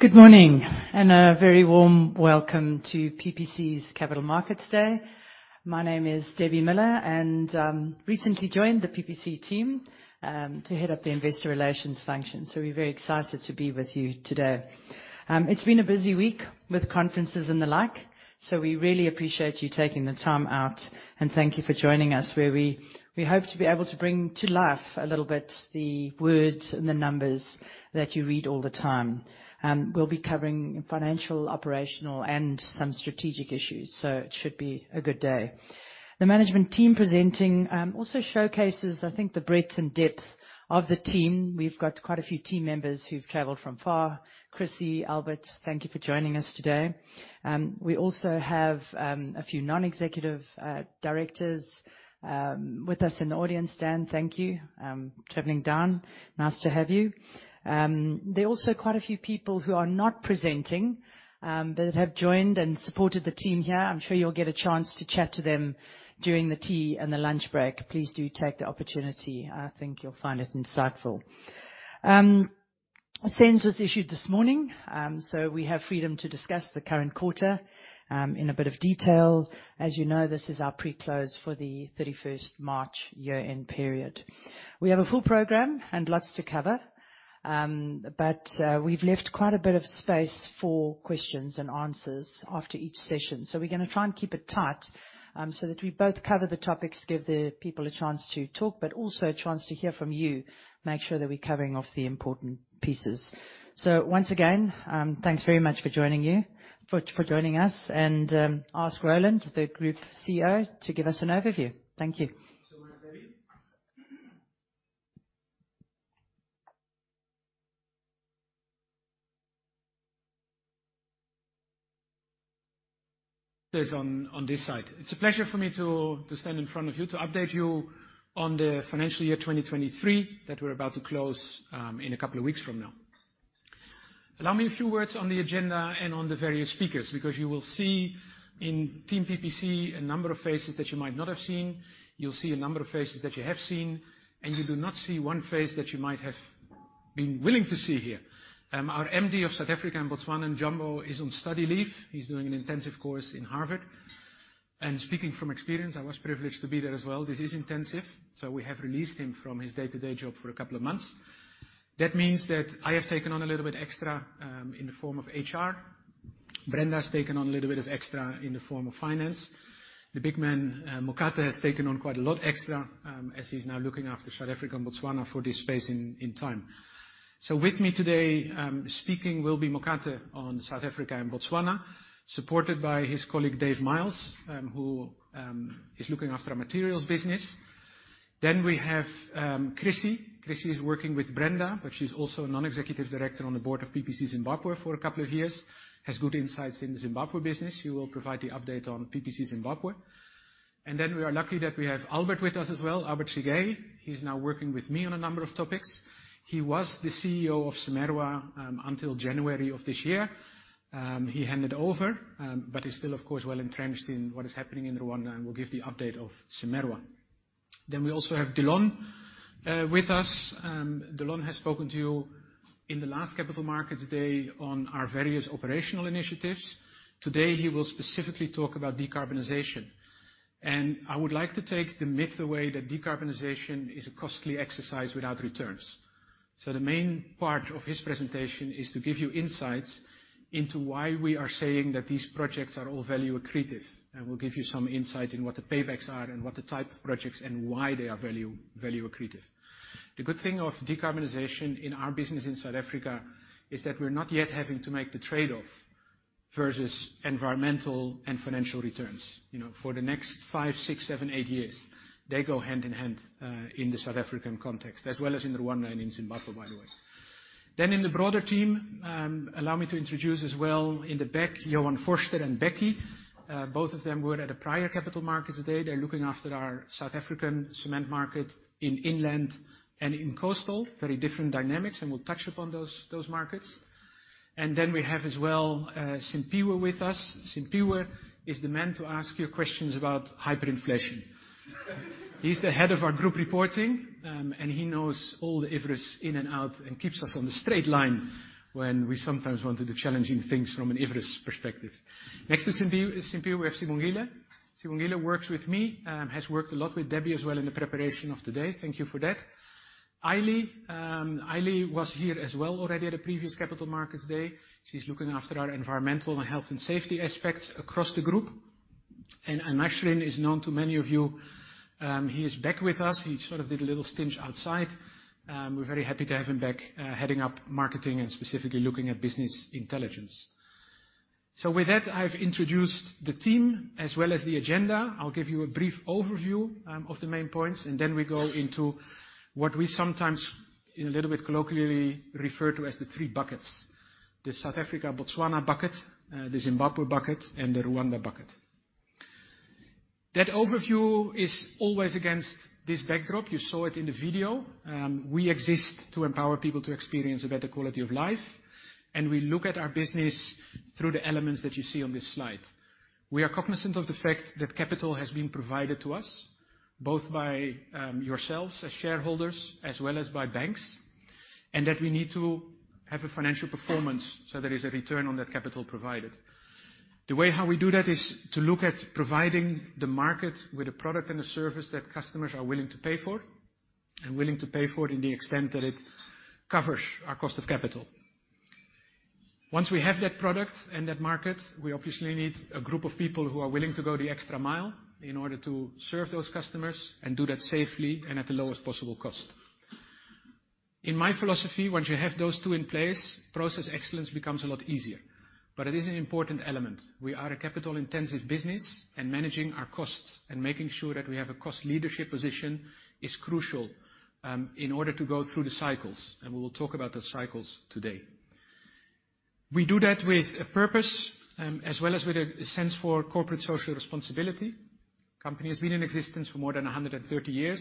Good morning, a very warm welcome to PPC's Capital Markets Day. My name is Debbie Miller, recently joined the PPC team to head up the investor relations function. We're very excited to be with you today. It's been a busy week with conferences and the like, we really appreciate you taking the time out and thank you for joining us, where we hope to be able to bring to life a little bit the words and the numbers that you read all the time. We'll be covering financial, operational and some strategic issues, it should be a good day. The management team presenting also showcases, I think, the breadth and depth of the team. We've got quite a few team members who've traveled from far. Chrissy, Albert, thank you for joining us today. We also have a few non-executive directors with us in the audience. Dan, thank you. Traveling down. Nice to have you. There are also quite a few people who are not presenting but have joined and supported the team here. I'm sure you'll get a chance to chat to them during the tea and the lunch break. Please do take the opportunity. I think you'll find it insightful. A SENS was issued this morning. We have freedom to discuss the current quarter in a bit of detail. As you know, this is our pre-close for the thirty-first March year-end period. We have a full program and lots to cover. We've left quite a bit of space for questions and answers after each session. We're gonna try and keep it tight, so that we both cover the topics, give the people a chance to talk, but also a chance to hear from you, make sure that we're covering off the important pieces. Once again, thanks very much for joining us, and ask Roland, the Group CEO, to give us an overview. Thank you. Much, Debbie. There's on this side. It's a pleasure for me to stand in front of you to update you on the financial year 2023 that we're about to close in a couple of weeks from now. Allow me a few words on the agenda and on the various speakers, because you will see in team PPC a number of faces that you might not have seen. You'll see a number of faces that you have seen, you do not see one face that you might have been willing to see here. Our MD of South Africa and Botswana, Njombo, is on study leave. He's doing an intensive course in Harvard. Speaking from experience, I was privileged to be there as well. This is intensive, we have released him from his day-to-day job for a couple of months. That means that I have taken on a little bit extra in the form of HR. Brenda's taken on a little bit of extra in the form of finance. The big man, Mokate, has taken on quite a lot extra as he's now looking after South Africa and Botswana for this space in time. With me today, speaking will be Mokate on South Africa and Botswana, supported by his colleague, Dave Miles, who is looking after our materials business. We have Chrissy. Chrissy is working with Brenda, but she's also a non-executive director on the board of PPC Zimbabwe for a couple of years, has good insights in the Zimbabwe business. We are lucky that we have Albert with us as well. Albert Sigei. He's now working with me on a number of topics. He was the CEO of CIMERWA until January of this year. He handed over, but is still, of course, well-entrenched in what is happening in Rwanda and will give the update of CIMERWA. We also have Delon with us. Delon has spoken to you in the last Capital Markets Day on our various operational initiatives. Today, he will specifically talk about decarbonization. I would like to take the myth away that decarbonization is a costly exercise without returns. The main part of his presentation is to give you insights into why we are saying that these projects are all value accretive. We'll give you some insight in what the paybacks are and what the type of projects and why they are value accretive. The good thing of decarbonization in our business in South Africa is that we're not yet having to make the trade-off versus environmental and financial returns. You know, for the next five, six, seven, eight years, they go hand in hand in the South African context, as well as in Rwanda and in Zimbabwe, by the way. In the broader team, allow me to introduce as well in the back, Johann Vorster and Becky. Both of them were at a prior Capital Markets Day. They're looking after our South African cement market in inland and in coastal. Very different dynamics, and we'll touch upon those markets. We have as well, Simpiwe with us. Simpiwe is the man to ask your questions about hyperinflation. He's the head of our group reporting, he knows all the IFRS in and out and keeps us on the straight line when we sometimes want to do challenging things from an IFRS perspective. Next to Simpiwe, we have Sibongile. Sibongile works with me, has worked a lot with Debbie as well in the preparation of today. Thank you for that. Ailie was here as well already at a previous Capital Markets Day. She's looking after our environmental and health and safety aspects across the group. Ashrin is known to many of you. He is back with us. He sort of did a little stint outside. We're very happy to have him back, heading up marketing and specifically looking at business intelligence. With that, I've introduced the team as well as the agenda. I'll give you a brief overview of the main points, and then we go into what we sometimes a little bit colloquially refer to as the three buckets: the South Africa Botswana bucket, the Zimbabwe bucket, and the Rwanda bucket. That overview is always against this backdrop. You saw it in the video. We exist to empower people to experience a better quality of life, and we look at our business through the elements that you see on this slide. We are cognizant of the fact that capital has been provided to us, both by yourselves as shareholders, as well as by banks, and that we need to have a financial performance so there is a return on that capital provided. The way how we do that is to look at providing the market with a product and a service that customers are willing to pay for, and willing to pay for it in the extent that it covers our cost of capital. Once we have that product and that market, we obviously need a group of people who are willing to go the extra mile in order to serve those customers and do that safely and at the lowest possible cost. In my philosophy, once you have those two in place, process excellence becomes a lot easier, but it is an important element. We are a capital-intensive business, and managing our costs and making sure that we have a cost leadership position is crucial, in order to go through the cycles, and we will talk about the cycles today. We do that with a purpose, as well as with a sense for corporate social responsibility. Company has been in existence for more than 130 years.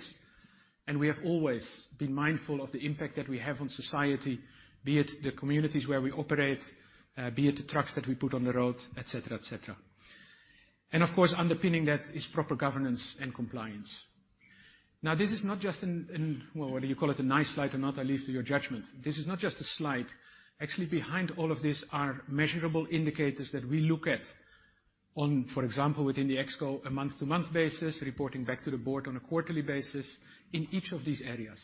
We have always been mindful of the impact that we have on society, be it the communities where we operate, be it the trucks that we put on the road, et cetera, et cetera. Of course, underpinning that is proper governance and compliance. This is not just well, whether you call it a nice slide or not, I leave to your judgment. This is not just a slide. Actually, behind all of this are measurable indicators that we look at on, for example, within the ExCo, a month-to-month basis, reporting back to the board on a quarterly basis in each of these areas.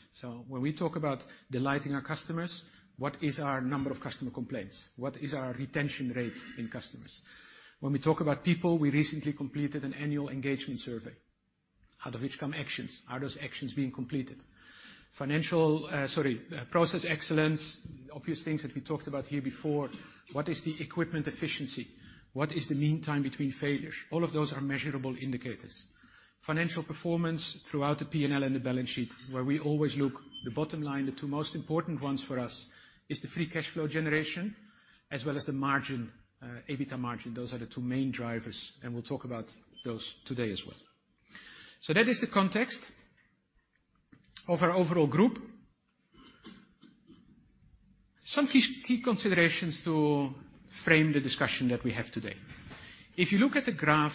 When we talk about delighting our customers, what is our number of customer complaints? What is our retention rate in customers? When we talk about people, we recently completed an annual engagement survey, out of which come actions. Are those actions being completed? Financial, sorry, process excellence, obvious things that we talked about here before. What is the equipment efficiency? What is the mean time between failures? All of those are measurable indicators. Financial performance throughout the P&L and the balance sheet, where we always look the bottom line. The two most important ones for us is the free cash flow generation as well as the margin, EBITDA margin. Those are the two main drivers, and we'll talk about those today as well. That is the context of our overall group. Some key considerations to frame the discussion that we have today. If you look at the graph,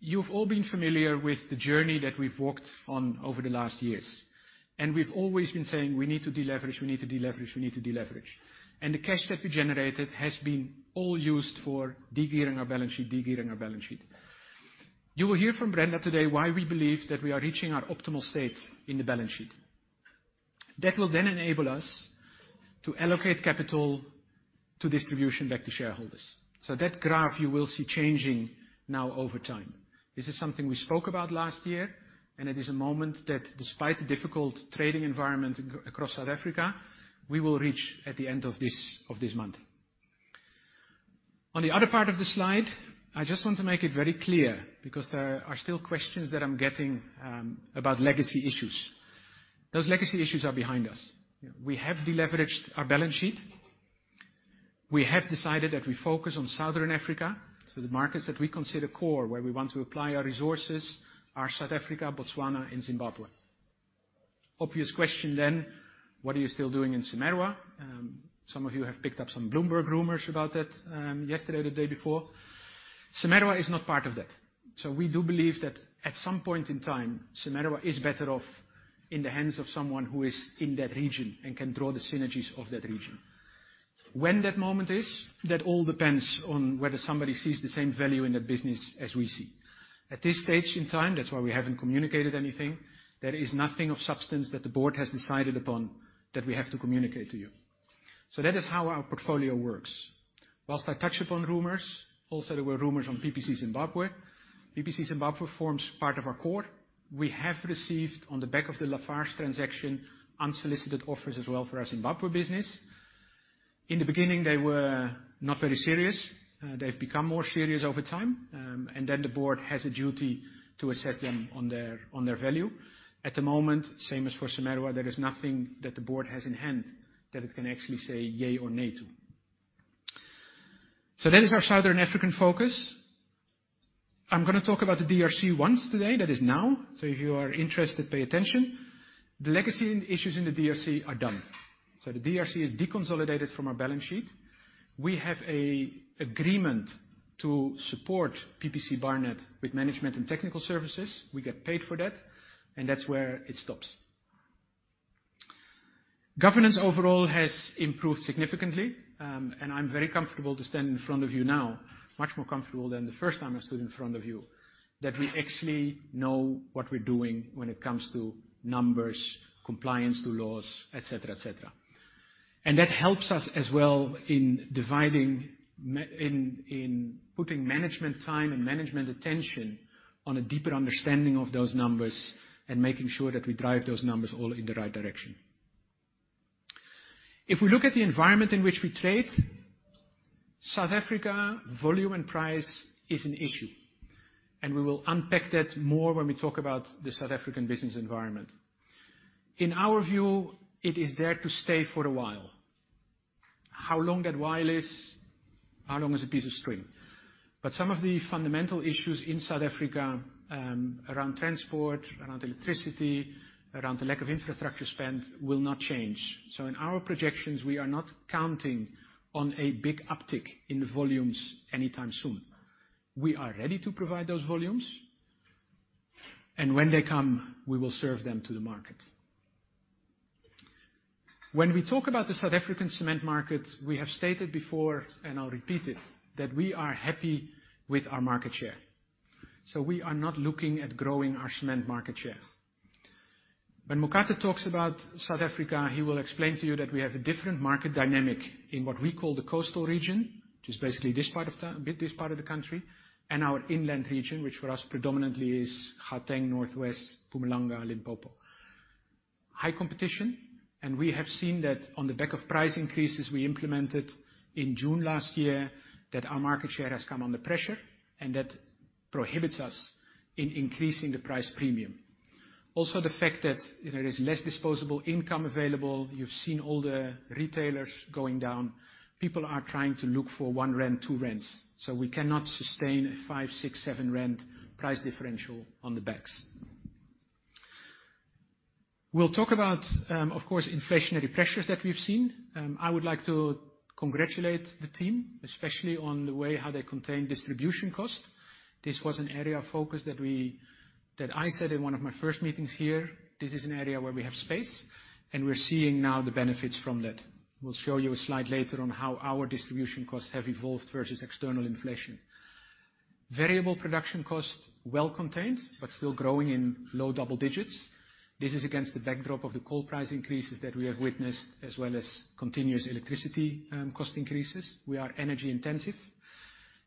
you've all been familiar with the journey that we've walked on over the last years. We've always been saying, "We need to deleverage." The cash that we generated has been all used for de-gearing our balance sheet. You will hear from Brenda today why we believe that we are reaching our optimal state in the balance sheet. That will then enable us to allocate capital to distribution back to shareholders. That graph you will see changing now over time. This is something we spoke about last year, and it is a moment that despite the difficult trading environment across South Africa, we will reach at the end of this month. On the other part of the slide, I just want to make it very clear, because there are still questions that I'm getting, about legacy issues. Those legacy issues are behind us. We have de-leveraged our balance sheet. We have decided that we focus on Southern Africa. The markets that we consider core, where we want to apply our resources, are South Africa, Botswana and Zimbabwe. Obvious question, what are you still doing in CIMERWA? Some of you have picked up some Bloomberg rumors about that, yesterday or the day before. CIMERWA is not part of that. We do believe that at some point in time, CIMERWA is better off in the hands of someone who is in that region and can draw the synergies of that region. When that moment is, that all depends on whether somebody sees the same value in the business as we see. At this stage in time, that's why we haven't communicated anything. There is nothing of substance that the board has decided upon that we have to communicate to you. That is how our portfolio works. Whilst I touch upon rumors, also there were rumors on PPC Zimbabwe. PPC Zimbabwe forms part of our core. We have received, on the back of the Lafarge transaction, unsolicited offers as well for our Zimbabwe business. In the beginning, they were not very serious. They've become more serious over time. The board has a duty to assess them on their value. At the moment, same as for CIMERWA, there is nothing that the board has in hand that it can actually say yay or nay to. That is our Southern African focus. I'm gonna talk about the DRC once today, that is now. If you are interested, pay attention. The legacy issues in the DRC are done. The DRC is deconsolidated from our balance sheet. We have a agreement to support PPC Barnet with management and technical services. We get paid for that, and that's where it stops. Governance overall has improved significantly, and I'm very comfortable to stand in front of you now, much more comfortable than the first time I stood in front of you, that we actually know what we're doing when it comes to numbers, compliance to laws, et cetera, et cetera. That helps us as well in dividing ma... in putting management time and management attention on a deeper understanding of those numbers and making sure that we drive those numbers all in the right direction. If we look at the environment in which we trade, South Africa, volume and price is an issue. We will unpack that more when we talk about the South African business environment. In our view, it is there to stay for a while. How long that while is, how long is a piece of string? Some of the fundamental issues in South Africa, around transport, around electricity, around the lack of infrastructure spend, will not change. In our projections, we are not counting on a big uptick in the volumes anytime soon. We are ready to provide those volumes. When they come, we will serve them to the market. When we talk about the South African cement market, we have stated before, and I'll repeat it, that we are happy with our market share. We are not looking at growing our cement market share. When Mokate Ramafoko talks about South Africa, he will explain to you that we have a different market dynamic in what we call the coastal region, which is basically this part of the country, and our inland region, which for us predominantly is Gauteng, Northwest, Mpumalanga, Limpopo. High competition, we have seen that on the back of price increases we implemented in June last year, that our market share has come under pressure and that prohibits us in increasing the price premium. The fact that, you know, there's less disposable income available. You've seen all the retailers going down. People are trying to look for 1 rand, 2 rand. We cannot sustain a 5, 6, 7 rand price differential on the backs. We'll talk about, of course, inflationary pressures that we've seen. I would like to congratulate the team, especially on the way how they contain distribution cost. This was an area of focus that I said in one of my first meetings here, this is an area where we have space, and we're seeing now the benefits from that. We'll show you a slide later on how our distribution costs have evolved versus external inflation. Variable production cost well contained, but still growing in low double digits. This is against the backdrop of the coal price increases that we have witnessed, as well as continuous electricity cost increases. We are energy intensive,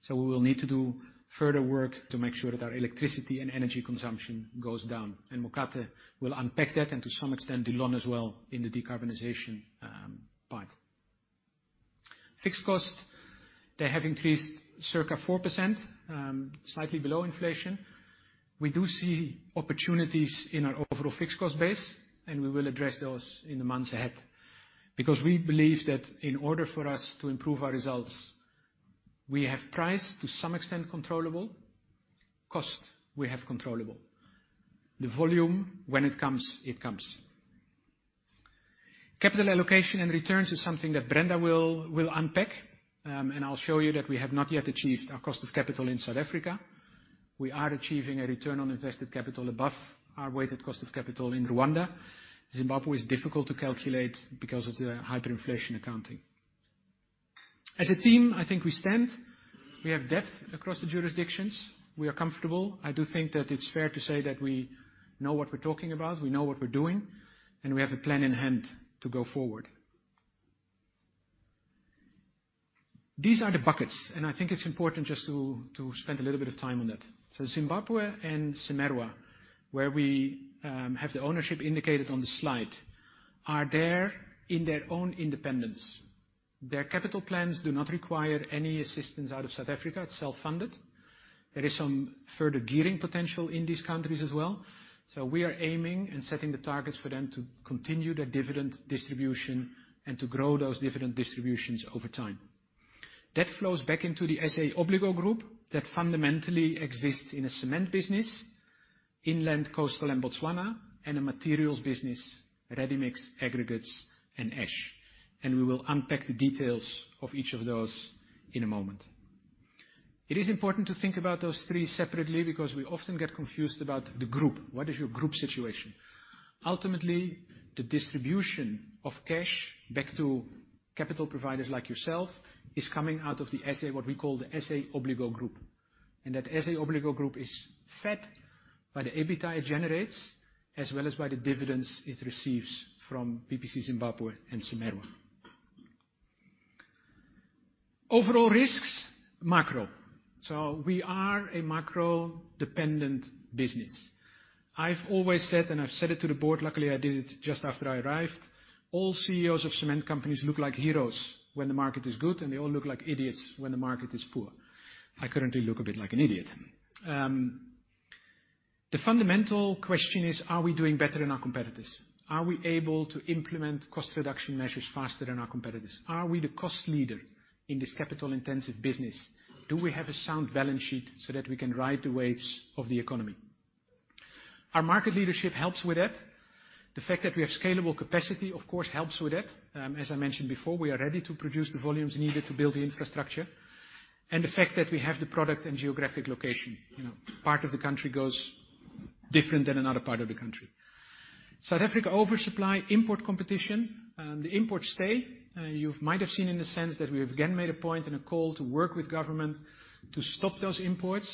we will need to do further work to make sure that our electricity and energy consumption goes down, Mokate will unpack that and to some extent Delon as well in the decarbonization part. Fixed cost, they have increased circa 4%, slightly below inflation. We do see opportunities in our overall fixed cost base, we will address those in the months ahead. We believe that in order for us to improve our results, we have price to some extent controllable. Cost, we have controllable. The volume, when it comes, it comes. Capital allocation and returns is something that Brenda will unpack. I'll show you that we have not yet achieved our cost of capital in South Africa. We are achieving a return on invested capital above our weighted cost of capital in Rwanda. Zimbabwe is difficult to calculate because of the hyperinflation accounting. As a team, I think we stand. We have depth across the jurisdictions. We are comfortable. I do think that it's fair to say that we know what we're talking about, we know what we're doing, and we have a plan in hand to go forward. These are the buckets, and I think it's important just to spend a little bit of time on that. Zimbabwe and CIMERWA, where we have the ownership indicated on the slide, are there in their own independence. Their capital plans do not require any assistance out of South Africa. It's self-funded. There is some further gearing potential in these countries as well. We are aiming and setting the targets for them to continue their dividend distribution and to grow those dividend distributions over time. That flows back into the SA Obligo Group that fundamentally exists in a cement business, inland, coastal, and Botswana, and a materials business, readymix, aggregates, and ash. We will unpack the details of each of those in a moment. It is important to think about those three separately because we often get confused about the group. What is your group situation? Ultimately, the distribution of cash back to capital providers like yourself is coming out of the SA Obligo Group. That SA Obligo Group is fed by the EBITDA it generates, as well as by the dividends it receives from PPC Zimbabwe and CIMERWA. Overall risks, macro. We are a macro-dependent business. I've always said, and I've said it to the board, luckily I did it just after I arrived, all CEOs of cement companies look like heroes when the market is good, and they all look like idiots when the market is poor. I currently look a bit like an idiot. The fundamental question is, are we doing better than our competitors? Are we able to implement cost reduction measures faster than our competitors? Are we the cost leader in this capital-intensive business? Do we have a sound balance sheet so that we can ride the waves of the economy? Our market leadership helps with that. The fact that we have scalable capacity, of course, helps with that. As I mentioned before, we are ready to produce the volumes needed to build the infrastructure. The fact that we have the product and geographic location. You know, part of the country goes different than another part of the country. South Africa oversupply import competition, the imports stay. You've might have seen in the SENS that we have again made a point and a call to work with government to stop those imports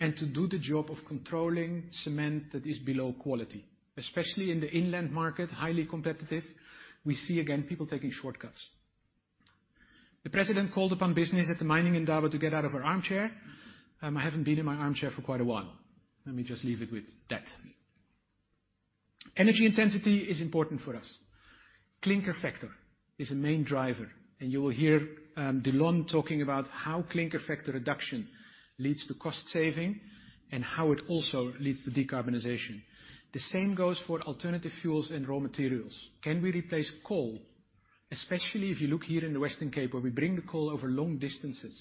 and to do the job of controlling cement that is below quality. Especially in the inland market, highly competitive, we see again people taking shortcuts. The president called upon business at the Mining Indaba to get out of our armchair. I haven't been in my armchair for quite a while. Let me just leave it with that. Energy intensity is important for us. Clinker factor is a main driver, and you will hear Delon talking about how clinker factor reduction leads to cost saving and how it also leads to decarbonization. The same goes for alternative fuels and raw materials. Can we replace coal? Especially if you look here in the Western Cape, where we bring the coal over long distances.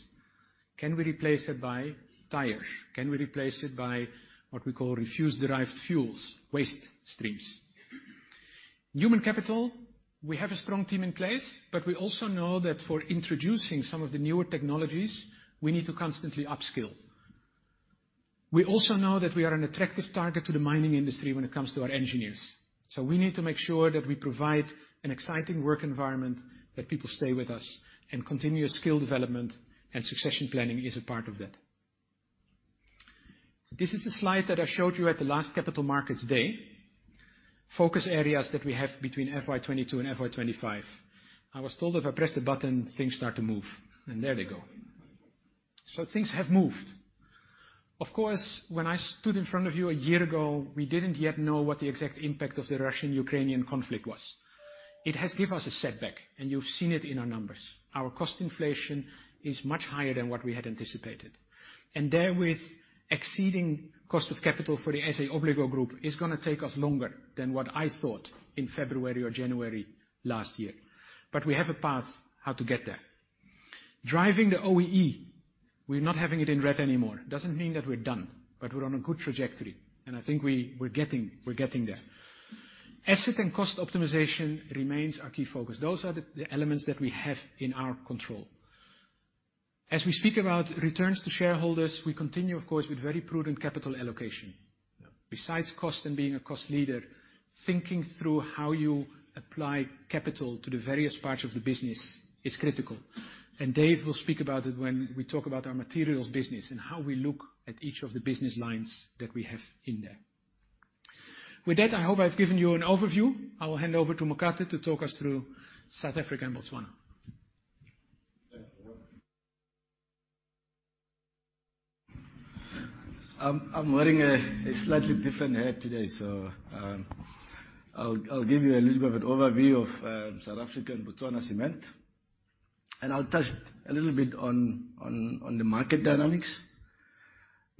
Can we replace it by tires? Can we replace it by what we call refuse-derived fuels, waste streams. Human capital, we have a strong team in place, but we also know that for introducing some of the newer technologies, we need to constantly upskill. We also know that we are an attractive target to the mining industry when it comes to our engineers. We need to make sure that we provide an exciting work environment that people stay with us, and continuous skill development and succession planning is a part of that. This is the slide that I showed you at the last Capital Markets Day. Focus areas that we have between FY 22 and FY 25. I was told if I press the button, things start to move, and there they go. Things have moved. Of course, when I stood in front of you a year ago, we didn't yet know what the exact impact of the Russian-Ukrainian conflict was. It has give us a setback, and you've seen it in our numbers. Our cost inflation is much higher than what we had anticipated. Therewith, exceeding cost of capital for the SA Obligor Group is gonna take us longer than what I thought in February or January last year. We have a path how to get there. Driving the OEE, we're not having it in red anymore. Doesn't mean that we're done, we're on a good trajectory, I think we're getting there. Asset and cost optimization remains our key focus. Those are the elements that we have in our control. As we speak about returns to shareholders, we continue, of course, with very prudent capital allocation. Besides cost and being a cost leader, thinking through how you apply capital to the various parts of the business is critical, and Dave will speak about it when we talk about our materials business and how we look at each of the business lines that we have in there. With that, I hope I've given you an overview. I will hand over to Mokate Ramafoko to talk us through South Africa and Botswana. Thanks, Roland. I'm wearing a slightly different hat today. I'll give you a little bit of an overview of South Africa and Botswana Cement, and I'll touch a little bit on the market dynamics.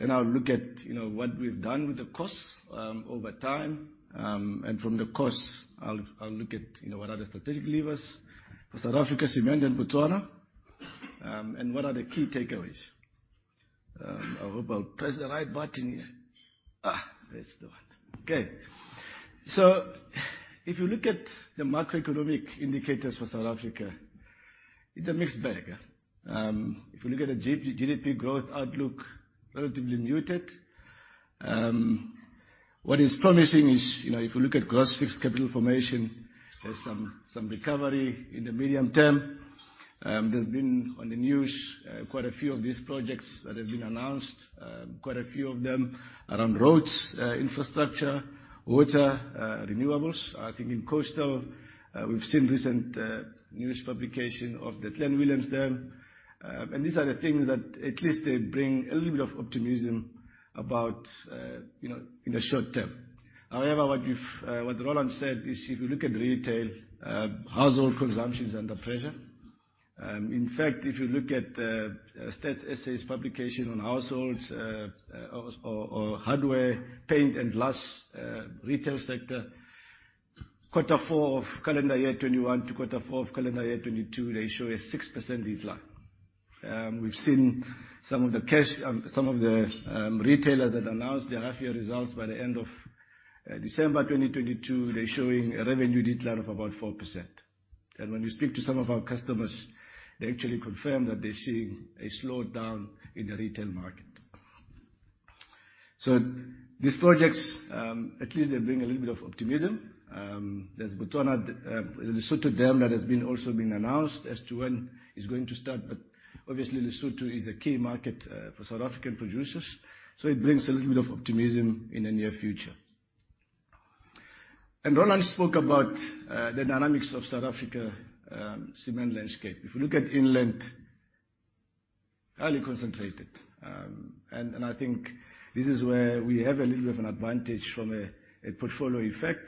I'll look at, you know, what we've done with the costs over time. From the costs, I'll look at, you know, what are the strategic levers for South Africa Cement and Botswana, and what are the key takeaways. I hope I'll press the right button here. That's the one. If you look at the macroeconomic indicators for South Africa, it's a mixed bag. If you look at the GDP growth outlook, relatively muted. What is promising is, you know, if you look at gross fixed capital formation, there's some recovery in the medium term. There's been on the news quite a few of these projects that have been announced, quite a few of them around roads, infrastructure, water, renewables. I think in coastal, we've seen recent news publication of the Clanwilliam Dam. These are the things that at least they bring a little bit of optimism about, you know, in the short term. However, what Roland said is if you look at retail, household consumption is under pressure. In fact, if you look at Stats SA's publication on households, hardware, paint, and glass retail sector, quarter four of calendar year 2021 to quarter four of calendar year 2022, they show a 6% decline. We've seen some of the cash, some of the, retailers that announced their half-year results by the end of December 2022, they're showing a revenue decline of about 4%. When you speak to some of our customers, they actually confirm that they're seeing a slowdown in the retail market. These projects, at least they bring a little bit of optimism. There's Botswana the Lesotho Dam that has been also been announced as to when it's going to start, but obviously Lesotho is a key market, for South African producers, so it brings a little bit of optimism in the near future. Roland spoke about, the dynamics of South Africa, cement landscape. If you look at inland, highly concentrated. I think this is where we have a little bit of an advantage from a portfolio effect.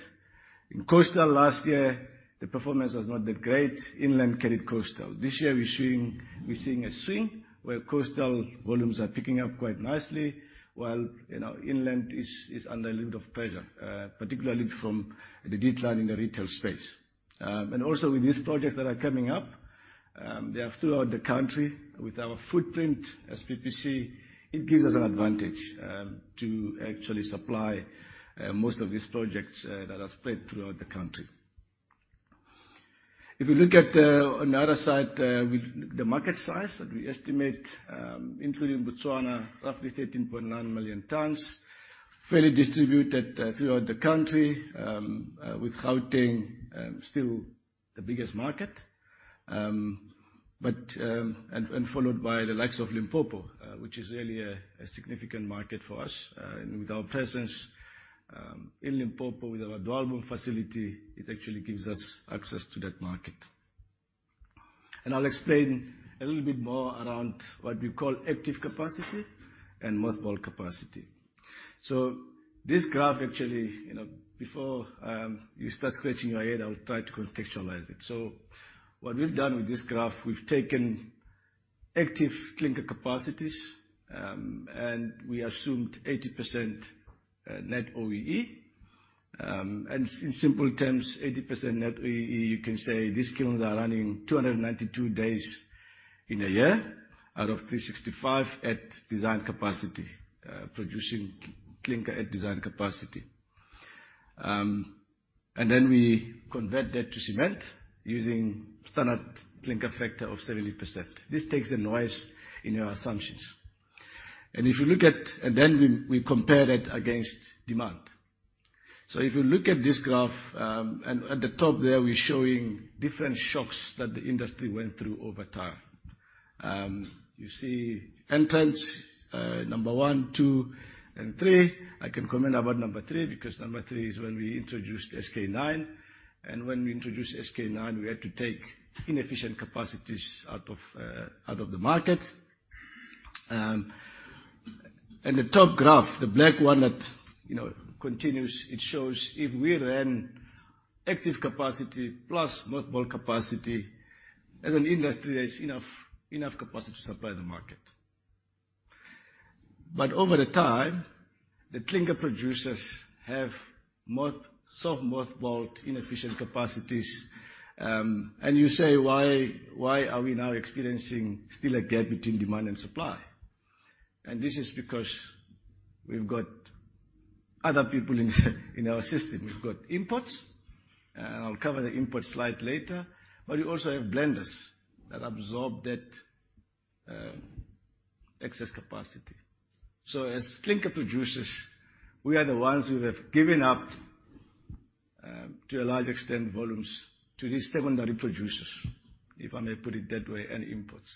In coastal last year, the performance was not that great. Inland carried coastal. This year we're seeing a swing, where coastal volumes are picking up quite nicely, while, you know, inland is under a little bit of pressure, particularly from the decline in the retail space. Also with these projects that are coming up, they are throughout the country. With our footprint as PPC, it gives us an advantage to actually supply most of these projects that are spread throughout the country. If you look at on the other side, with the market size that we estimate, including Botswana, roughly 13.9 million tons, fairly distributed throughout the country, with Gauteng still the biggest market. Followed by the likes of Limpopo, which is really a significant market for us. With our presence in Limpopo with our Dwaalboom facility, it actually gives us access to that market. I'll explain a little bit more around what we call active capacity and mothballed capacity. This graph actually, you know, before you start scratching your head, I will try to contextualize it. What we've done with this graph, we've taken active clinker capacities, and we assumed 80% net OEE. In simple terms, 80% net OEE, you can say these kilns are running 292 days in a year. Out of 365 at design capacity, producing clinker at design capacity. Then we convert that to cement using standard clinker factor of 70%. This takes the noise in our assumptions. If you look at... Then we compare that against demand. If you look at this graph, at the top there we're showing different shocks that the industry went through over time. You see entrants, number one, two, and three. I can comment about number three, because number three is when we introduced SK9, and when we introduced SK9, we had to take inefficient capacities out of the market. The top graph, the black one that, you know, continues, it shows if we ran active capacity plus mothballed capacity, as an industry, there's enough capacity to supply the market. Over the time, the clinker producers have soft mothballed inefficient capacities. You say, "Why are we now experiencing still a gap between demand and supply?" This is because we've got other people in our system. We've got imports, and I'll cover the imports slide later, but we also have blenders that absorb that excess capacity. As clinker producers, we are the ones who have given up to a large extent, volumes to these secondary producers, if I may put it that way, and imports.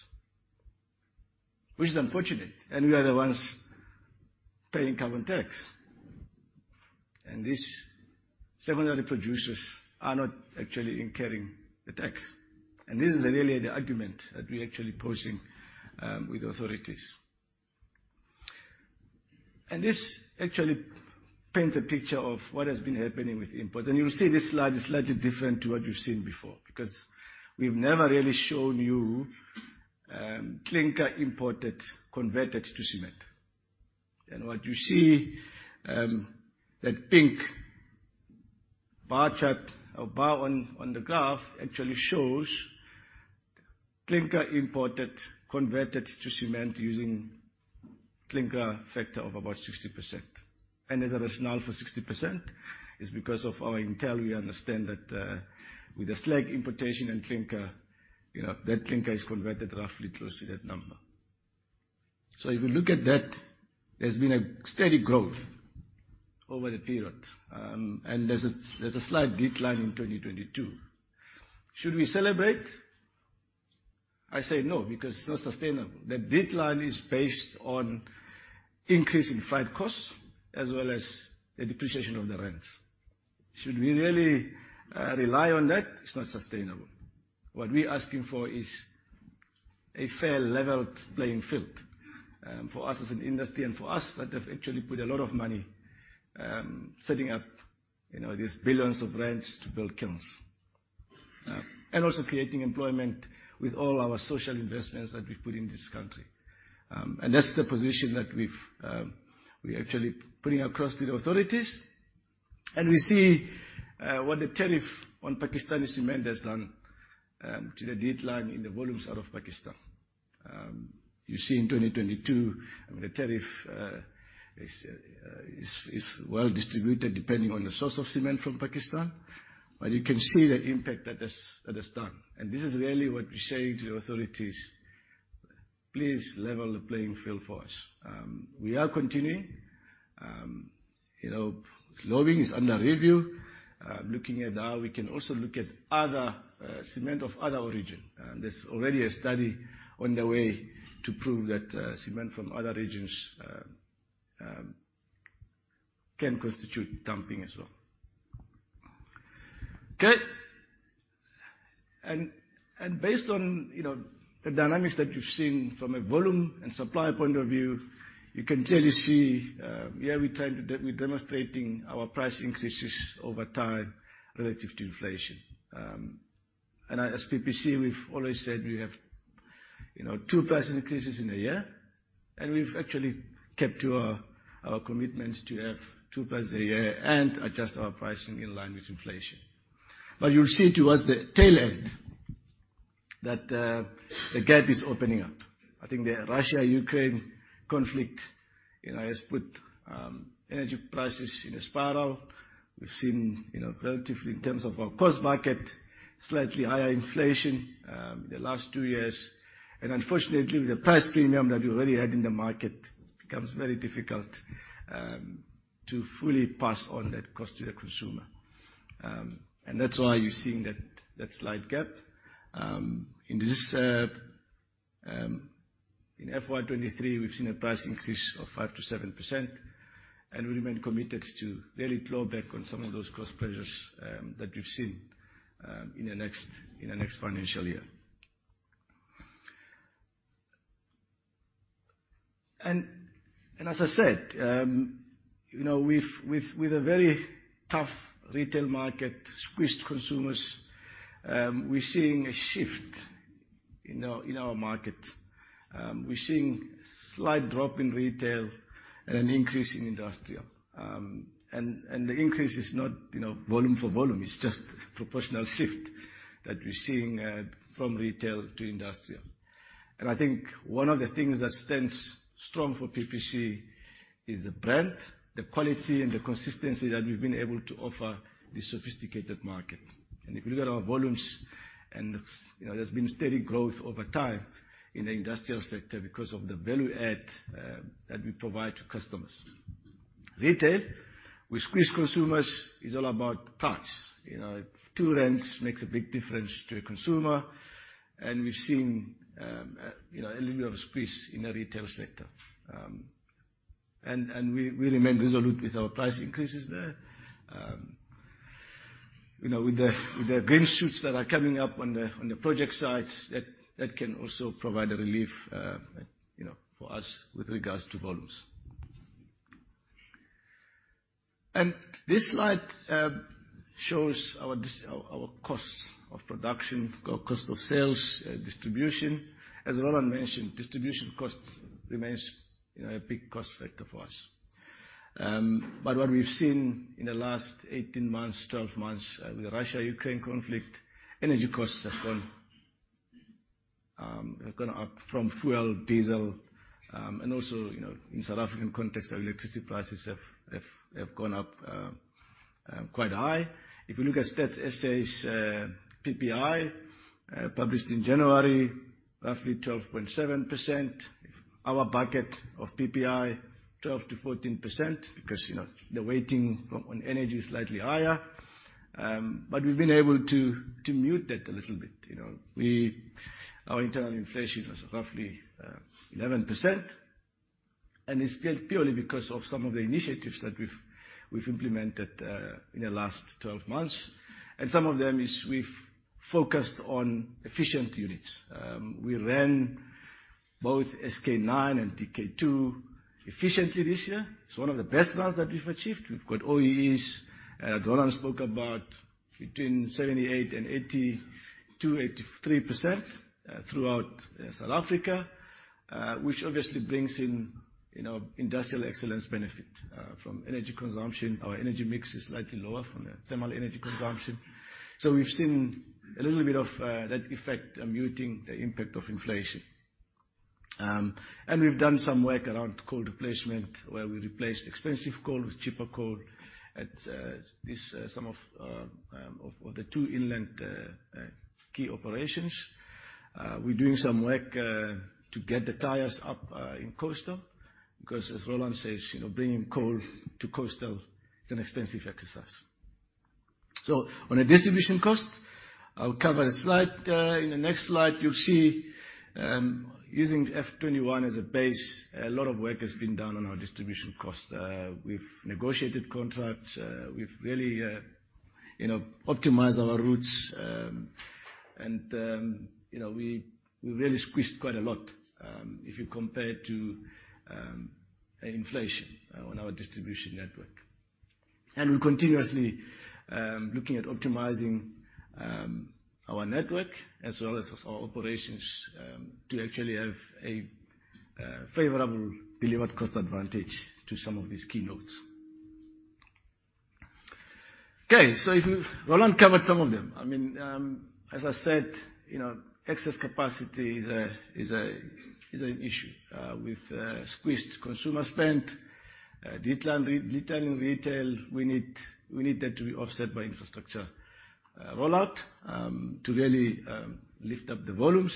Which is unfortunate, and we are the ones paying carbon tax. These secondary producers are not actually incurring the tax. This is really the argument that we're actually posing with authorities. This actually paints a picture of what has been happening with imports. You'll see this slide is slightly different to what you've seen before, because we've never really shown you clinker imported converted to cement. What you see, that pink bar chart or bar on the graph actually shows clinker imported converted to cement using clinker factor of about 60%. The rationale for 60% is because of our intel, we understand that with the slag importation and clinker, you know, that clinker is converted roughly close to that number. If you look at that, there's been a steady growth over the period, and there's a slight decline in 2022. Should we celebrate? I say no, because it's not sustainable. The decline is based on increase in freight costs as well as the depreciation of the rands. Should we really rely on that? It's not sustainable. What we're asking for is a fair, leveled playing field for us as an industry and for us that have actually put a lot of money, setting up, you know, these billions of rands to build kilns. Also creating employment with all our social investments that we've put in this country. That's the position that we're actually putting across to the authorities. We see what the tariff on Pakistani cement has done to the decline in the volumes out of Pakistan. You see in 2022, I mean, the tariff is well distributed depending on the source of cement from Pakistan, but you can see the impact that has, that has done. This is really what we're saying to the authorities, "Please level the playing field for us." We are continuing. You know, lobbying is under review, looking at how we can also look at other cement of other origin. There's already a study on the way to prove that cement from other regions can constitute dumping as well. Okay. Based on, you know, the dynamics that you've seen from a volume and supply point of view, you can clearly see here we're demonstrating our price increases over time relative to inflation. As PPC, we've always said we have, you know, 2 price increases in a year, and we've actually kept to our commitment to have 2 price a year and adjust our pricing in line with inflation. You'll see towards the tail end that the gap is opening up. I think the Russia-Ukraine conflict, you know, has put energy prices in a spiral. We've seen, you know, relatively in terms of our cost market, slightly higher inflation, the last 2 years. Unfortunately, the price premium that we already had in the market becomes very difficult to fully pass on that cost to the consumer. That's why you're seeing that slight gap. In FY 2023, we've seen a price increase of 5%-7%, we remain committed to really claw back on some of those cost pressures that we've seen in the next financial year. As I said, you know, with a very tough retail market, squeezed consumers, we're seeing a shift in our market. We're seeing slight drop in retail and an increase in industrial. The increase is not, you know, volume for volume, it's just proportional shift that we're seeing from retail to industrial. I think one of the things that stands strong for PPC is the brand, the quality, and the consistency that we've been able to offer the sophisticated market. If you look at our volumes and, you know, there's been steady growth over time in the industrial sector because of the value add that we provide to customers. Retail, we squeeze consumers is all about price. You know, 2 makes a big difference to a consumer, and we've seen, you know, a little bit of squeeze in the retail sector. We remain resolute with our price increases there. You know, with the green shoots that are coming up on the project sites, that can also provide a relief, you know, for us with regards to volumes. This slide shows our costs of production, our cost of sales, distribution. As Roland mentioned, distribution cost remains, you know, a big cost factor for us. What we've seen in the last 18 months, 12 months, with the Russia-Ukraine conflict, energy costs have gone, have gone up from fuel, diesel, and also, you know, in South African context, our electricity prices have gone up, quite high. If you look at Stats SA's PPI, published in January, roughly 12.7%. Our bucket of PPI, 12%-14%, because, you know, the weighting on energy is slightly higher. But we've been able to mute that a little bit. You know, our internal inflation was roughly 11%, and it's still purely because of some of the initiatives that we've implemented, in the last 12 months. Some of them is we've focused on efficient units. We ran both SK9 and TK2 efficiently this year. It's one of the best runs that we've achieved. We've got OEEs, Roland spoke about between 78% and 82%, 83% throughout South Africa, which obviously brings in, you know, industrial excellence benefit from energy consumption. Our energy mix is slightly lower from the thermal energy consumption. We've seen a little bit of that effect muting the impact of inflation. We've done some work around coal replacement, where we replaced expensive coal with cheaper coal at this, some of the two inland key operations. We're doing some work to get the tires up in coastal because as Roland says, you know, bringing coal to coastal is an expensive exercise. On a distribution cost, I'll cover a slide. In the next slide you'll see, using F21 as a base, a lot of work has been done on our distribution costs. We've negotiated contracts, we've really, you know, optimized our routes, and, you know, we really squeezed quite a lot, if you compare it to inflation on our distribution network. We're continuously looking at optimizing our network as well as our operations to actually have a favorable delivered cost advantage to some of these key nodes. Okay. Roland covered some of them. I mean, as I said, you know, excess capacity is an issue, with squeezed consumer spend, detail and re-retail and retail, we need that to be offset by infrastructure rollout to really lift up the volumes.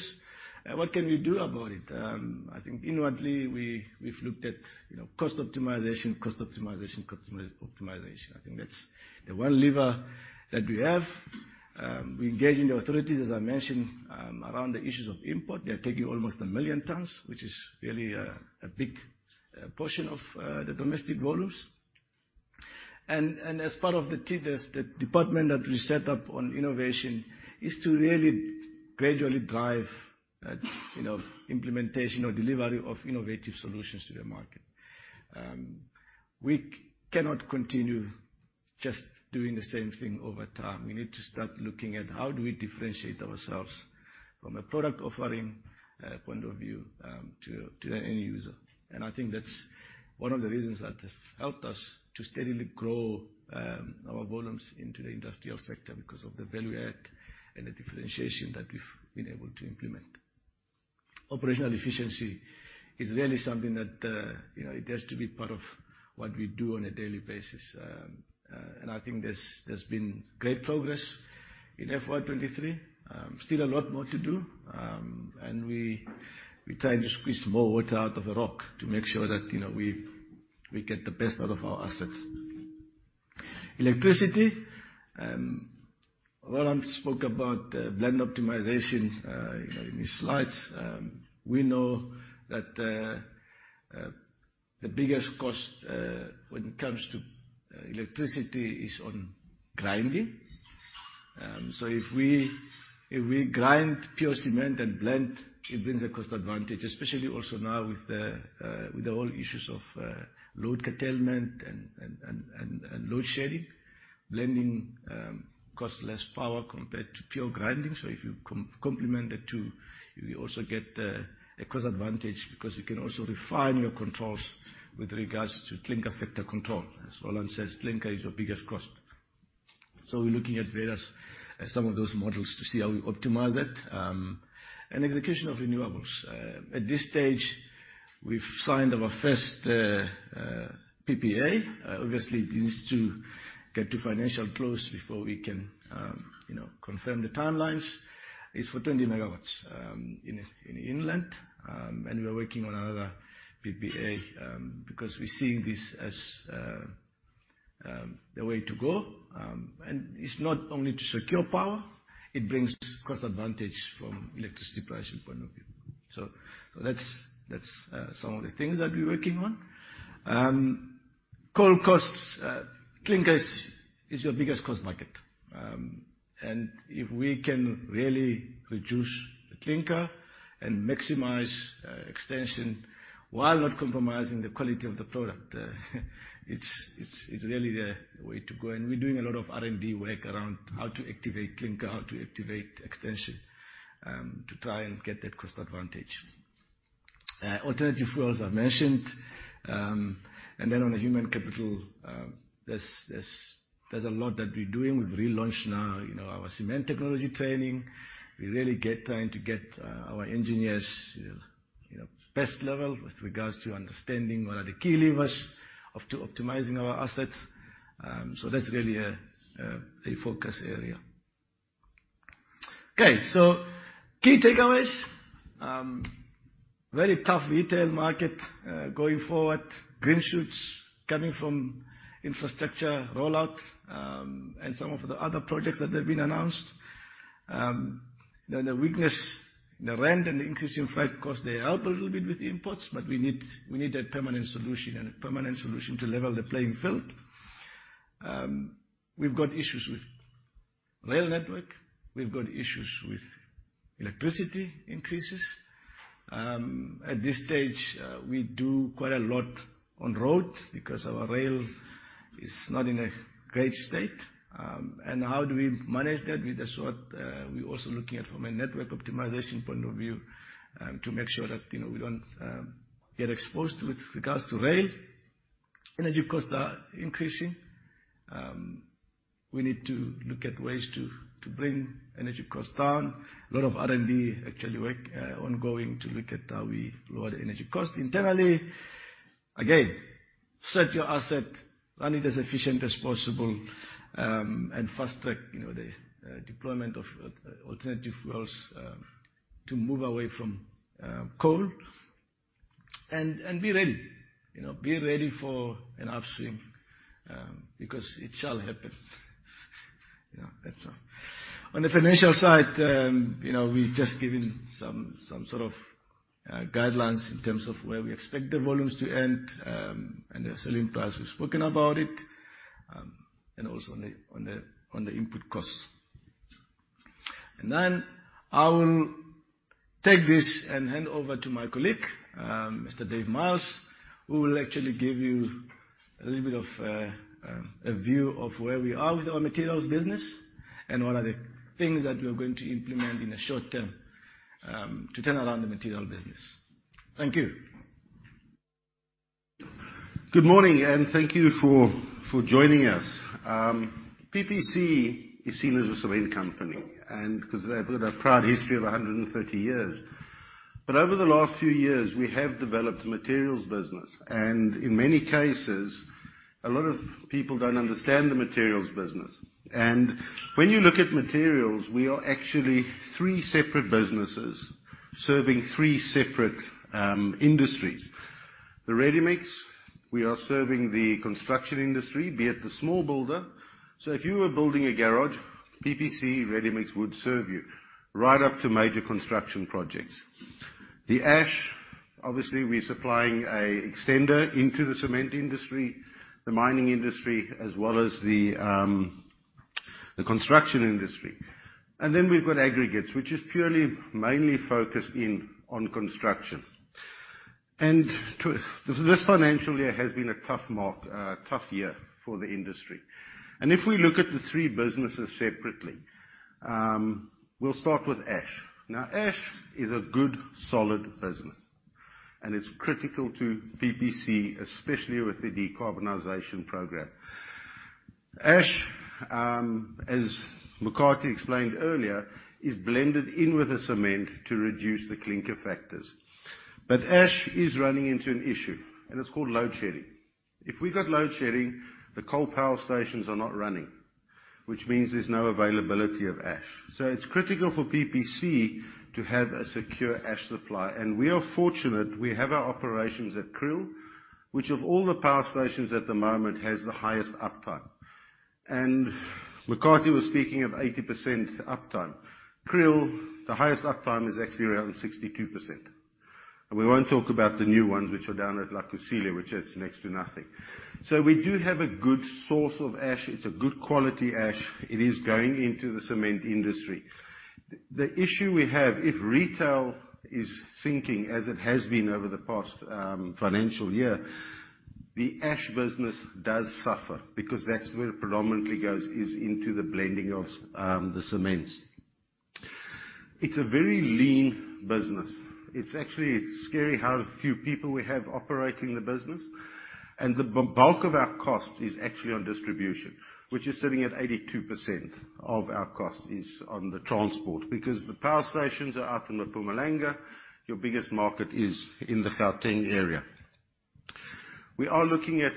What can we do about it? I think inwardly we've looked at, you know, cost optimization, cost optimization, cost optimization. I think that's the one lever that we have. We engage in the authorities, as I mentioned, around the issues of import. They are taking almost 1 million tons, which is really a big portion of the domestic volumes. As part of the team, there's the department that we set up on innovation is to really gradually drive, you know, implementation or delivery of innovative solutions to the market. We cannot continue just doing the same thing over time. We need to start looking at how do we differentiate ourselves from a product offering, point of view, to the end user. I think that's one of the reasons that has helped us to steadily grow our volumes into the industrial sector because of the value add and the differentiation that we've been able to implement. Operational efficiency is really something that, you know, it has to be part of what we do on a daily basis. I think there's been great progress in FY23. Still a lot more to do. We try and squeeze more water out of a rock to make sure that, you know, we get the best out of our assets. Electricity, Roland spoke about blend optimization, you know, in his slides. We know that the biggest cost when it comes to electricity is on grinding. If we, if we grind pure cement and blend, it brings a cost advantage, especially also now with the, with the whole issues of, load curtailment and load shedding. Blending costs less power compared to pure grinding. If you complement the two, you also get a cost advantage because you can also refine your controls with regards to clinker factor control. As Roland says, clinker is your biggest cost. So we're looking at various, some of those models to see how we optimize that, and execution of renewables. At this stage, we've signed our first PPA. Obviously, it needs to get to financial close before we can, you know, confirm the timelines. It's for 20 megawatts in inland. We're working on another PPA because we're seeing this as the way to go. It's not only to secure power, it brings cost advantage from electricity pricing point of view. That's some of the things that we're working on. Coal costs, clinkers is your biggest cost bucket. If we can really reduce the clinker and maximize extension while not compromising the quality of the product, it's really the way to go. We're doing a lot of R&D work around how to activate clinker, how to activate extension to try and get that cost advantage. Alternative fuels I've mentioned. Then on the human capital, there's a lot that we're doing. We've relaunched now, you know, our cement technology training. We're really trying to get, you know, our engineers best level with regards to understanding what are the key levers of to optimizing our assets. That's really a focus area. Okay. Key takeaways, very tough retail market going forward. Green shoots coming from infrastructure rollout and some of the other projects that have been announced. The weakness, the rand and the increase in freight cost, they help a little bit with imports, but we need a permanent solution and a permanent solution to level the playing field. We've got issues with rail network. We've got issues with electricity increases. At this stage, we do quite a lot on roads because our rail is not in a great state. How do we manage that? With the short, we're also looking at from a network optimization point of view, to make sure that, you know, we don't get exposed with regards to rail. Energy costs are increasing. We need to look at ways to bring energy costs down. A lot of R&D actually work ongoing to look at how we lower the energy cost internally. Again, set your asset, run it as efficient as possible, and fast track, you know, the deployment of alternative fuels to move away from coal. Be ready. You know, be ready for an upstream, because it shall happen. You know, that's all. On the financial side, you know, we've just given some sort of guidelines in terms of where we expect the volumes to end, and the selling price, we've spoken about it, and also on the, on the, on the input costs. I will take this and hand over to my colleague, Mr. David Miles, who will actually give you a little bit of a view of where we are with our materials business and what are the things that we're going to implement in the short term, to turn around the material business. Thank you. Good morning, and thank you for joining us. PPC is seen as a cement company 'cause they've got a proud history of 130 years. Over the last few years, we have developed a materials business, and in many cases, a lot of people don't understand the materials business. When you look at materials, we are actually three separate businesses serving three separate industries. The ready-mix, we are serving the construction industry, be it the small builder. If you were building a garage, PPC ready-mix would serve you right up to major construction projects. The ash, obviously we're supplying a extender into the cement industry, the mining industry, as well as the construction industry. Then we've got aggregates, which is purely mainly focused in on construction. This financial year has been a tough year for the industry. If we look at the three businesses separately, we'll start with ash. Now, ash is a good solid business, and it's critical to PPC, especially with the decarbonization program. Ash, as Mokate explained earlier, is blended in with the cement to reduce the clinker factors. Ash is running into an issue, and it's called load shedding. If we've got load shedding, the coal power stations are not running, which means there's no availability of ash. It's critical for PPC to have a secure ash supply. We are fortunate, we have our operations at Kriel, which of all the power stations at the moment has the highest uptime. Mokate was speaking of 80% uptime. Kriel, the highest uptime is actually around 62%. We won't talk about the new ones which are down at Kusile, which is next to nothing. We do have a good source of ash. It's a good quality ash. It is going into the cement industry. The issue we have, if retail is sinking as it has been over the past financial year, the ash business does suffer because that's where it predominantly goes, is into the blending of the cements. It's a very lean business. It's actually scary how few people we have operating the business. The bulk of our cost is actually on distribution, which is sitting at 82% of our cost is on the transport, because the power stations are out in the Mpumalanga. Your biggest market is in the Gauteng area. We are looking at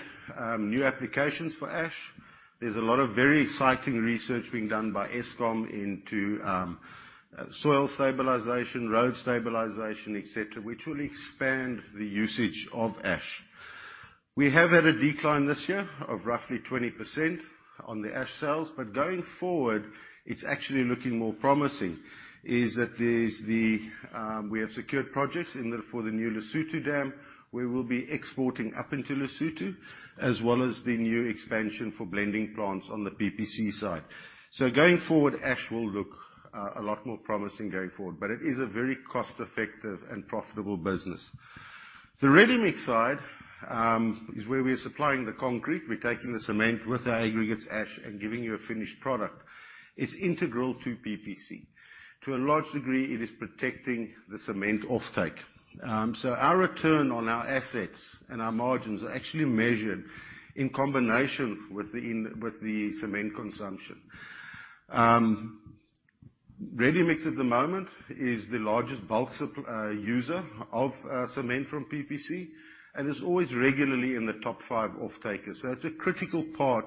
new applications for ash. There's a lot of very exciting research being done by Eskom into soil stabilization, road stabilization, et cetera, which will expand the usage of ash. We have had a decline this year of roughly 20% on the ash sales, but going forward, it's actually looking more promising. Is that there's the We have secured projects for the new Lesotho Dam. We will be exporting up into Lesotho, as well as the new expansion for blending plants on the PPC side. Going forward, ash will look a lot more promising going forward, but it is a very cost-effective and profitable business. The Readymix side is where we are supplying the concrete. We're taking the cement with our aggregates ash and giving you a finished product. It's integral to PPC. To a large degree, it is protecting the cement offtake. Our return on our assets and our margins are actually measured in combination with the cement consumption. Readymix at the moment is the largest bulk user of cement from PPC, and it's always regularly in the top five offtakers. It's a critical part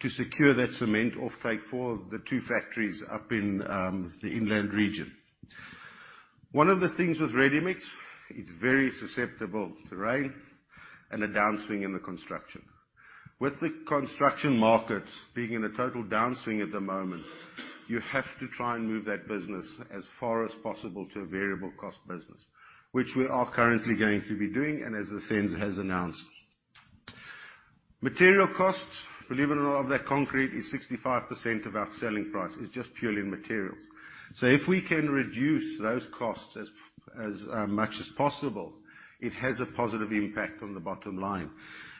to secure that cement offtake for the two factories up in the inland region. One of the things with Readymix, it's very susceptible to rain and a downswing in the construction. With the construction markets being in a total downswing at the moment, you have to try and move that business as far as possible to a variable cost business, which we are currently going to be doing, and as SENS has announced. Material costs, believe it or not, of that concrete is 65% of our selling price. It's just purely materials. If we can reduce those costs as much as possible, it has a positive impact on the bottom line.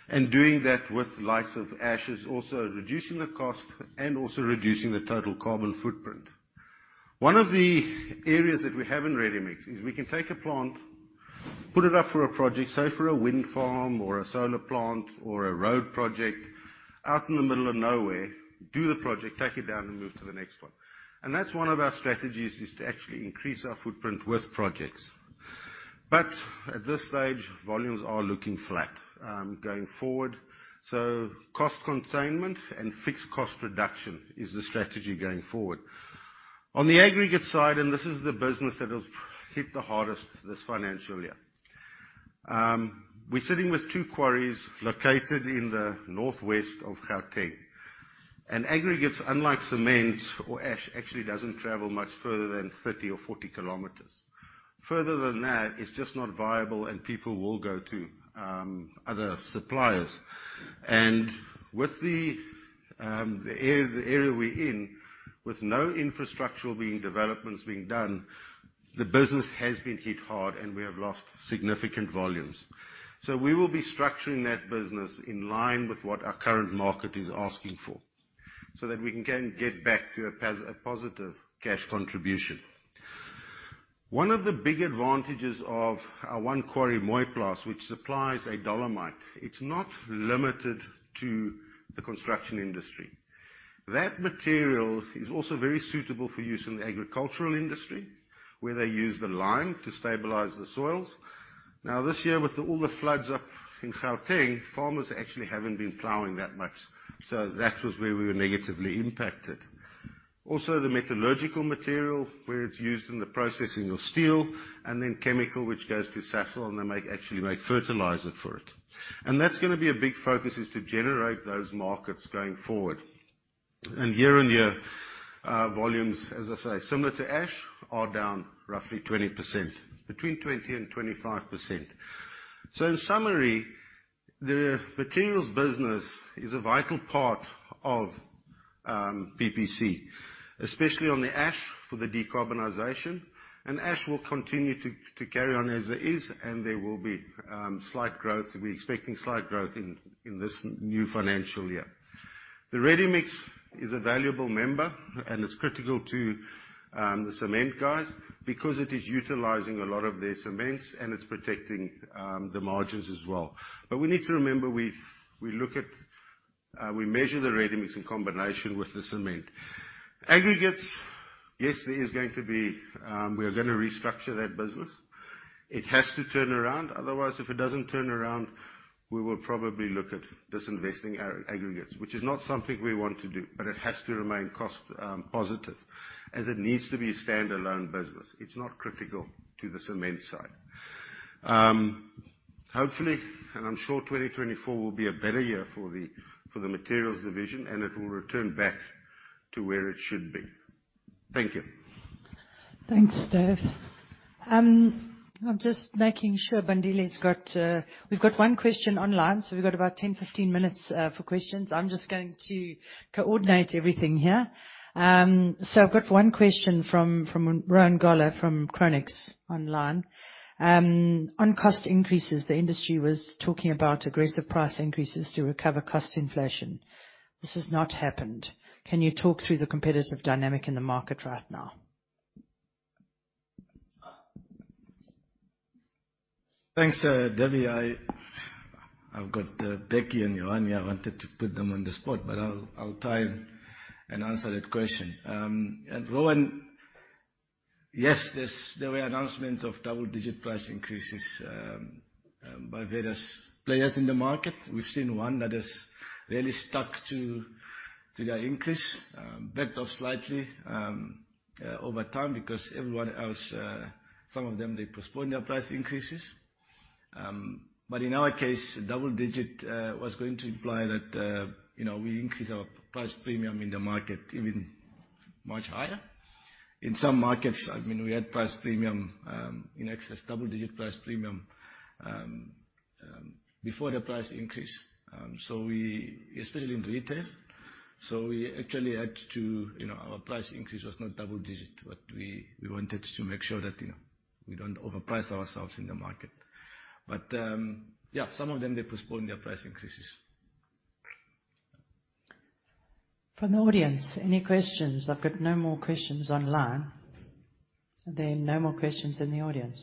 Doing that with the likes of ash is also reducing the cost and also reducing the total carbon footprint. One of the areas that we have in Ready-mix is we can take a plant, put it up for a project, say for a wind farm or a solar plant or a road project out in the middle of nowhere, do the project, take it down and move to the next one. That's one of our strategies, is to actually increase our footprint with projects. At this stage, volumes are looking flat going forward. Cost containment and fixed cost reduction is the strategy going forward. On the aggregate side, this is the business that has hit the hardest this financial year. We're sitting with 2 quarries located in the northwest of Gauteng. Aggregates, unlike cement or ash, actually doesn't travel much further than 30 or 40 kilometers. Further than that, it's just not viable and people will go to other suppliers. With the area we're in, with no infrastructure developments being done, the business has been hit hard and we have lost significant volumes. We will be structuring that business in line with what our current market is asking for so that we can get back to a positive cash contribution. One of the big advantages of our 1 quarry, Mooiplaas, which supplies a dolomite, it's not limited to the construction industry. That material is also very suitable for use in the agricultural industry, where they use the lime to stabilize the soils. This year, with all the floods up in Gauteng, farmers actually haven't been plowing that much. That was where we were negatively impacted. Also, the metallurgical material, where it's used in the processing of steel, and then chemical, which goes to Sasol, and they actually make fertilizer for it. That's gonna be a big focus, is to generate those markets going forward. Year-on-year, volumes, as I say, similar to ash, are down roughly 20%, between 20% and 25%. In summary, the materials business is a vital part of PPC, especially on the ash for the decarbonization. Ash will continue to carry on as it is, and there will be slight growth. We're expecting slight growth in this new financial year. The Readymix is a valuable member, and it's critical to the cement guys because it is utilizing a lot of their cements, and it's protecting the margins as well. We need to remember, we look at. We measure the Readymix in combination with the cement. Aggregates, yes, there is going to be. We are gonna restructure that business. It has to turn around. Otherwise, if it doesn't turn around, we will probably look at disinvesting our aggregates, which is not something we want to do, but it has to remain cost positive, as it needs to be a standalone business. It's not critical to the cement side. Hopefully, and I'm sure 2024 will be a better year for the, for the materials division, and it will return back to where it should be. Thank you. Thanks, Dave. I'm just making sure Bandile's got. We've got 1 question online, so we've got about 10-15 minutes for questions. I'm just going to coordinate everything here. I've got 1 question from Rowan Goeller from Chronux online. On cost increases, the industry was talking about aggressive price increases to recover cost inflation. This has not happened. Can you talk through the competitive dynamic in the market right now? Thanks, Debbie. I've got Becky and Johann. I wanted to put them on the spot, but I'll try and answer that question. Rowan, yes, there were announcements of double-digit price increases by various players in the market. We've seen one that has really stuck to their increase, backed off slightly over time because everyone else, some of them, they postponed their price increases. In our case, double digit was going to imply that, you know, we increase our price premium in the market even much higher. In some markets, I mean, we had price premium in excess double-digit price premium before the price increase. Especially in retail. We actually had to, you know, our price increase was not double digit. What we wanted to make sure that, you know, we don't overprice ourselves in the market. Yeah, some of them, they're postponing their price increases. From the audience, any questions? I've got no more questions online. Are there no more questions in the audience?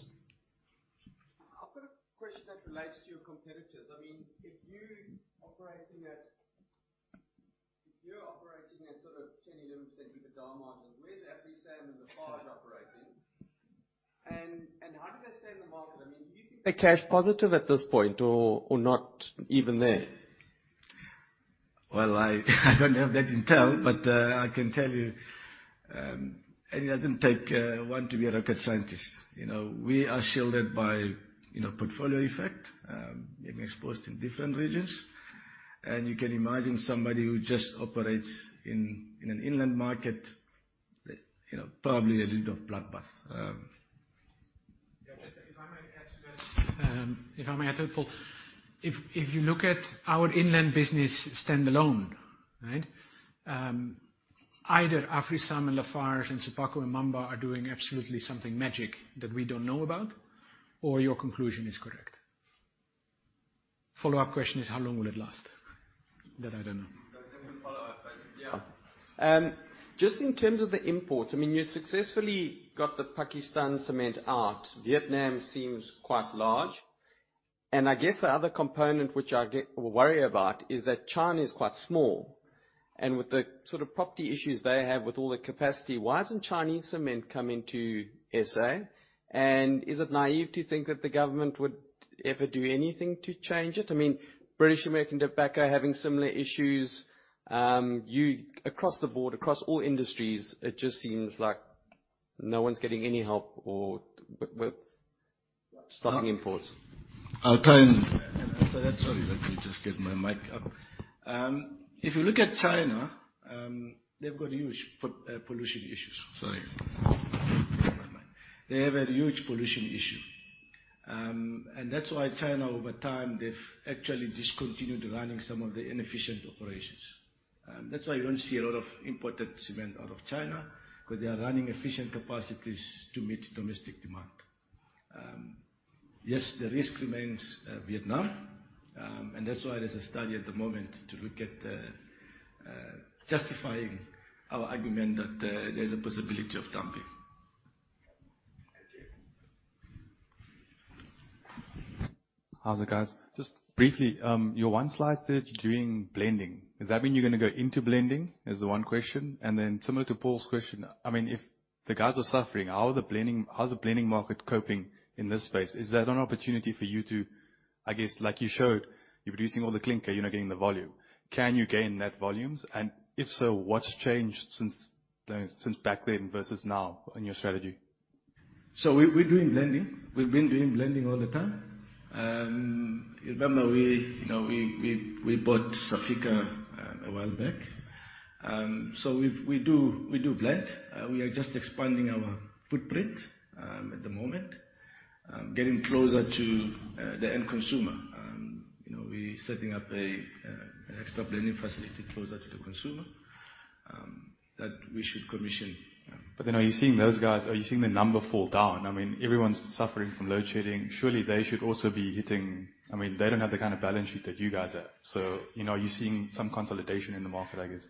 I've got a question that relates to your competitors. I mean, if you're operating at sort of 10%, 11% EBITDA margins, where does AfriSam and Lafarge operate in? How do they stay in the market? I mean, are you cash positive at this point or not even there? I don't have that intel, but I can tell you, it doesn't take one to be a rocket scientist. You know, we are shielded by, you know, portfolio effect, being exposed in different regions. You can imagine somebody who just operates in an inland market, you know, probably a little blood bath. Yeah. Just if I may add to that. If I may add to it, Paul. If you look at our inland business stand alone, right? Either AfriSam and Lafarge and Sephaku and Mamba are doing absolutely something magic that we don't know about or your conclusion is correct. Follow-up question is, how long will it last? That I don't know. That's a follow-up. Yeah. Just in terms of the imports, I mean, you successfully got the Pakistan cement out. Vietnam seems quite large. I guess the other component which I worry about is that China is quite small, and with the sort of property issues they have with all the capacity, why isn't Chinese cement coming to SA? Is it naive to think that the government would ever do anything to change it? I mean, British American Tobacco are having similar issues. Across the board, across all industries, it just seems like no one's getting any help or with stopping imports. I'll try and answer that. Sorry. Let me just get my mic up. If you look at China, they've got huge pollution issues. Sorry. They have a huge pollution issue. That's why China, over time, they've actually discontinued running some of the inefficient operations. That's why you don't see a lot of imported cement out of China, because they are running efficient capacities to meet domestic demand. Yes, the risk remains, Vietnam. That's why there's a study at the moment to look at the justifying our argument that there's a possibility of dumping. Thank you. How's it, guys? Just briefly, you have one slide that you're doing blending. Does that mean you're gonna go into blending? Is the one question. Similar to Paul's question, I mean, if the guys are suffering, how is the blending market coping in this space? Is that an opportunity for you to, I guess, like you showed, you're producing all the clinker, you're not getting the volume. Can you gain net volumes? If so, what's changed since since back then versus now in your strategy? We're doing blending. We've been doing blending all the time. You remember we, you know, we bought Safika a while back. We do blend. We are just expanding our footprint at the moment. Getting closer to the end consumer. You know, we're setting up an extra blending facility closer to the consumer that we should commission. Are you seeing the number fall down? I mean, everyone's suffering from load shedding. Surely they should also be hitting... I mean, they don't have the kind of balance sheet that you guys have. You know, are you seeing some consolidation in the market, I guess?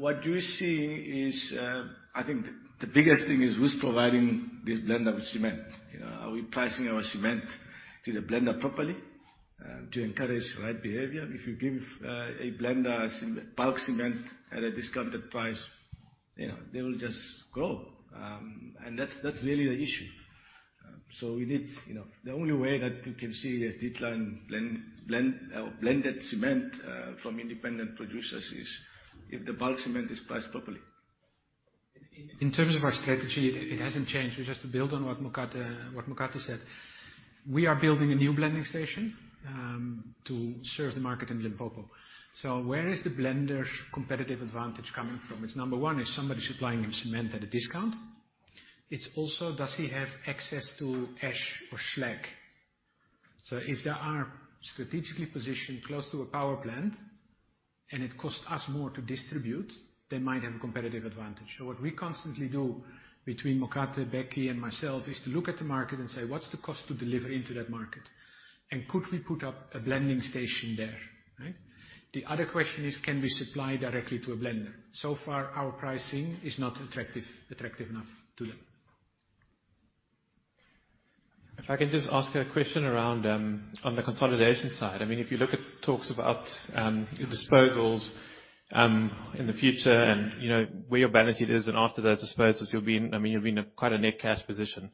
What you see is, I think the biggest thing is who's providing this blend of cement. You know, are we pricing our cement to the blender properly to encourage the right behavior? If you give a blender bulk cement at a discounted price, you know, they will just go. That's really the issue. We need, you know. The only way that you can see a decline in blended cement from independent producers is if the bulk cement is priced properly. In terms of our strategy, it hasn't changed. We just to build on what Mokate said. We are building a new blending station to serve the market in Limpopo. Where is the blender's competitive advantage coming from? It's number 1, is somebody supplying him cement at a discount? It's also does he have access to ash or slag? If they are strategically positioned close to a power plant and it costs us more to distribute, they might have a competitive advantage. What we constantly do between Mokate, Becky, and myself is to look at the market and say, "What's the cost to deliver into that market? Could we put up a blending station there?" Right? The other question is can we supply directly to a blender? So far our pricing is not attractive enough to them. If I can just ask a question around on the consolidation side. I mean, if you look at talks about your disposals in the future and, you know, where your balance sheet is and after those disposals you'll be in a quite a net cash position.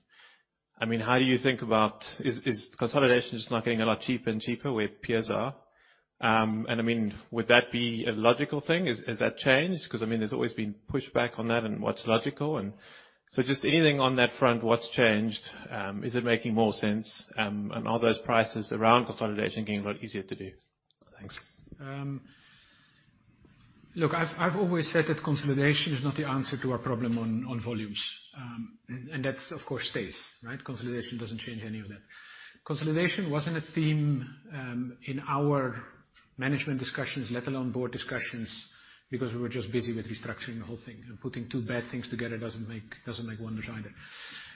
I mean, how do you think about is consolidation just not getting a lot cheaper and cheaper where peers are? I mean, would that be a logical thing? Is that changed? 'Cause, I mean, there's always been pushback on that and what's logical and just anything on that front, what's changed? Is it making more sense, and are those prices around consolidation getting a lot easier to do? Thanks. Look, I've always said that consolidation is not the answer to our problem on volumes. That of course stays, right? Consolidation doesn't change any of that. Consolidation wasn't a theme in our management discussions, let alone board discussions, because we were just busy with restructuring the whole thing and putting 2 bad things together doesn't make wonders either.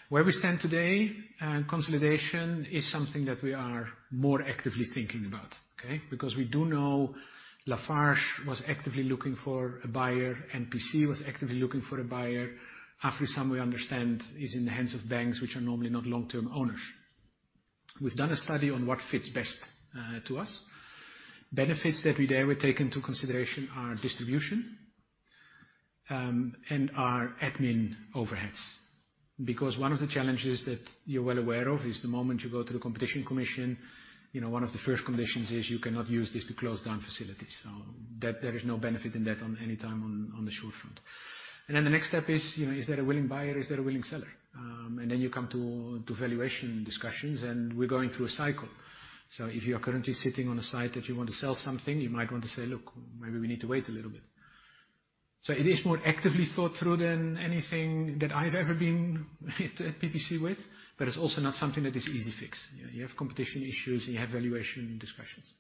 Where we stand today and consolidation is something that we are more actively thinking about, okay? We do know Lafarge was actively looking for a buyer, CIMERWA was actively looking for a buyer. AfriSam, we understand, is in the hands of banks which are normally not long-term owners. We've done a study on what fits best to us. Benefits that we dare take into consideration are distribution and our admin overheads. Because one of the challenges that you're well aware of is the moment you go to the Competition Commission, you know, one of the first conditions is you cannot use this to close down facilities. That there is no benefit in that on any time on the short front. The next step is, you know, is there a willing buyer, is there a willing seller? You come to valuation discussions, and we're going through a cycle. If you are currently sitting on a site that you want to sell something, you might want to say, "Look, maybe we need to wait a little bit." It is more actively thought through than anything that I've ever been at PPC with, but it's also not something that is easy fix. You know, you have competition issues, and you have valuation discussions.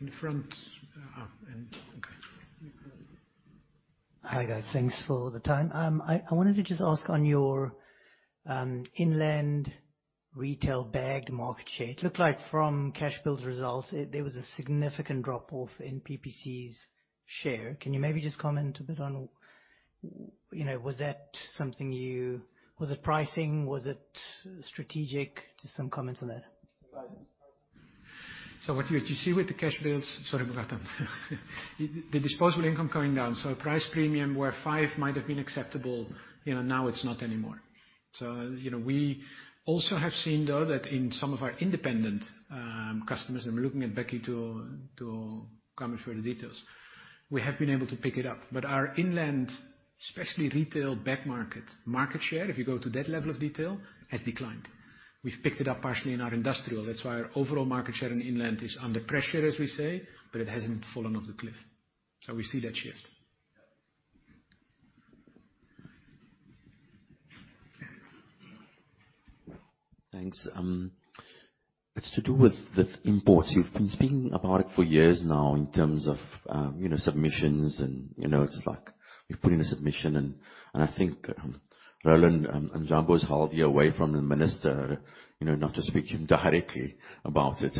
In front. Okay. Hi, guys. Thanks for the time. I wanted to just ask on your inland retail bagged market share. It looked like from Cashbuild results, there was a significant drop-off in PPC's share. Can you maybe just comment a bit on, you know, was that something? Was it pricing? Was it strategic? Just some comments on that. What you see with the Cashbuild. Sorry about that. The disposable income going down, so a price premium where 5 might have been acceptable, you know, now it's not anymore. You know, we also have seen, though, that in some of our independent customers, and we're looking at Becky to comment for the details. We have been able to pick it up, but our inland, especially retail bagged market share, if you go to that level of detail, has declined. We've picked it up partially in our industrial. That's why our overall market share in inland is under pressure, as we say, but it hasn't fallen off the cliff. We see that shift. Thanks. It's to do with the imports. You've been speaking about it for years now in terms of, you know, submissions and, you know, it's like you've put in a submission. I think Roland van Wijnen is hardly away from the minister, you know, not to speak him directly about it.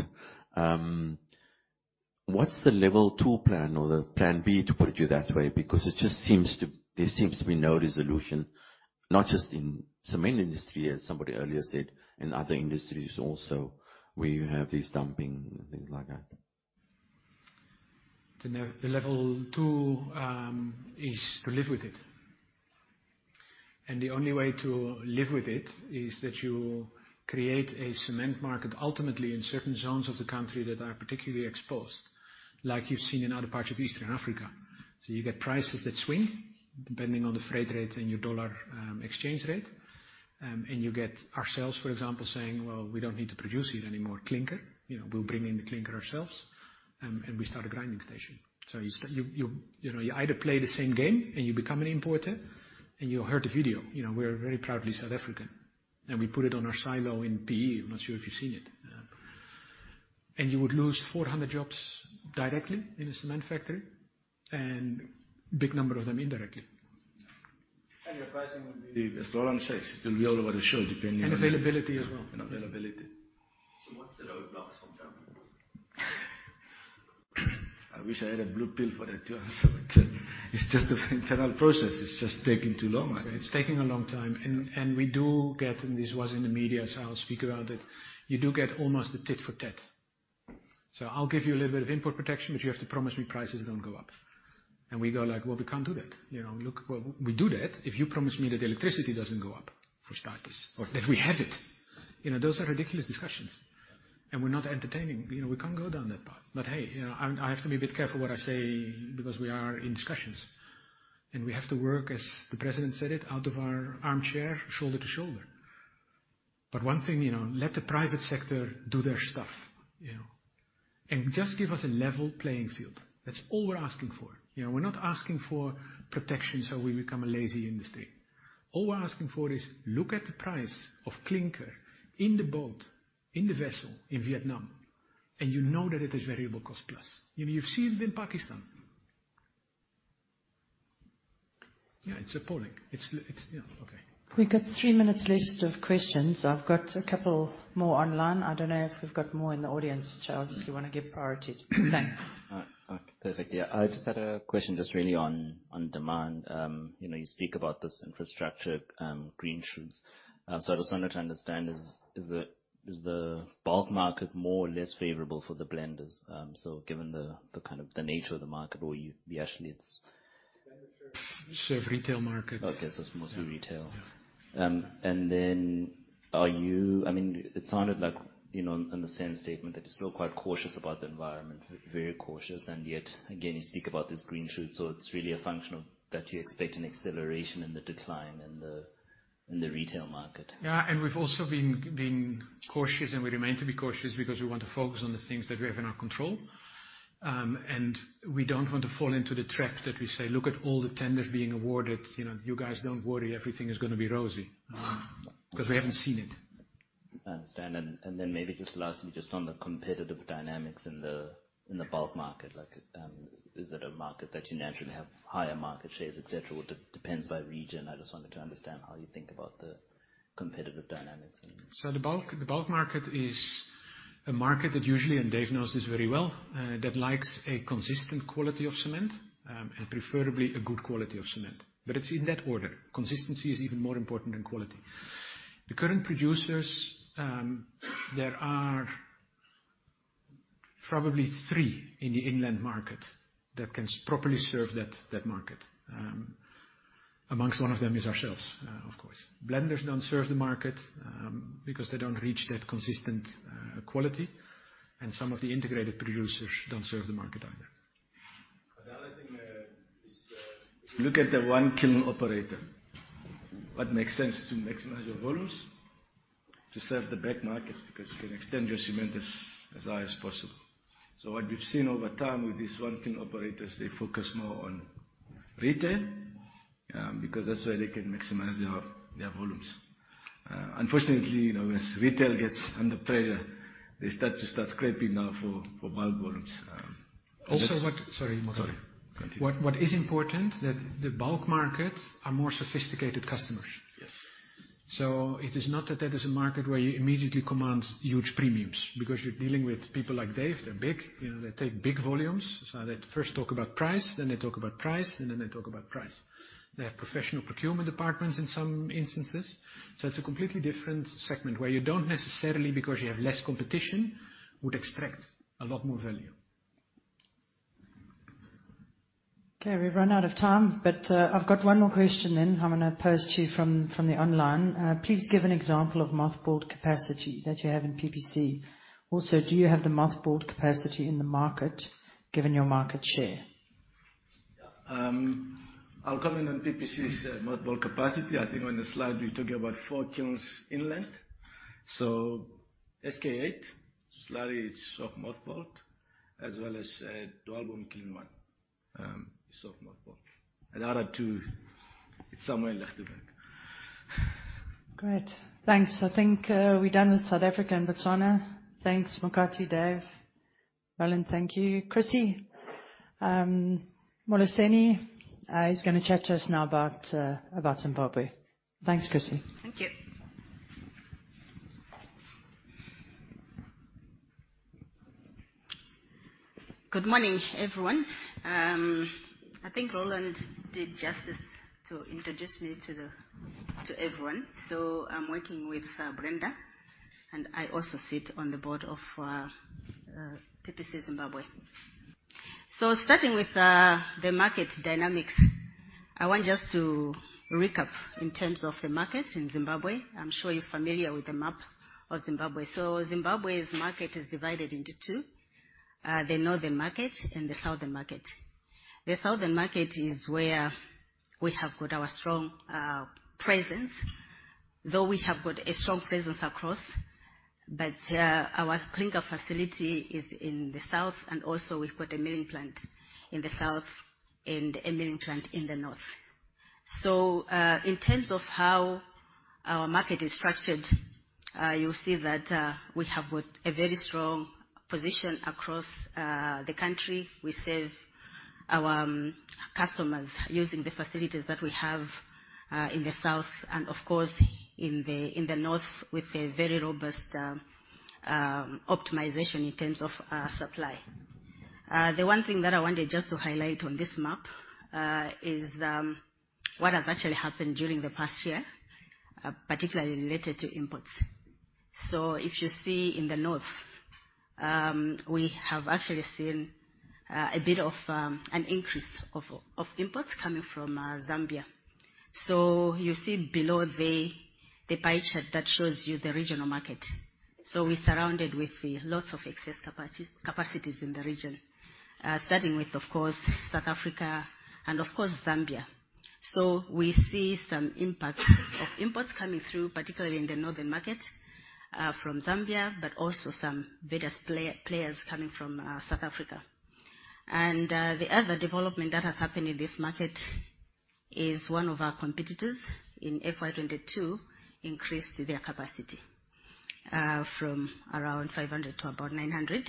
What's the level two plan or the plan B, to put you that way? It just seems to. There seems to be no resolution, not just in cement industry, as somebody earlier said, in other industries also, where you have these dumping and things like that. The level two is to live with it. The only way to live with it is that you create a cement market, ultimately in certain zones of the country that are particularly exposed, like you've seen in other parts of Eastern Africa. You get prices that swing depending on the freight rate and your dollar exchange rate. You get ourselves, for example, saying, "Well, we don't need to produce it anymore, clinker. You know, we'll bring in the clinker ourselves, and we start a grinding station." You know, you either play the same game and you become an importer and you heard the video, you know, we're very proudly South African, and we put it on our silo in PE. I'm not sure if you've seen it. You would lose 400 jobs directly in the cement factory and big number of them indirectly. The pricing will be as Roland says, it will be all over the show depending on. Availability as well. Availability. What's the road blocks from government? I wish I had a blue pill for that too. It's just the internal process. It's just taking too long. It's taking a long time. We do get, and this was in the media, I'll speak around it. You do get almost a tit for tat. I'll give you a little bit of input protection, but you have to promise me prices don't go up. We go like, "Well, we can't do that." You know, look, well, we do that if you promise me that electricity doesn't go up for starters or that we have it. You know, those are ridiculous discussions. We're not entertaining. You know, we can't go down that path. Hey, you know, I have to be a bit careful what I say because we are in discussions, and we have to work, as the president said it, out of our armchair, shoulder to shoulder. One thing, you know, let the private sector do their stuff, you know. Just give us a level playing field. That's all we're asking for. You know, we're not asking for protection so we become a lazy industry. All we're asking for is look at the price of clinker in the boat, in the vessel in Vietnam, you know that it is variable cost plus. You know, you've seen it in Pakistan. Yeah, it's appalling. It's... Yeah, okay. We've got 3 minutes left of questions. I've got a couple more online. I don't know if we've got more in the audience which I obviously wanna give priority to. Thanks. Perfect. Yeah. I just had a question just really on demand. You know, you speak about this infrastructure, green shoots. I just wanted to understand is the bulk market more or less favorable for the blenders? Given the kind of the nature of the market or actually it's. Serve retail markets. Okay. It's mostly retail. Yeah. I mean, it sounded like, you know, in the same statement that you're still quite cautious about the environment, very cautious, and yet again, you speak about these green shoots. It's really a function of that you expect an acceleration in the decline in the retail market? Yeah. We've also been cautious, and we remain to be cautious because we want to focus on the things that we have in our control. We don't want to fall into the trap that we say, "Look at all the tenders being awarded. You know, you guys don't worry, everything is gonna be rosy." Because we haven't seen it. I understand. Then maybe just lastly, just on the competitive dynamics in the bulk market. Like, is it a market that you naturally have higher market shares, et cetera, or it depends by region? I just wanted to understand how you think about the competitive dynamics. The bulk market is a market that usually, and Dave knows this very well, that likes a consistent quality of cement, and preferably a good quality of cement. It's in that order. Consistency is even more important than quality. The current producers, there are probably three in the inland market that can properly serve that market. Amongst one of them is ourselves, of course. Blenders don't serve the market because they don't reach that consistent quality, and some of the integrated producers don't serve the market either. The other thing is, if you look at the one kiln operator, what makes sense to maximize your volumes to serve the bulk market because you can extend your cement as high as possible. What we've seen over time with these one kiln operators, they focus more on retail because that's where they can maximize their volumes. Unfortunately, you know, as retail gets under pressure, they start scraping now for bulk volumes. That's. Also what... Sorry, Mokate Molaolwe. Sorry. Continue. What is important that the bulk markets are more sophisticated customers. Yes. It is not that that is a market where you immediately command huge premiums because you're dealing with people like Dave, they're big, you know, they take big volumes. They first talk about price, then they talk about price, and then they talk about price. They have professional procurement departments in some instances. It's a completely different segment where you don't necessarily, because you have less competition, would expect a lot more value. Okay, we've run out of time, but, I've got one more question then I'm gonna pose to you from the online. Please give an example of mothballed capacity that you have in PPC? Also, do you have the mothballed capacity in the market given your market share? I'll comment on PPC's mothballed capacity. I think on the slide we talked about 4 kilns inland. SK8, Slurry is mothballed, as well as Dwaalboom kiln 1, is also mothballed. other 2 is somewhere in Lichtenburg. Great. Thanks. I think, we're done with South Africa and Botswana. Thanks, Mokate, Dave. Roland, thank you. Chrissie, Tawanda Masarira, is gonna chat to us now about Zimbabwe. Thanks, Chrissie. Thank you. Good morning, everyone. I think Roland did justice to introduce me to everyone. I'm working with Brenda, and I also sit on the board of PPC Zimbabwe. Starting with the market dynamics, I want just to recap in terms of the market in Zimbabwe. I'm sure you're familiar with the map of Zimbabwe. Zimbabwe's market is divided into 2: the northern market and the southern market. The southern market is where we have got our strong presence, though we have got a strong presence across. Our clinker facility is in the south, and also we've got a milling plant in the south and a milling plant in the north. In terms of how our market is structured, you'll see that we have got a very strong position across the country. We serve our customers using the facilities that we have in the south and of course in the north, with a very robust optimization in terms of supply. The one thing that I wanted just to highlight on this map is what has actually happened during the past year, particularly related to imports. If you see in the north, we have actually seen a bit of an increase of imports coming from Zambia. You see below the pie chart that shows you the regional market. We're surrounded with lots of excess capacities in the region, starting with, of course, South Africa and of course Zambia. We see some impact of imports coming through, particularly in the northern market, from Zambia, but also some various players coming from, South Africa. The other development that has happened in this market is one of our competitors in FY 2022 increased their capacity. From around 500 to about 900,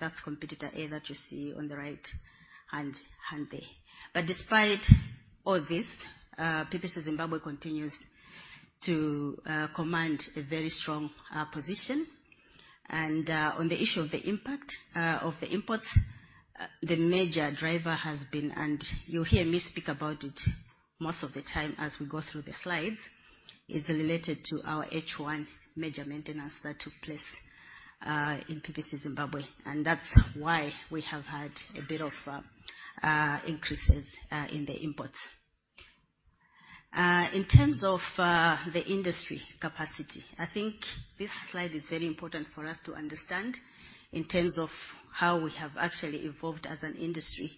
that's competitor A that you see on the right-hand there. Despite all this, PPC Zimbabwe continues to command a very strong position. On the issue of the impact of the imports, the major driver has been, and you'll hear me speak about it most of the time as we go through the slides, is related to our H1 major maintenance that took place in PPC Zimbabwe, and that's why we have had a bit of increases in the imports. In terms of the industry capacity, I think this slide is very important for us to understand in terms of how we have actually evolved as an industry.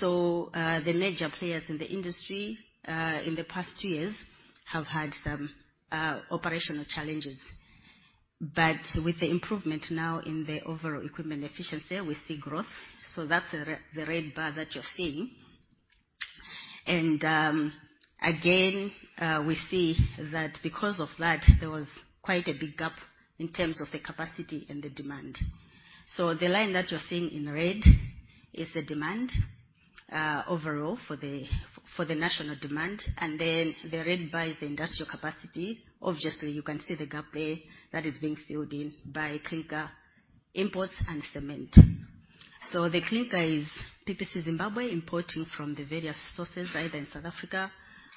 The major players in the industry in the past years have had some operational challenges. With the improvement now in the overall equipment efficiency, we see growth, so that's the red bar that you're seeing. Again, we see that because of that, there was quite a big gap in terms of the capacity and the demand. The line that you're seeing in red is the demand, overall for the national demand, and then the red bar is the industrial capacity. Obviously, you can see the gap there that is being filled in by clinker imports and cement. The clinker is PPC Zimbabwe importing from the various sources, either in South Africa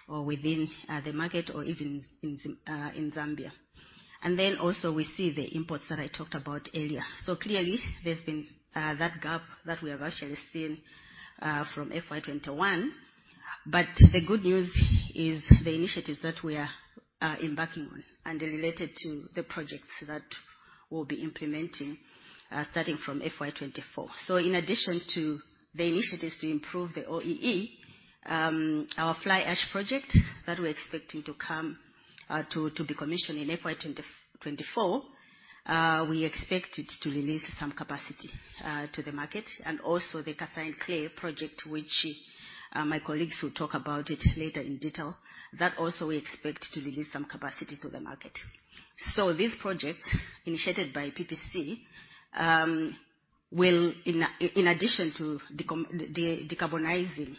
or within the market or even in Zambia. Then also we see the imports that I talked about earlier. Clearly there's been that gap that we have actually seen from FY 21. The good news is the initiatives that we are embarking on and related to the projects that we'll be implementing starting from FY 2024. In addition to the initiatives to improve the OEE, our fly ash project that we're expecting to come to be commissioned in FY 2024, we expect it to release some capacity to the market and also the calcined clay project, which my colleagues will talk about it later in detail. That also we expect to release some capacity to the market. These projects initiated by PPC will in addition to decarbonizing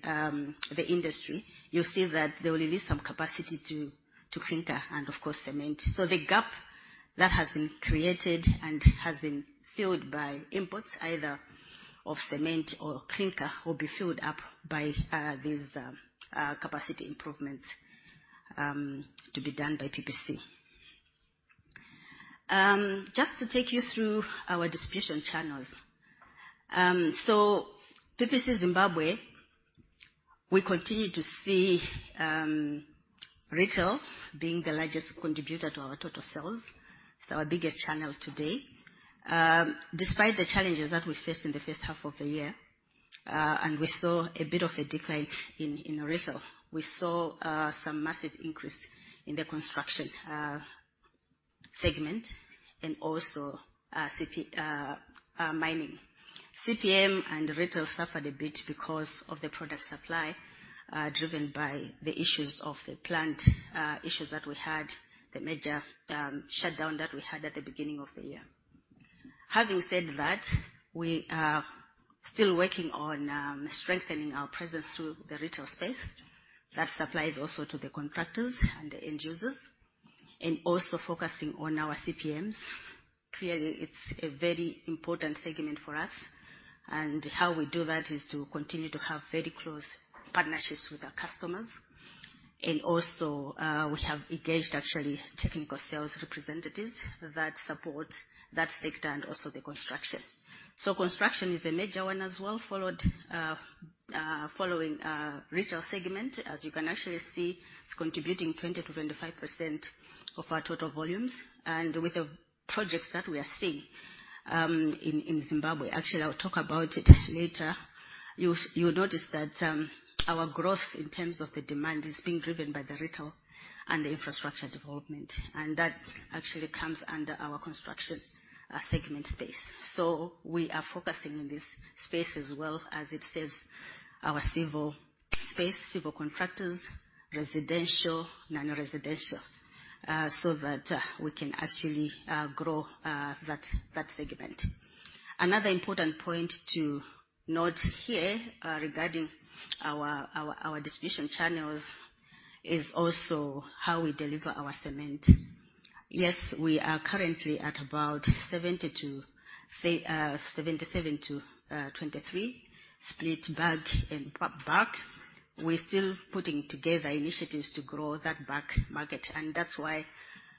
the industry, you'll see that they will release some capacity to clinker and of course cement. The gap that has been created and has been filled by imports either of cement or clinker, will be filled up by these capacity improvements to be done by PPC. Just to take you through our distribution channels. PPC Zimbabwe, we continue to see retail being the largest contributor to our total sales. It's our biggest channel today. Despite the challenges that we faced in the first half of the year, and we saw a bit of a decline in retail, we saw some massive increase in the construction segment and also CPM and mining. CPM and retail suffered a bit because of the product supply driven by the issues of the plant issues that we had, the major shutdown that we had at the beginning of the year. Having said that, we are still working on strengthening our presence through the retail space that supplies also to the contractors and the end users, and also focusing on our CPMs. Clearly, it's a very important segment for us, how we do that is to continue to have very close partnerships with our customers. Also, we have engaged actually technical sales representatives that support that sector and also the construction. Construction is a major one as well, followed following retail segment. As you can actually see, it's contributing 20%-25% of our total volumes. With the projects that we are seeing, in Zimbabwe, actually, I'll talk about it later. You'll notice that our growth in terms of the demand is being driven by the retail and infrastructure development. That actually comes under our construction segment space. We are focusing on this space as well as it serves our civil space, civil contractors, residential, non-residential, so that we can actually grow that segment. Another important point to note here regarding our distribution channels is also how we deliver our cement. Yes, we are currently at about 77 to 23 split bag and bulk bag. We're still putting together initiatives to grow that bag market. That's why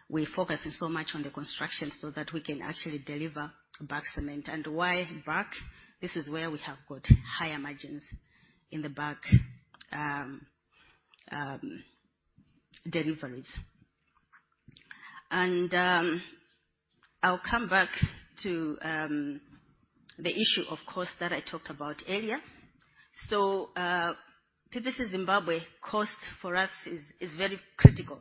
we're focusing so much on the construction, so that we can actually deliver bag cement. Why bag? This is where we have got higher margins in the bag deliveries. I'll come back to the issue of cost that I talked about earlier. PPC Zimbabwe cost for us is very critical.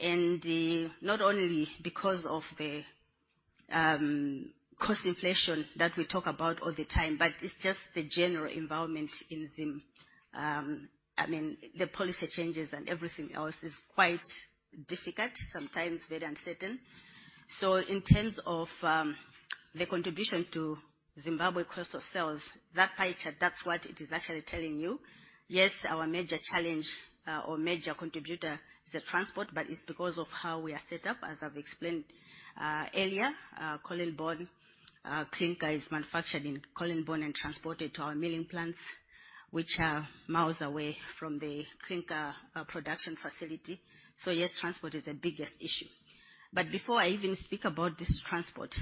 Not only because of the cost inflation that we talk about all the time, but it's just the general environment in Zim. I mean, the policy changes and everything else is quite difficult, sometimes very uncertain. In terms of the contribution to Zimbabwe cost of sales, that pie chart, that's what it is actually telling you. Yes, our major challenge or major contributor is the transport, but it's because of how we are set up, as I've explained earlier. Our Colleen Bawn clinker is manufactured in Colleen Bawn and transported to our milling plants, which are miles away from the clinker production facility. Yes, transport is the biggest issue. Before I even speak about this transport,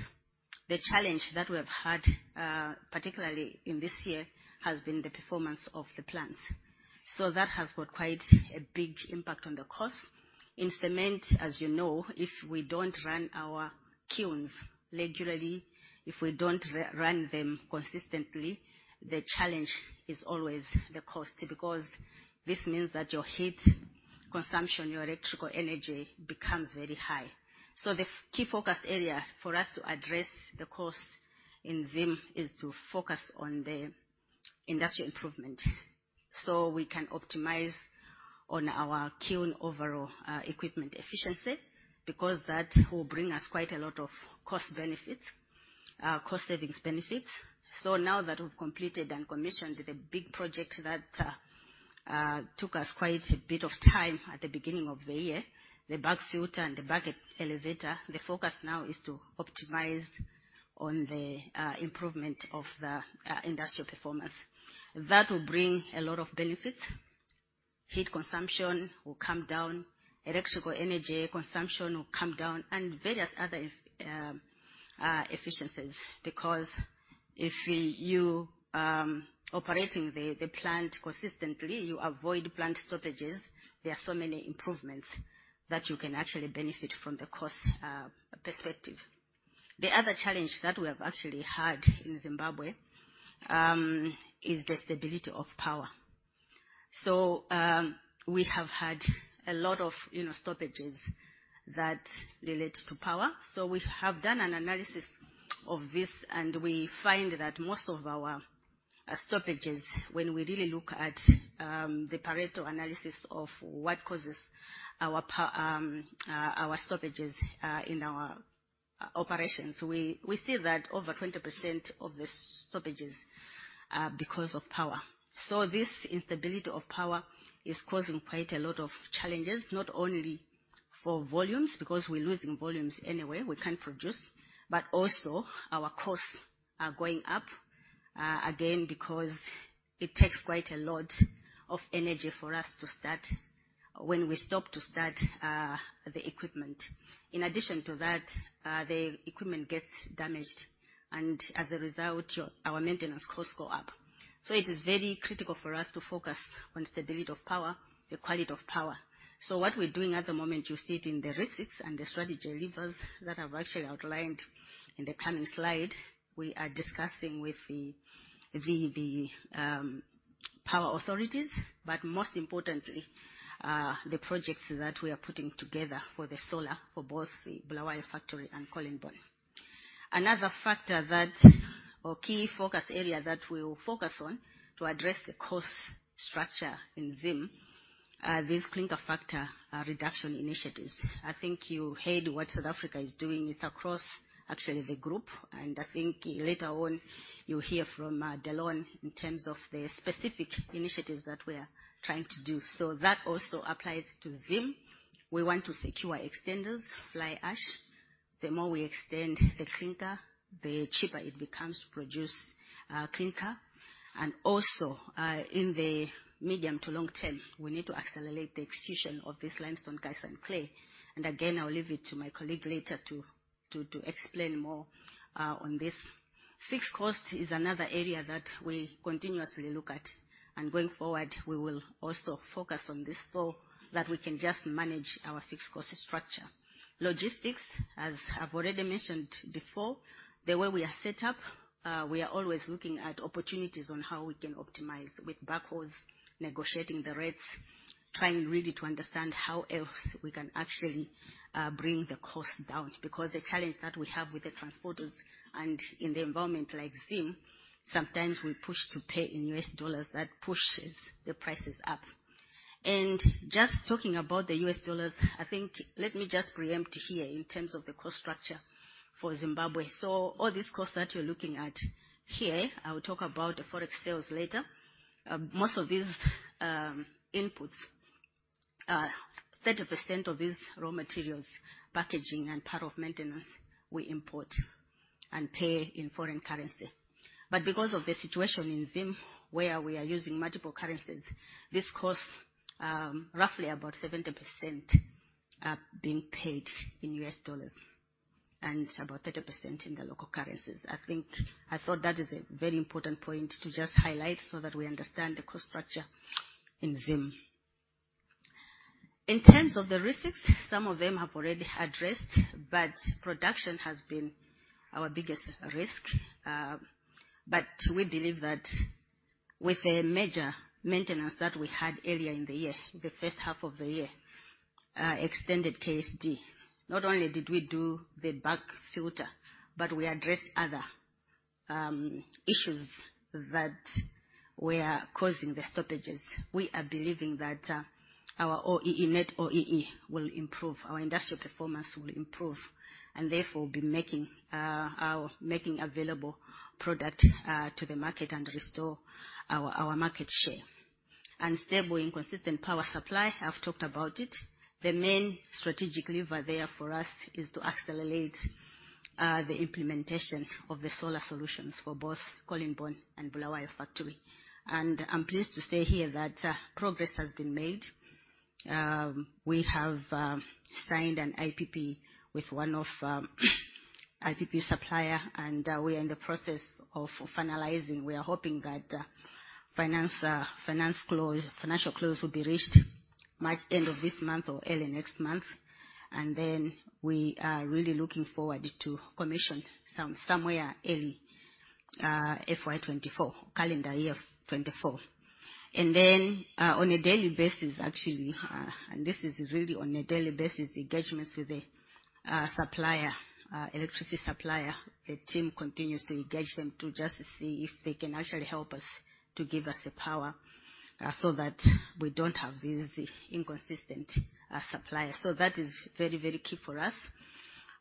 the challenge that we have had, particularly in this year, has been the performance of the plant. That has got quite a big impact on the cost. In cement, as you know, if we don't run our kilns regularly, if we don't run them consistently, the challenge is always the cost because this means that your heat consumption, your electrical energy becomes very high. The key focus area for us to address the cost in Zim is to focus on the industrial improvement so we can optimize on our kiln overall equipment efficiency because that will bring us quite a lot of cost benefits, cost savings benefits. Now that we've completed and commissioned the big project that took us quite a bit of time at the beginning of the year, the bag filter and the bag elevator, the focus now is to optimize on the improvement of the industrial performance. That will bring a lot of benefits. Heat consumption will come down, electrical energy consumption will come down, and various other efficiencies because if you operating the plant consistently, you avoid plant stoppages, there are so many improvements that you can actually benefit from the cost perspective. The other challenge that we have actually had in Zimbabwe is the stability of power. We have had a lot of, you know, stoppages that relate to power. We have done an analysis of this and we find that most of our stoppages when we really look at the Pareto analysis of what causes our stoppages in our operations, we see that over 20% of the stoppages are because of power. This instability of power is causing quite a lot of challenges, not only for volumes because we're losing volumes anyway, we can't produce, but also our costs are going up again because it takes quite a lot of energy for us to start when we stop to start the equipment. In addition to that, the equipment gets damaged and as a result our maintenance costs go up. It is very critical for us to focus on stability of power, the quality of power. What we're doing at the moment, you see it in the risks and the strategy levers that I've actually outlined in the coming slide. We are discussing with the power authorities, but most importantly, the projects that we are putting together for the solar for both the Bulawayo factory and Colleen Bawn. Another factor that or key focus area that we will focus on to address the cost structure in Zim are this clinker factor reduction initiatives. I think you heard what South Africa is doing. It's across actually the group and I think later on you'll hear from Delon in terms of the specific initiatives that we're trying to do. That also applies to Zim. We want to secure extenders, fly ash. The more we extend the clinker, the cheaper it becomes to produce clinker. Also, in the medium to long term, we need to accelerate the execution of this limestone, gypsum, clay. Again, I'll leave it to my colleague later to explain more on this. Fixed cost is another area that we continuously look at and going forward we will also focus on this so that we can just manage our fixed cost structure. Logistics, as I've already mentioned before, the way we are set up, we are always looking at opportunities on how we can optimize with backhauls, negotiating the rates, trying really to understand how else we can actually bring the cost down because the challenge that we have with the transporters and in the environment like Zim, sometimes we push to pay in U.S. dollars, that pushes the prices up. Just talking about the US dollars, let me just preempt here in terms of the cost structure for Zimbabwe. All these costs that you're looking at here, I will talk about the Forex sales later. Most of these inputs, 30% of these raw materials, packaging and part of maintenance we import and pay in foreign currency. Because of the situation in Zim where we are using multiple currencies, this costs, roughly about 70% are being paid in US dollars and about 30% in the local currencies. I thought that is a very important point to just highlight so that we understand the cost structure in Zim. In terms of the risks, some of them I've already addressed, production has been our biggest risk. We believe that with a major maintenance that we had earlier in the year, the first half of the year, extended KSD. Not only did we do the bag filter, but we addressed other issues that were causing the stoppages. We are believing that our OEE, net OEE will improve, our industrial performance will improve, and therefore be making available product to the market and restore our market share. Stable and consistent power supply, I've talked about it. The main strategic lever there for us is to accelerate the implementation of the solar solutions for both Colleen Bawn and Bulawayo factory. I'm pleased to say here that progress has been made. We have signed an IPP with one of IPP supplier, and we are in the process of finalizing. We are hoping that financial close will be reached March end of this month or early next month. We are really looking forward to commission somewhere early FY 2024, calendar year of 2024. On a daily basis, actually, and this is really on a daily basis, engagements with the electricity supplier. The team continuously engage them to just see if they can actually help us to give us the power so that we don't have this inconsistent supply. That is very, very key for us.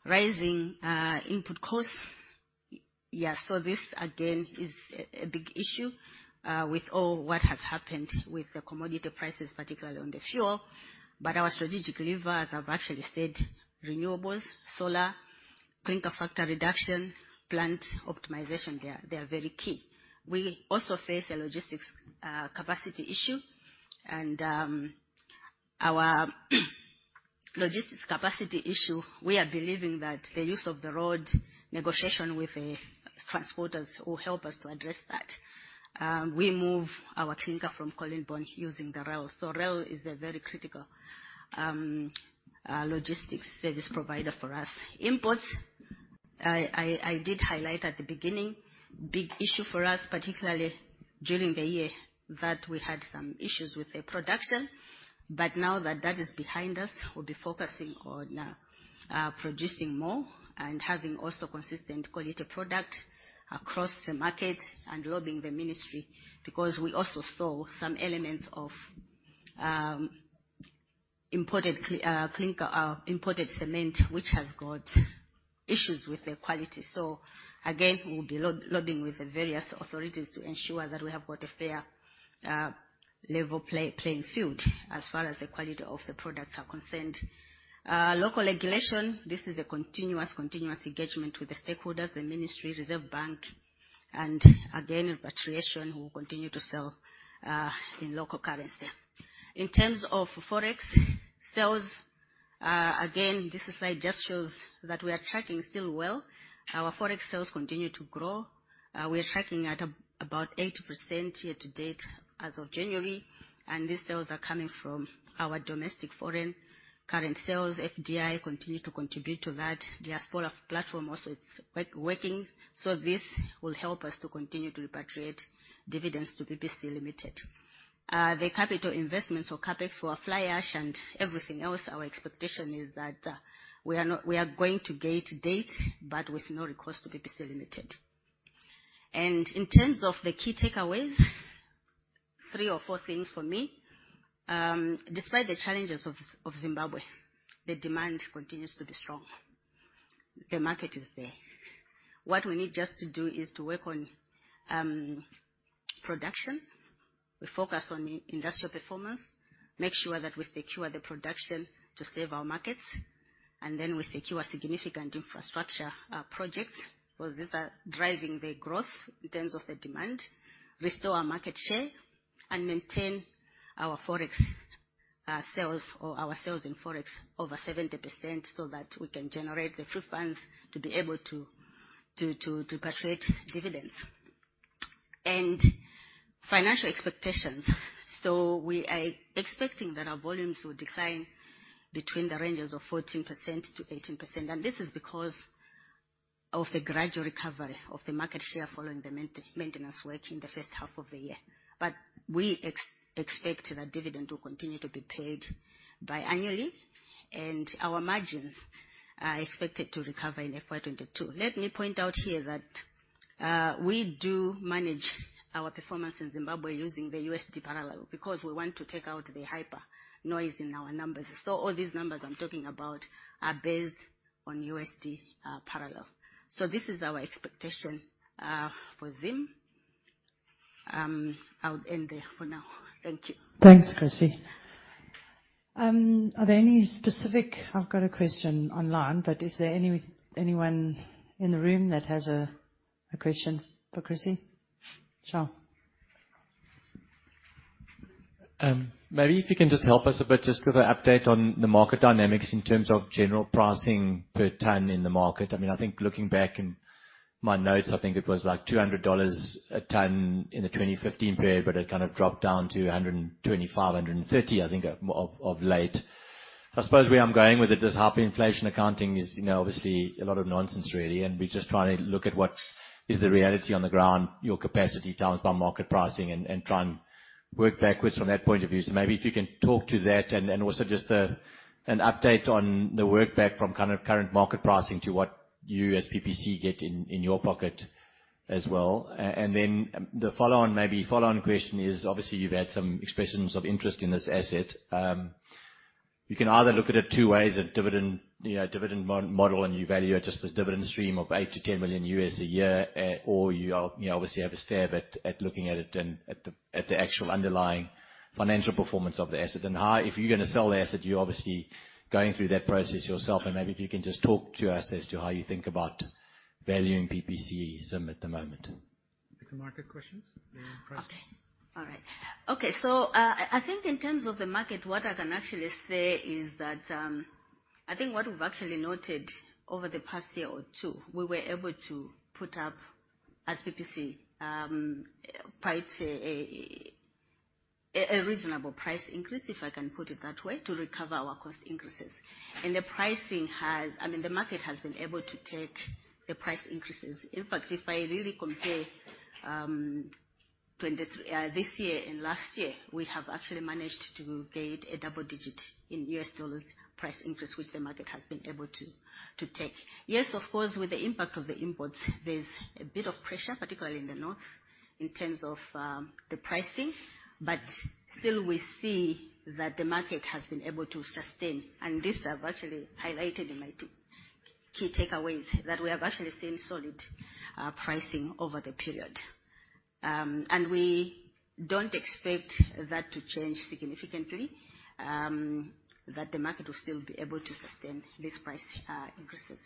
Rising input costs. Yeah. This again is a big issue with all what has happened with the commodity prices, particularly on the fuel. Our strategic levers, I've actually said renewables, solar, clinker factor reduction, plant optimization, they are very key. We also face a logistics capacity issue. Our logistics capacity issue, we are believing that the use of the road negotiation with the transporters will help us to address that. We move our clinker from Colleen Bawn using the rail. Rail is a very critical logistics service provider for us. Imports, I did highlight at the beginning, big issue for us, particularly during the year that we had some issues with the production. Now that that is behind us, we'll be focusing on producing more and having also consistent quality product across the market and lobbying the ministry because we also saw some elements of imported clinker, imported cement, which has got issues with the quality. Again, we'll be lobbying with the various authorities to ensure that we have got a fair, level playing field as far as the quality of the products are concerned. Local regulation, this is a continuous engagement with the stakeholders, the ministry, reserve bank, and again, repatriation, we'll continue to sell in local currency. In terms of Forex sales, again, this slide just shows that we are tracking still well. Our Forex sales continue to grow. We are tracking about 80% year to date as of January, and these sales are coming from our domestic foreign current sales. FDI continue to contribute to that. Diaspora platform also it's working. This will help us to continue to repatriate dividends to PPC Limited. The capital investments or CapEx for fly ash and everything else, our expectation is that, we are going to gate date, but with no request to PPC Limited. In terms of the key takeaways, 3 or 4 things for me. Despite the challenges of Zimbabwe, the demand continues to be strong. The market is there. What we need just to do is to work on production. We focus on industrial performance, make sure that we secure the production to save our markets, and then we secure significant infrastructure projects, because these are driving the growth in terms of the demand, restore our market share, and maintain our Forex sales or our sales in Forex over 70% so that we can generate the free funds to be able to repatriate dividends. Financial expectations. We are expecting that our volumes will decline between the ranges of 14%-18%. This is because of the gradual recovery of the market share following the maintenance work in the first half of the year. We expect that dividend will continue to be paid biannually, and our margins are expected to recover in FY 22. Let me point out here that we do manage our performance in Zimbabwe using the USD parallel, because we want to take out the hyper noise in our numbers. All these numbers I'm talking about are based on USD parallel. This is our expectation for Zim. I'll end there for now. Thank you. Thanks, Chrissie. I've got a question online, but is there anyone in the room that has a question for Chrissie? Charles. Maybe if you can just help us a bit just with an update on the market dynamics in terms of general pricing per ton in the market. I mean, I think looking back in my notes, I think it was like $200 a ton in the 2015 period, it kind of dropped down to $125, $130, I think of late. I suppose where I'm going with it is half the inflation accounting is, you know, obviously a lot of nonsense really. We're just trying to look at what is the reality on the ground, your capacity times by market pricing and try and work backwards from that point of view. Maybe if you can talk to that and also just an update on the workback from kind of current market pricing to what you as PPC get in your pocket as well. The follow on maybe, follow on question is, obviously, you've had some expressions of interest in this asset. You can either look at it 2 ways, a dividend, you know, a dividend model, and you value it just as dividend stream of $8 million-$10 million a year, or you obviously have a stab at looking at it and at the actual underlying financial performance of the asset. How... If you're gonna sell the asset, you're obviously going through that process yourself. Maybe if you can just talk to us as to how you think about valuing PPC Zim at the moment? The market questions. Yeah, Chrissie. I think in terms of the market, what I can actually say is that I think what we've actually noted over the past year or two, we were able to put up as PPC quite a reasonable price increase, if I can put it that way, to recover our cost increases. The market has been able to take the price increases. In fact, if I really compare this year and last year, we have actually managed to gain a double-digit in US dollars price increase, which the market has been able to take. Yes, of course, with the impact of the imports, there's a bit of pressure, particularly in the north, in terms of the pricing. Still we see that the market has been able to sustain, and this I've actually highlighted in my two key takeaways, that we have actually seen solid pricing over the period. We don't expect that to change significantly, that the market will still be able to sustain these price increases.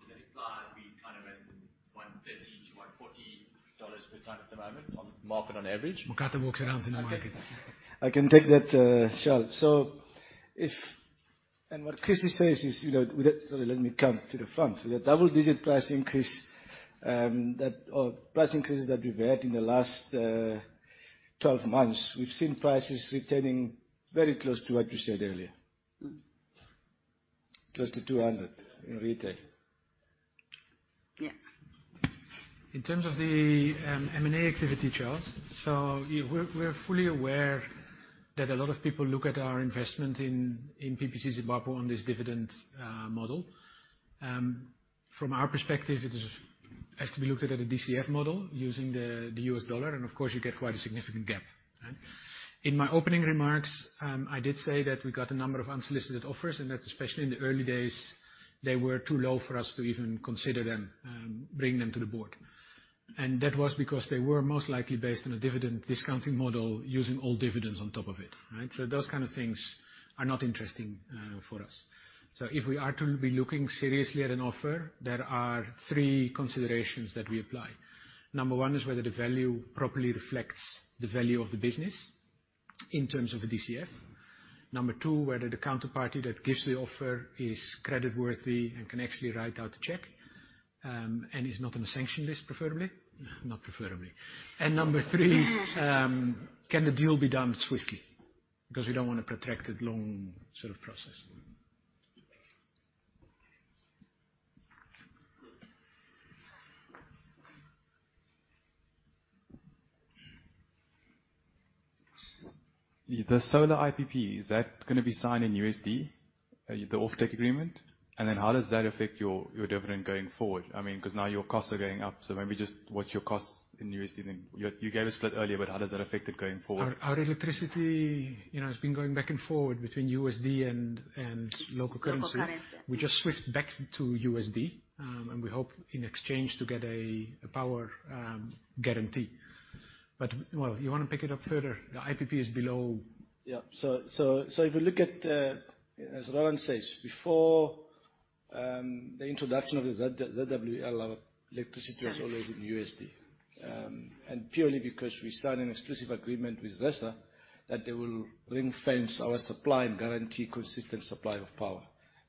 Would that imply we're kind of at $130-$140 per ton at the moment on market on average? Mokate walks around in the market. I can take that, Charles. Sorry, let me come to the front. With a double-digit price increase, that or price increases that we've had in the last 12 months, we've seen prices retaining very close to what you said earlier. Mm-hmm. Close to 200 in retail. Yeah. In terms of the M&A activity, Charles. We're, we're fully aware that a lot of people look at our investment in PPC Zimbabwe on this dividend model. From our perspective, it has to be looked at a DCF model using the US dollar, and of course, you get quite a significant gap. Right? In my opening remarks, I did say that we got a number of unsolicited offers, and that especially in the early days, they were too low for us to even consider them, bring them to the board. That was because they were most likely based on a dividend discounting model using all dividends on top of it. Right? Those kind of things are not interesting for us. If we are to be looking seriously at an offer, there are three considerations that we apply. Number one is whether the value properly reflects the value of the business in terms of a DCF. Number two, whether the counterparty that gives the offer is creditworthy and can actually write out a check, and is not on a sanction list, preferably. Not preferably. Number three, can the deal be done swiftly? We don't want a protracted long sort of process. The solar IPP, is that gonna be signed in USD, the off-take agreement? How does that affect your dividend going forward? I mean, because now your costs are going up. Maybe just what's your cost in USD then. You gave a split earlier, but how does that affect it going forward? Our electricity, you know, has been going back and forward between USD and local currency. Local currency. We just switched back to USD, and we hope in exchange to get a power guarantee. Well, you wanna pick it up further. The IPP is below. Yeah. If you look at, as Rowan says, before the introduction of the ZwL, our electricity was always in USD. Purely because we signed an exclusive agreement with ZESA that they will ring-fence our supply and guarantee consistent supply of power.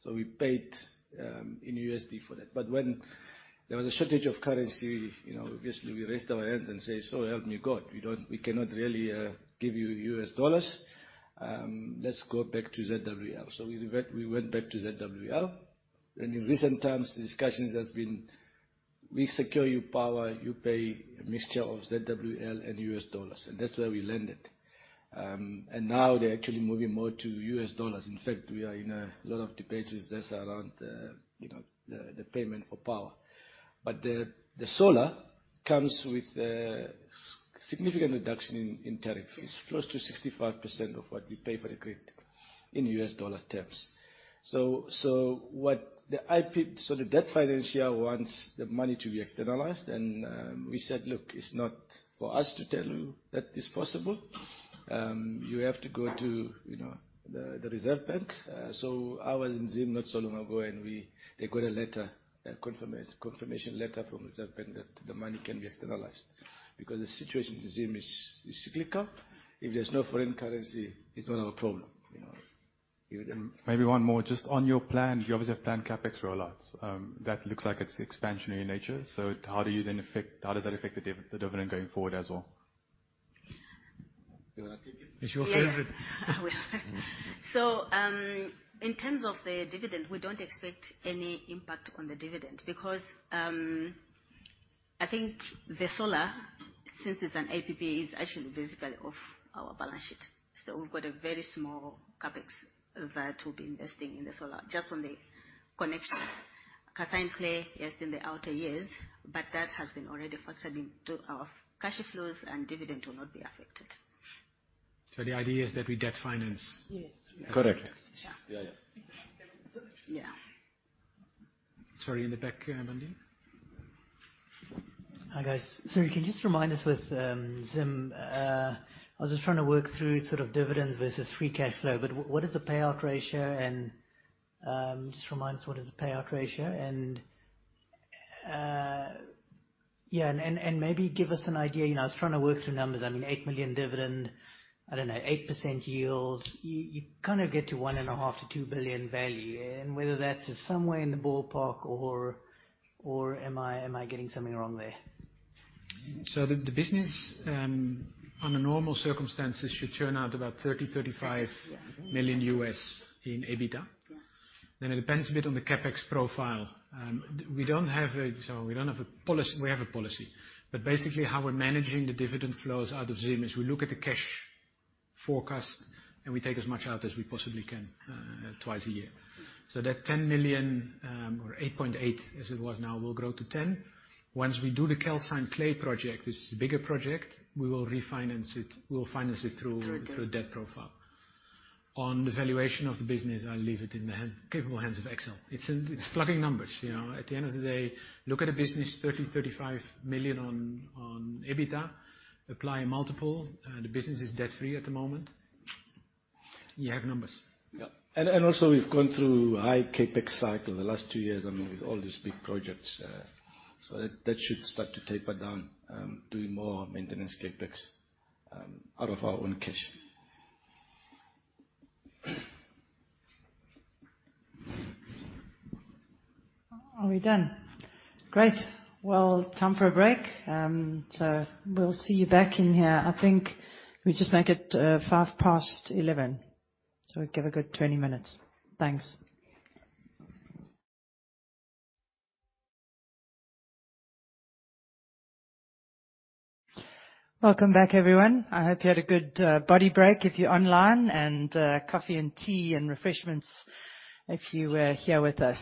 We paid in USD for that. When there was a shortage of currency, you know, obviously we raised our hand and said, "Help me, God. We cannot really give you US dollars. Let's go back to ZwL." We went back to ZwL. In recent times, the discussions has been, "We secure you power, you pay a mixture of ZwL and US dollars." That's where we landed. Now they're actually moving more to US dollars. In fact, we are in a lot of debates with ZESA around, you know, the payment for power. The, the solar comes with a significant reduction in tariff. It's close to 65% of what we pay for the grid in US dollar terms. The debt financier wants the money to be externalized, and we said, "Look, it's not for us to tell you that it's possible. You have to go to, you know, the Reserve Bank. I was in Zim not so long ago, they got a letter, a confirmation letter from the Reserve Bank that the money can be externalized. Because the situation in Zim is cyclical. If there's no foreign currency, it's not our problem, you know. Maybe one more. Just on your plan, you obviously have planned CapEx rollouts. That looks like it's expansionary in nature. How do you then affect... How does that affect the dividend going forward as well? You wanna take it? It's your favorite. I will. In terms of the dividend, we don't expect any impact on the dividend because I think the solar, since it's an APP, is actually basically off our balance sheet. We've got a very small CapEx that we'll be investing in the solar just on the connections. Calcined Clay, yes, in the outer years, but that has been already factored into our cash flows, and dividend will not be affected. The idea is that we debt finance. Yes. Correct. Sure. Yeah, yeah. Yeah. Sorry. In the back here, Mandy. Hi, guys. Can you just remind us with Zim, I was just trying to work through sort of dividends versus free cash flow, but what is the payout ratio and just remind us what is the payout ratio and maybe give us an idea. You know, I was trying to work through numbers. I mean, $8 million dividend, I don't know, 8% yield. You kind of get to $1.5 billion-$2 billion value, and whether that's somewhere in the ballpark or am I getting something wrong there? The business under normal circumstances should turn out about $30 million-$35 million in EBITDA. Yeah. It depends a bit on the CapEx profile. We don't have a policy. We have a policy, but basically how we're managing the dividend flows out of Zim is we look at the cash forecast, and we take as much out as we possibly can twice a year. That 10 million, or 8.8 as it was now, will grow to 10 million. Once we do the Calcined Clay project, this is a bigger project, we will refinance it. We'll finance it through. Through debt.... through a debt profile. On the valuation of the business, I'll leave it in the capable hands of Axcel. It's plugging numbers, you know. At the end of the day, look at a business, 30 million-35 million on EBITDA. Apply a multiple. The business is debt-free at the moment. You have numbers. Yeah. And also we've gone through high CapEx cycle the last 2 years, I mean, with all these big projects, so that should start to taper down, doing more maintenance CapEx, out of our own cash. Are we done? Great. Well, time for a break. We'll see you back in here. I think we just make it 5 past 11, we give a good 20 minutes. Thanks. Welcome back, everyone. I hope you had a good body break if you're online and coffee and tea and refreshments if you were here with us.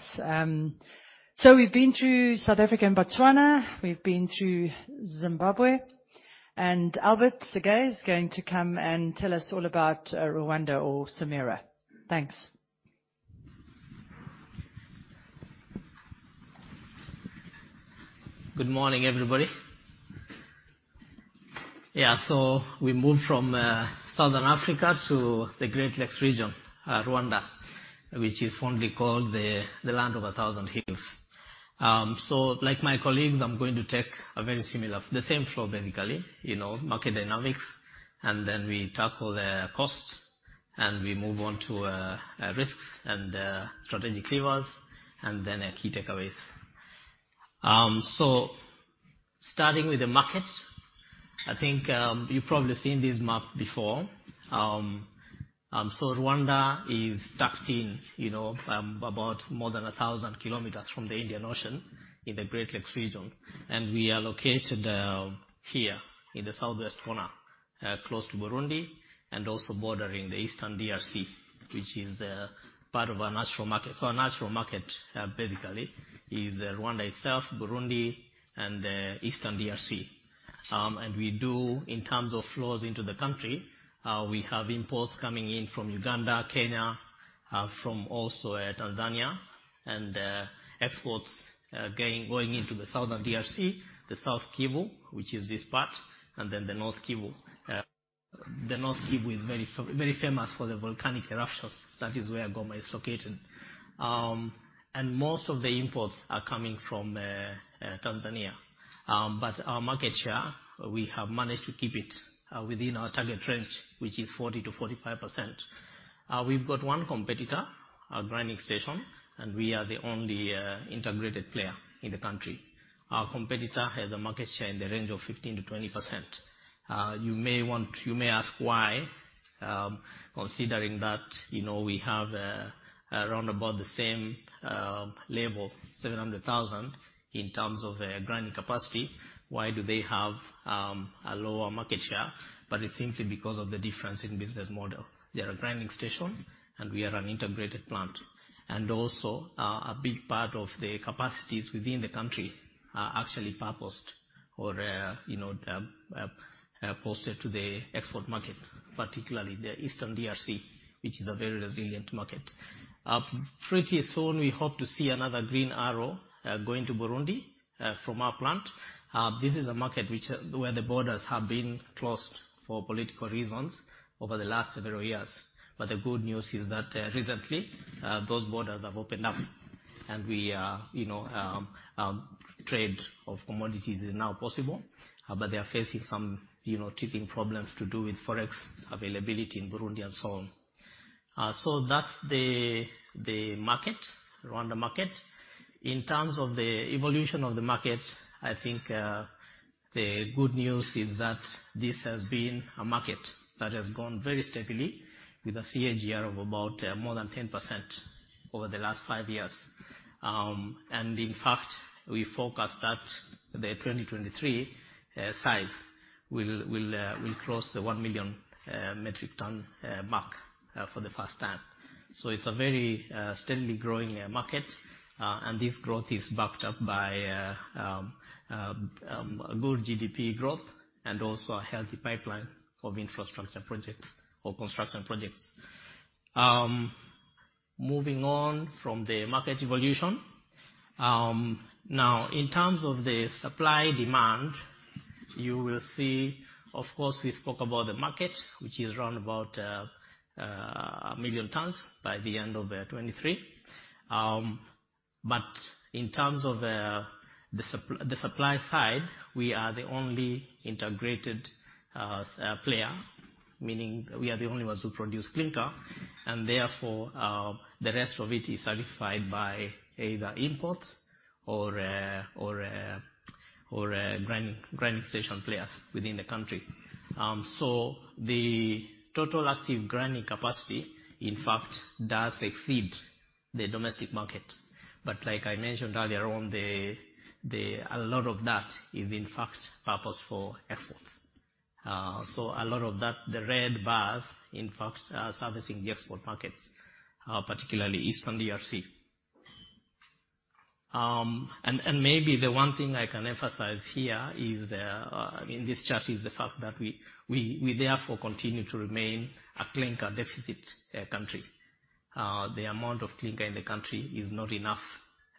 We've been through South Africa and Botswana. We've been through Zimbabwe. Albert Sigei is going to come and tell us all about Rwanda or CIMERWA. Thanks. Good morning, everybody. Yeah. We move from Southern Africa to the Great Lakes region, Rwanda, which is fondly called the Land of a Thousand Hills. Like my colleagues, I'm going to take the same flow basically, you know, market dynamics, we tackle the costs, we move on to risks and strategic levers, key takeaways. Starting with the market, I think, you've probably seen this map before. Rwanda is tucked in, you know, about more than 1,000 kilometers from the Indian Ocean in the Great Lakes region. We are located here in the southwest corner, close to Burundi and also bordering the Eastern DRC, which is part of our natural market. Our natural market, basically is Rwanda itself, Burundi, and Eastern DRC. We do, in terms of flows into the country, we have imports coming in from Uganda, Kenya, from also Tanzania, and exports going into the Southern DRC, the South Kivu, which is this part, and then the North Kivu. The North Kivu is very famous for the volcanic eruptions. That is where Goma is located. Most of the imports are coming from Tanzania. Our market share, we have managed to keep it within our target range, which is 40%-45%. We've got one competitor, a grinding station, and we are the only integrated player in the country. Our competitor has a market share in the range of 15%-20%. You may ask why, considering that, you know, we have around about the same level, 700,000, in terms of grinding capacity, why do they have a lower market share? It's simply because of the difference in business model. They're a grinding station, and we are an integrated plant. Also, a big part of the capacities within the country are actually purposed or, you know, posted to the export market, particularly the Eastern DRC, which is a very resilient market. Pretty soon, we hope to see another green arrow going to Burundi from our plant. This is a market which where the borders have been closed for political reasons over the last several years. The good news is that recently those borders have opened up. We, you know, trade of commodities is now possible, but they are facing some, you know, teething problems to do with Forex availability in Burundi and so on. That's the market, Rwanda market. In terms of the evolution of the market, I think the good news is that this has been a market that has gone very steadily with a CAGR of about more than 10% over the last five years. In fact, we forecast that the 2023 size will cross the 1 million metric ton mark for the first time. It's a very steadily growing market. This growth is backed up by a good GDP growth and also a healthy pipeline of infrastructure projects or construction projects. Moving on from the market evolution. Now in terms of the supply-demand, you will see, of course, we spoke about the market, which is around about 1 million tons by the end of 2023. In terms of the supply side, we are the only integrated s- player. Meaning we are the only ones who produce clinker, and therefore, the rest of it is satisfied by either imports or grinding station players within the country. The total active grinding capacity, in fact, does exceed the domestic market. Like I mentioned earlier on the. A lot of that is in fact purposed for exports. A lot of that, the red bars, in fact, are servicing the export markets, particularly Eastern DRC. Maybe the one thing I can emphasize here is, I mean, this chart is the fact that we therefore continue to remain a clinker deficit country. The amount of clinker in the country is not enough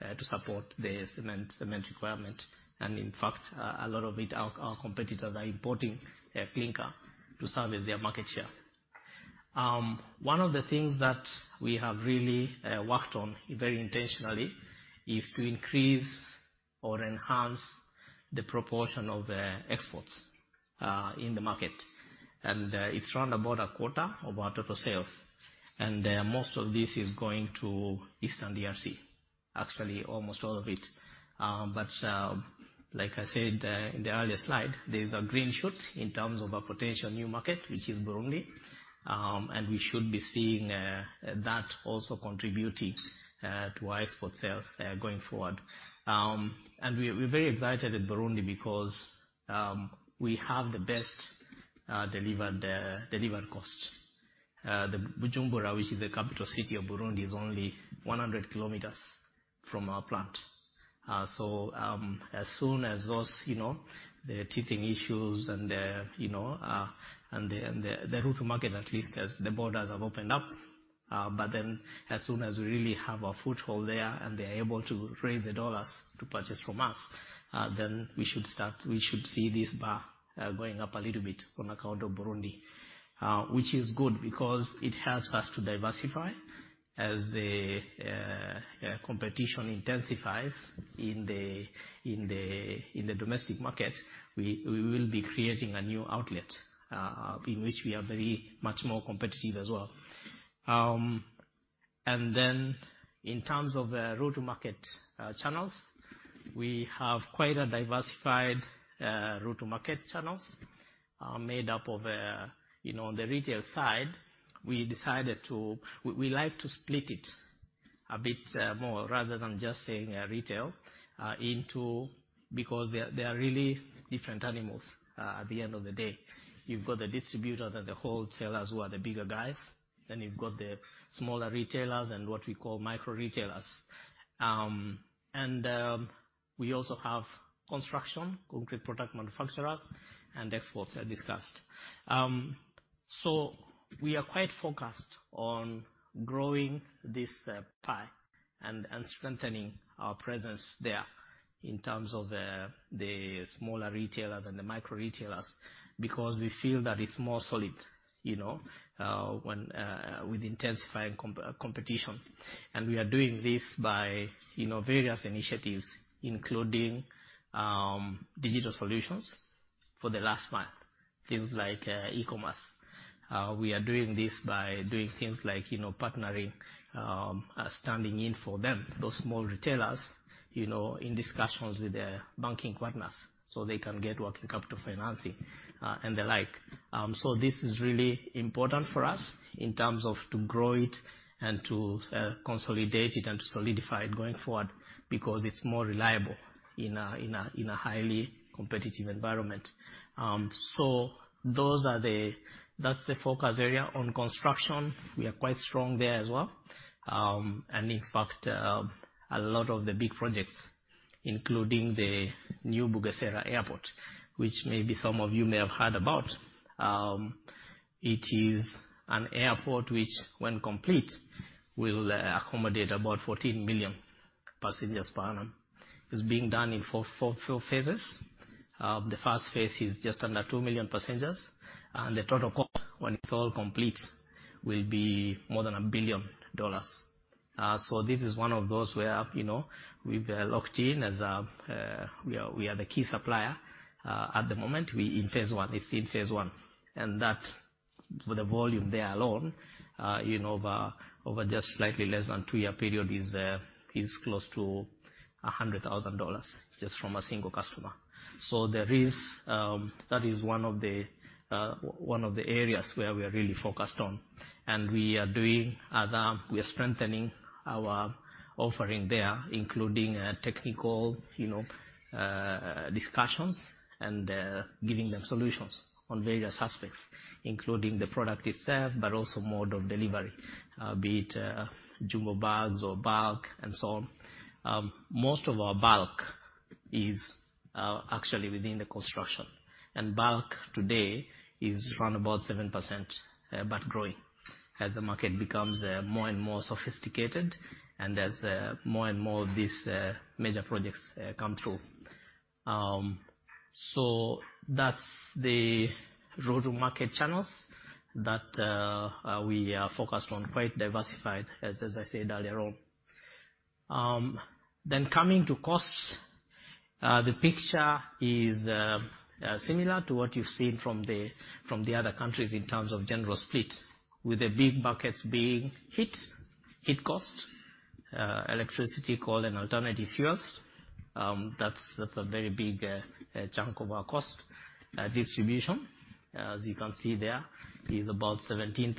to support the cement requirement. In fact, a lot of it, our competitors are importing clinker to service their market share. One of the things that we have really worked on very intentionally is to increase or enhance the proportion of the exports in the market. It's around about a quarter of our total sales. Most of this is going to Eastern DRC, actually almost all of it. Like I said, in the earlier slide, there's a green shoot in terms of a potential new market, which is Burundi. We should be seeing that also contributing to our export sales going forward. We're very excited at Burundi because we have the best delivered cost. The Bujumbura, which is the capital city of Burundi, is only 100 km from our plant. As soon as those, you know, the teething issues and the, you know, and the route to market, at least as the borders have opened up. As soon as we really have a foothold there and they're able to raise the dollars to purchase from us, then we should see this bar going up a little bit on account of Burundi. Which is good because it helps us to diversify. As the competition intensifies in the domestic market, we will be creating a new outlet in which we are very much more competitive as well. In terms of route to market channels, we have quite a diversified route to market channels, made up of, you know, the retail side. We like to split it a bit more rather than just saying retail because they're really different animals at the end of the day. You've got the distributor, then the wholesalers, who are the bigger guys. You've got the smaller retailers and what we call micro-retailers. We also have construction, concrete product manufacturers, and exports I discussed. We are quite focused on growing this pie and strengthening our presence there in terms of the smaller retailers and the micro-retailers, because we feel that it's more solid, you know, when with intensifying competition. We are doing this by, you know, various initiatives, including digital solutions for the last mile, things like e-commerce. We are doing this by doing things like, you know, partnering, standing in for them, those small retailers, you know, in discussions with their banking partners, so they can get working capital financing, and the like. This is really important for us in terms of to grow it and to consolidate it and to solidify it going forward because it's more reliable in a, in a, in a highly competitive environment. That's the focus area. On construction, we are quite strong there as well. In fact, a lot of the big projects, including the new Bugesera Airport, which maybe some of you may have heard about. It is an airport which when complete, will accommodate about 14 million passengers per annum. It's being done in 4 phases. The first phase is just under 2 million passengers, and the total cost when it's all complete will be more than $1 billion. This is one of those where, you know, we've locked in as a, we are the key supplier at the moment. We're in phase 1. It's in phase 1. For the volume there alone, you know, over just slightly less than 2-year period is close to $100,000 just from a single customer. There is, that is one of the areas where we are really focused on. We are doing other... We are strengthening our offering there, including technical, you know, discussions and giving them solutions on various aspects, including the product itself, but also mode of delivery, be it jumbo bags or bulk and so on. Most of our bulk is actually within the construction. Bulk today is around about 7%, but growing as the market becomes more and more sophisticated and as more and more of these major projects come through. That's the road to market channels that we are focused on, quite diversified, as I said earlier on. Coming to costs, the picture is similar to what you've seen from the other countries in terms of general split, with the big buckets being heat cost, electricity, coal, and alternative fuels. That's a very big chunk of our cost. Distribution, as you can see there, is about 17%.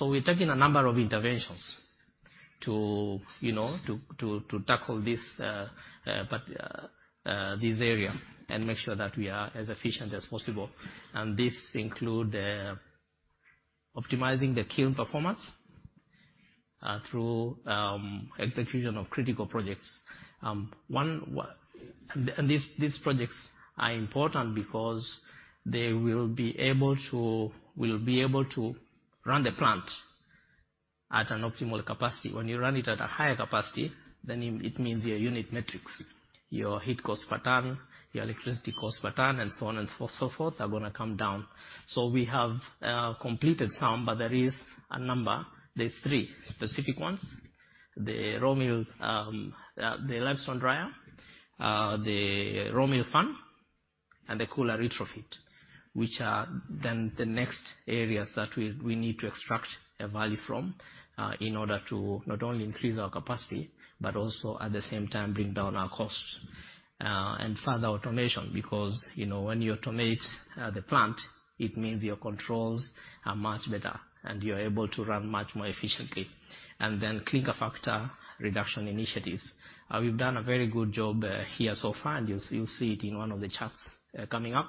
We're taking a number of interventions to, you know, to tackle this area and make sure that we are as efficient as possible. This include optimizing the kiln performance through execution of critical projects. These projects are important because they will be able to run the plant at an optimal capacity. When you run it at a higher capacity, then it means your unit metrics, your heat cost per ton, your electricity cost per ton, and so on and so forth, are gonna come down. We have completed some, but there is a number. There's 3 specific ones. The raw meal, the limestone dryer, the raw meal fan, and the cooler retrofit, which are then the next areas that we need to extract a value from, in order to not only increase our capacity, but also at the same time, bring down our costs. Further automation, because, you know, when you automate the plant, it means your controls are much better, and you're able to run much more efficiently. Clinker factor reduction initiatives. We've done a very good job here so far, and you'll see it in one of the charts coming up.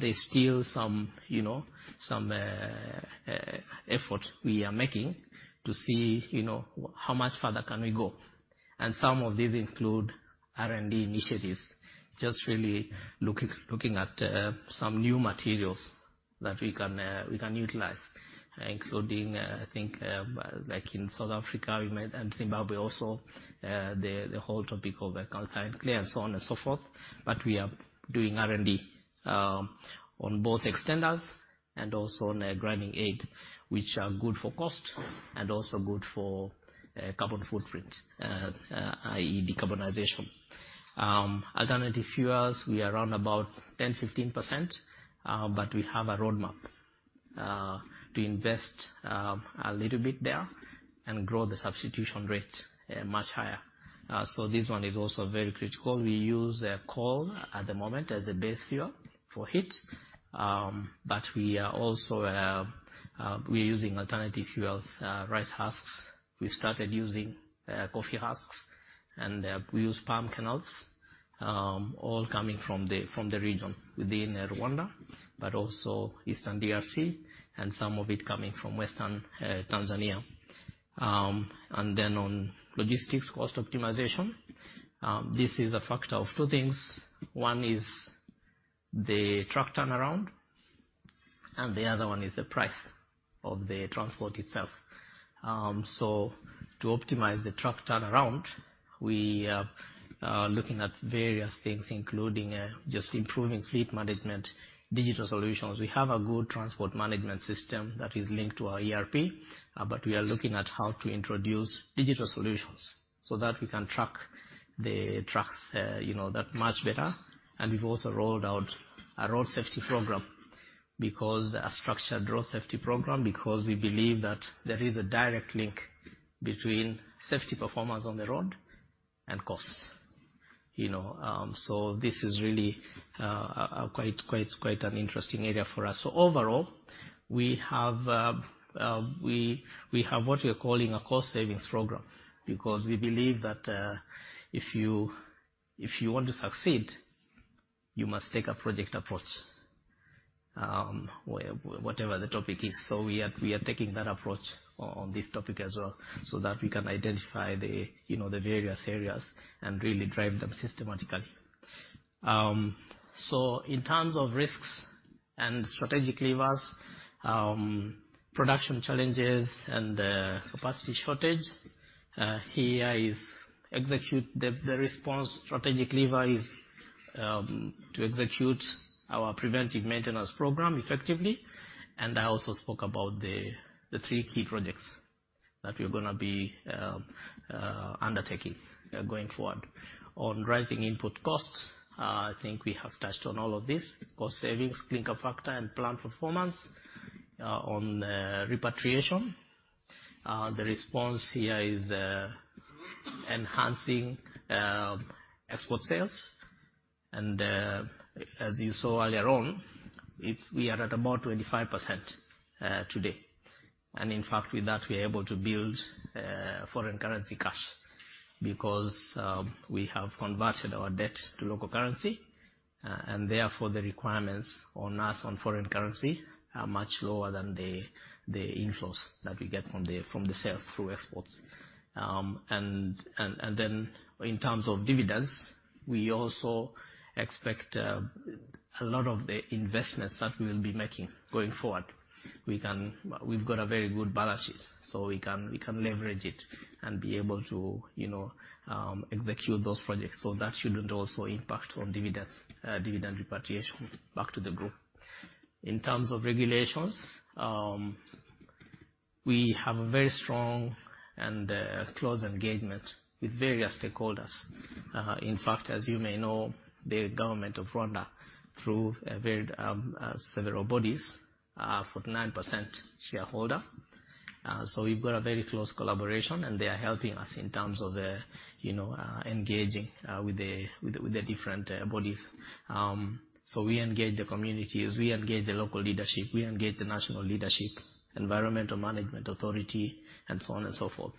There's still some, you know, some effort we are making to see, you know, how much further can we go. Some of these include R&D initiatives, just really looking at some new materials that we can utilize, including, I think, like in South Africa, we might... and Zimbabwe also, the whole topic of calcined clay and so on and so forth. We are doing R&D on both extenders and also on grinding aid, which are good for cost and also good for carbon footprint, i.e., decarbonization. Alternative fuels, we are around about 10-15%, but we have a roadmap to invest a little bit there and grow the substitution rate much higher. This one is also very critical. We use coal at the moment as a base fuel for heat, but we are also we're using alternative fuels, rice husks. We started using coffee husks, and we use palm kernels, all coming from the region within Rwanda, but also Eastern DRC and some of it coming from western Tanzania. On logistics cost optimization, this is a factor of two things. One is the truck turnaround, and the other one is the price of the transport itself. To optimize the truck turnaround, we are looking at various things, including just improving fleet management, digital solutions. We have a good transport management system that is linked to our ERP, but we are looking at how to introduce digital solutions so that we can track the trucks, you know, that much better. We've also rolled out a road safety program because a structured road safety program, because we believe that there is a direct link between safety performance on the road and costs, you know. This is really quite an interesting area for us. Overall, we have what we're calling a cost savings program, because we believe that if you want to succeed, you must take a project approach, whatever the topic is. We are taking that approach on this topic as well, so that we can identify the, you know, the various areas and really drive them systematically. In terms of risks and strategic levers, production challenges and capacity shortage. Here is execute the response strategic lever is to execute our preventive maintenance program effectively. I also spoke about the three key projects that we're gonna be undertaking going forward. On rising input costs, I think we have touched on all of this. Cost savings, clinker factor, and plant performance. On repatriation, the response here is enhancing export sales. As you saw earlier on, we are at about 25% today. In fact, with that, we are able to build foreign currency cash because we have converted our debt to local currency. Therefore, the requirements on us on foreign currency are much lower than the inflows that we get from the sales through exports. Then in terms of dividends, we also expect a lot of the investments that we will be making going forward. We've got a very good balance sheet, we can leverage it and be able to, you know, execute those projects. That shouldn't also impact on dividends, dividend repatriation back to the group. In terms of regulations, we have a very strong and close engagement with various stakeholders. In fact, as you may know, the government of Rwanda, through a very, several bodies, are 49% shareholder. We've got a very close collaboration, and they are helping us in terms of, you know, engaging with the different bodies. We engage the communities, we engage the local leadership, we engage the national leadership, environmental management authority, and so on and so forth.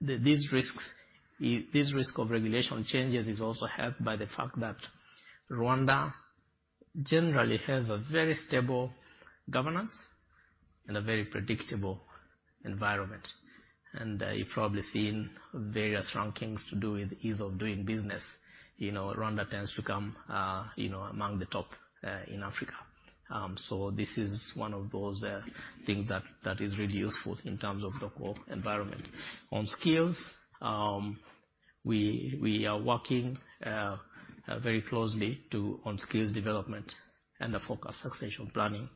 This risk of regulation changes is also helped by the fact that Rwanda generally has a very stable governance and a very predictable environment. You've probably seen various rankings to do with ease of doing business. You know, Rwanda tends to come, you know, among the top in Africa. This is one of those things that is really useful in terms of local environment. On skills, we are working very closely on skills development and the focused succession planning.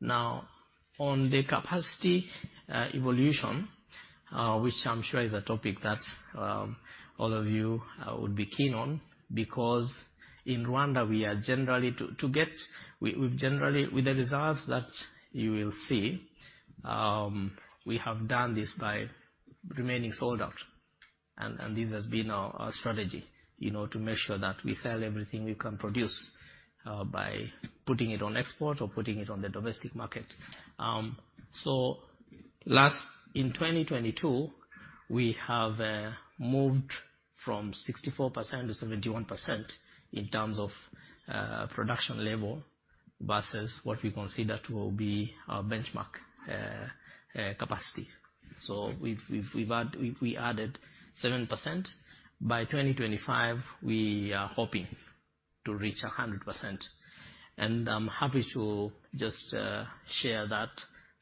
Now on the capacity evolution, which I'm sure is a topic that all of you would be keen on, because in Rwanda, we've generally with the results that you will see, we have done this by remaining sold out. This has been our strategy, you know, to make sure that we sell everything we can produce by putting it on export or putting it on the domestic market. In 2022, we have moved from 64% to 71% in terms of production level versus what we consider to be our benchmark capacity. We added 7%. By 2025, we are hoping to reach 100%. I'm happy to just share that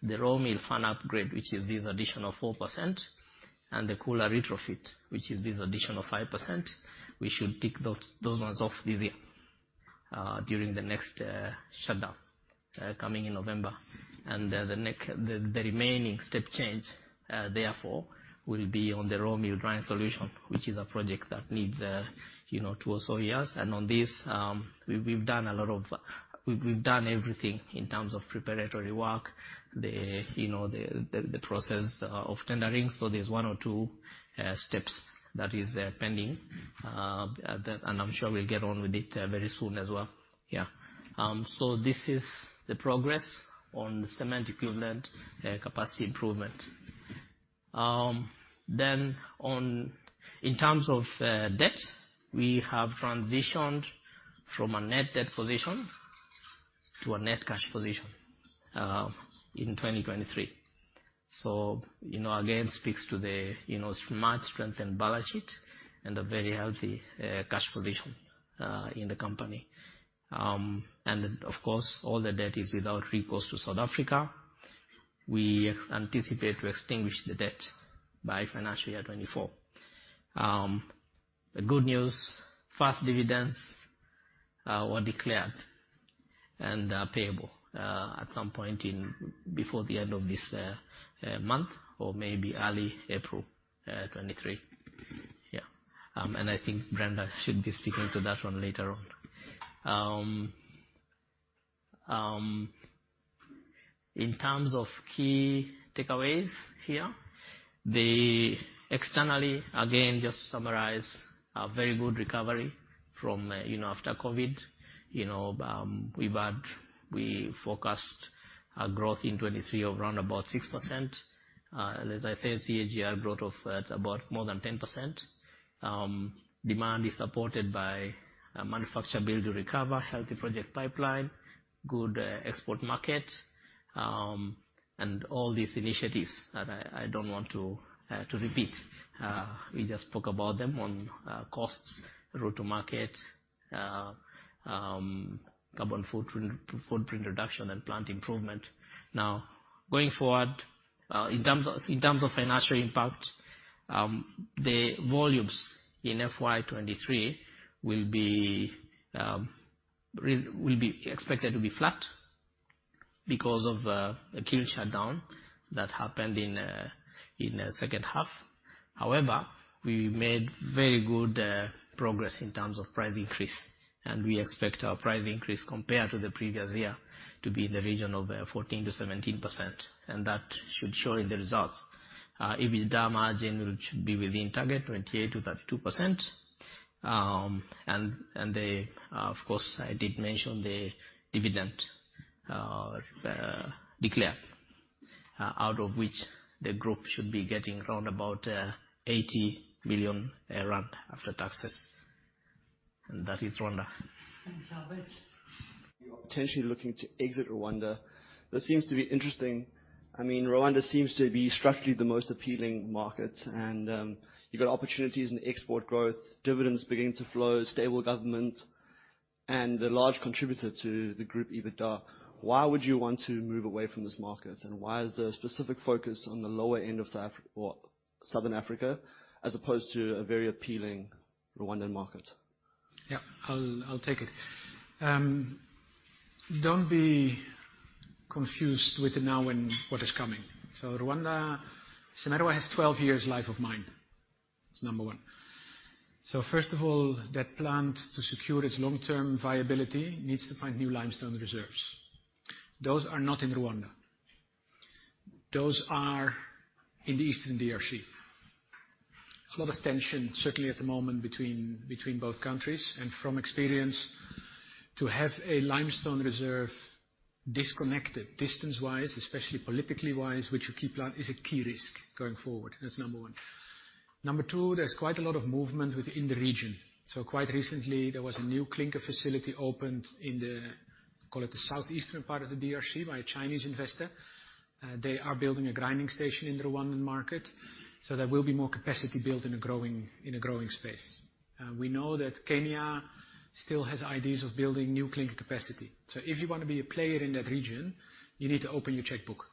the raw meal fan upgrade, which is this additional 4%, and the cooler retrofit, which is this additional 5%, we should tick those ones off this year during the next shutdown coming in November. The remaining step change therefore will be on the raw meal drying solution, which is a project that needs, you know, 2 or so years. On this, we've done everything in terms of preparatory work, the, you know, the process of tendering. There's 1 or 2 steps that is pending. I'm sure we'll get on with it very soon as well. Yeah. This is the progress on the cement equivalent capacity improvement. In terms of debt, we have transitioned from a net debt position to a net cash position in 2023. You know, again, speaks to the, you know, much strength in balance sheet and a very healthy cash position in the company. Of course, all the debt is without recourse to South Africa. We anticipate to extinguish the debt by financial year 2024. The good news, first dividends were declared and are payable at some point before the end of this month or maybe early April 2023. I think Brenda should be speaking to that one later on. In terms of key takeaways here, externally, again, just to summarize, a very good recovery from, you know, after COVID. You know, we forecast a growth in 2023 of around 6%. As I said, CAGR growth of more than 10%. Demand is supported by manufacture ability to recover, healthy project pipeline, good export market, and all these initiatives that I don't want to repeat. We just spoke about them on costs, route to market, carbon footprint reduction and plant improvement. Going forward, in terms of financial impact, the volumes in FY 2023 will be expected to be flat because of a kiln shutdown that happened in the second half. However, we made very good progress in terms of price increase, and we expect our price increase compared to the previous year to be in the region of 14%-17%. That should show in the results. EBITDA margin should be within target, 28%-32%. Of course, I did mention the dividend declared, out of which the group should be getting around about 80 million rand after taxes. That is Rwanda. Thanks, Albert. You're potentially looking to exit Rwanda. That seems to be interesting. I mean, Rwanda seems to be structurally the most appealing market, and you've got opportunities in export growth, dividends beginning to flow, stable government, and a large contributor to the group EBITDA. Why would you want to move away from this market? Why is there a specific focus on the lower end of Southern Africa, as opposed to a very appealing Rwandan market? Yeah. I'll take it. Don't be confused with the now and what is coming. Cimerwa has 12 years life of mine. That's number one. First of all, that plant, to secure its long-term viability, needs to find new limestone reserves. Those are not in Rwanda. Those are in the eastern DRC. There's a lot of tension, certainly at the moment, between both countries. From experience, to have a limestone reserve disconnected distance-wise, especially politically-wise, which you keep is a key risk going forward. That's number one. Number two, there's quite a lot of movement within the region. Quite recently, there was a new clinker facility opened in the, call it, the southeastern part of the DRC by a Chinese investor. They are building a grinding station in the Rwandan market, there will be more capacity built in a growing space. We know that Kenya still has ideas of building new clinker capacity. If you wanna be a player in that region, you need to open your checkbook,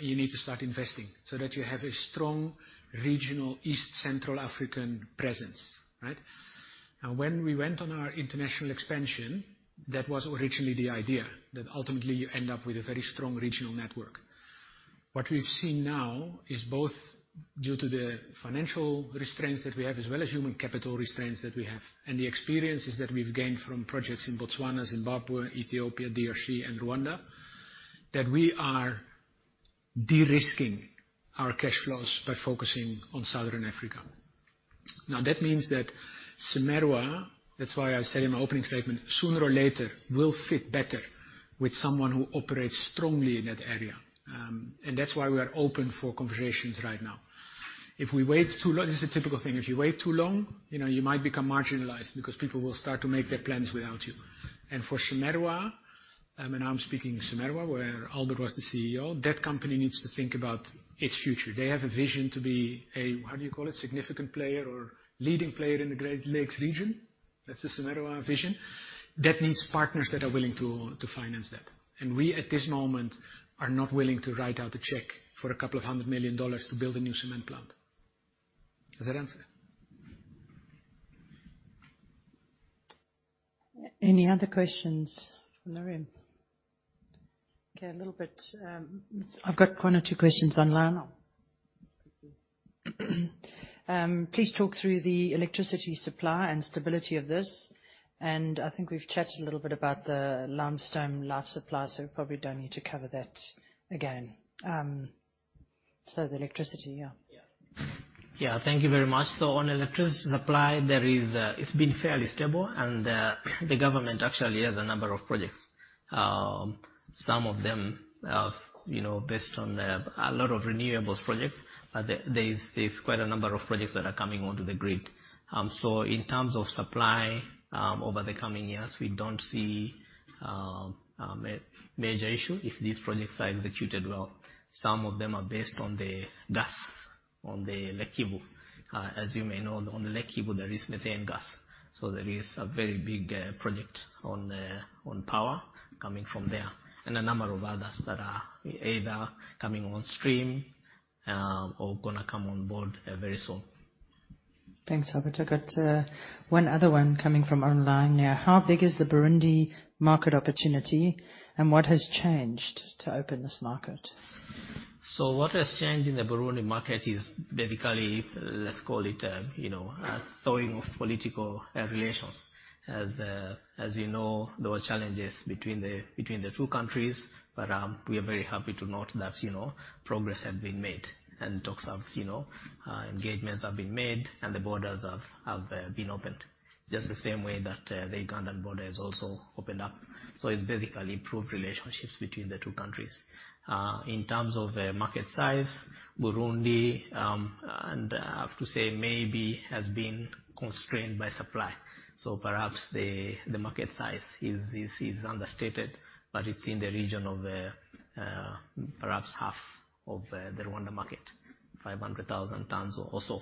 you need to start investing so that you have a strong regional East Central African presence, right? When we went on our international expansion, that was originally the idea, that ultimately you end up with a very strong regional network. What we've seen now is both due to the financial restraints that we have as well as human capital restraints that we have, and the experiences that we've gained from projects in Botswana, Zimbabwe, Ethiopia, DRC, and Rwanda, that we are de-risking our cash flows by focusing on Southern Africa. That means that Cimerwa, that's why I said in my opening statement, sooner or later, will fit better with someone who operates strongly in that area. That's why we are open for conversations right now. If we wait too long. This is a typical thing. If you wait too long, you know, you might become marginalized because people will start to make their plans without you. For Cimerwa, I'm speaking Cimerwa, where Albert was the CEO, that company needs to think about its future. They have a vision to be a significant player or leading player in the Great Lakes region. That's the Cimerwa vision. That means partners that are willing to finance that. We, at this moment, are not willing to write out a check for $200 million to build a new cement plant. Does that answer? Any other questions from the room? A little bit, I've got one or two questions online. Please talk through the electricity supply and stability of this, and I think we've chatted a little bit about the limestone life supply, so we probably don't need to cover that again. Yeah, yeah. Thank you very much. On electricity supply, it's been fairly stable, and the government actually has a number of projects. Some of them are, you know, A lot of renewables projects. There is quite a number of projects that are coming onto the grid. In terms of supply, over the coming years, we don't see a major issue if these projects are executed well. Some of them are based on the gas on the Lake Kivu. As you may know, on Lake Kivu, there is methane gas. There is a very big project on power coming from there, and a number of others that are either coming on stream or gonna come on board very soon. Thanks, Albert. I've got one other one coming from online now. How big is the Burundi market opportunity, and what has changed to open this market? What has changed in the Burundi market is basically, let's call it, you know, a thawing of political relations. As you know, there were challenges between the two countries, but we are very happy to note that, you know, progress has been made, and talks have, you know, engagements have been made, and the borders have been opened. Just the same way that the Ugandan border has also opened up. It's basically improved relationships between the two countries. In terms of market size, Burundi, and I have to say maybe has been constrained by supply. Perhaps the market size is understated, but it's in the region of perhaps half of the Rwanda market 500,000 tons or also,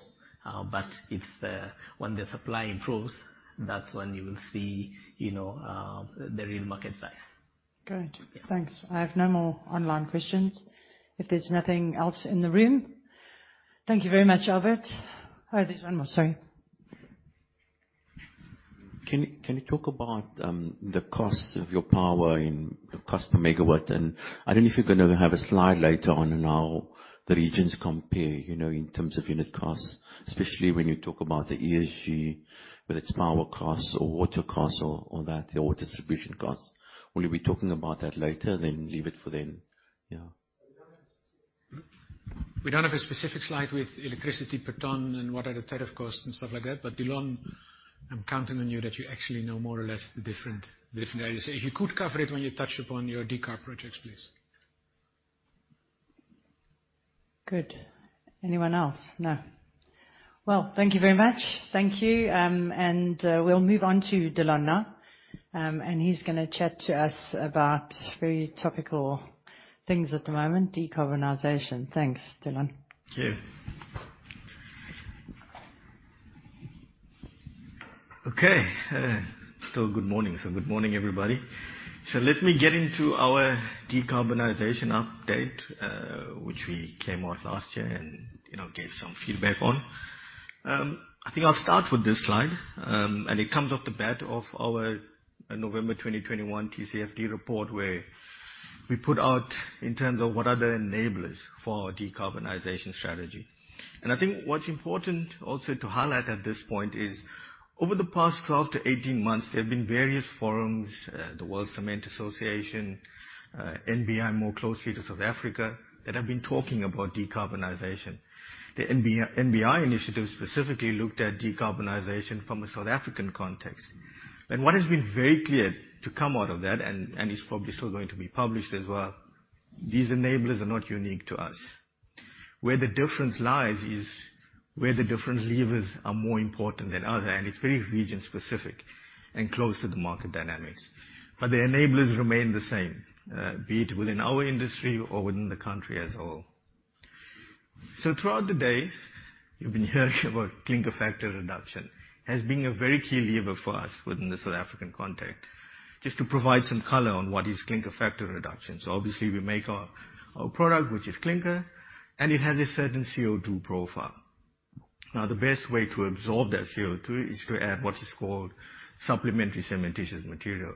but it's, when the supply improves, that's when you will see, you know, the real market size. Great. Yeah. Thanks. I have no more online questions. If there's nothing else in the room. Thank you very much, Albert. Oh, there's one more. Sorry. Can you talk about the cost of your power and the cost per megawatt? I don't know if you're gonna have a slide later on how the regions compare, you know, in terms of unit costs, especially when you talk about the ESG, whether it's power costs or water costs or that or distribution costs. Will you be talking about that later, leave it for then? Yeah. We don't have a specific slide with electricity per ton and what are the tariff costs and stuff like that. Delon, I'm counting on you that you actually know more or less the different areas. If you could cover it when you touch upon your decarb projects, please. Good. Anyone else? No. Well, thank you very much. Thank you. We'll move on to Delon now. He's gonna chat to us about very topical things at the moment, decarbonization. Thanks, Delon. Thank you. Okay. Still good morning. Good morning, everybody. Let me get into our decarbonization update, which we came out last year and, you know, get some feedback on. I think I'll start with this slide. It comes off the back of our November 2021 TCFD report, where we put out in terms of what are the enablers for our decarbonization strategy. I think what's important also to highlight at this point is, over the past 12 to 18 months, there have been various forums, the World Cement Association, NBI, more closely to South Africa, that have been talking about decarbonization. The NBI initiative specifically looked at decarbonization from a South African context. What has been very clear to come out of that, and it's probably still going to be published as well, these enablers are not unique to us. Where the difference lies is where the different levers are more important than others, and it's very region-specific and close to the market dynamics. The enablers remain the same, be it within our industry or within the country as a whole. Throughout the day, you've been hearing about clinker factor reduction as being a very key lever for us within the South African context. Just to provide some color on what is clinker factor reduction. Obviously we make our product, which is clinker, and it has a certain CO2 profile. Now, the best way to absorb that CO2 is to add what is called supplementary cementitious material.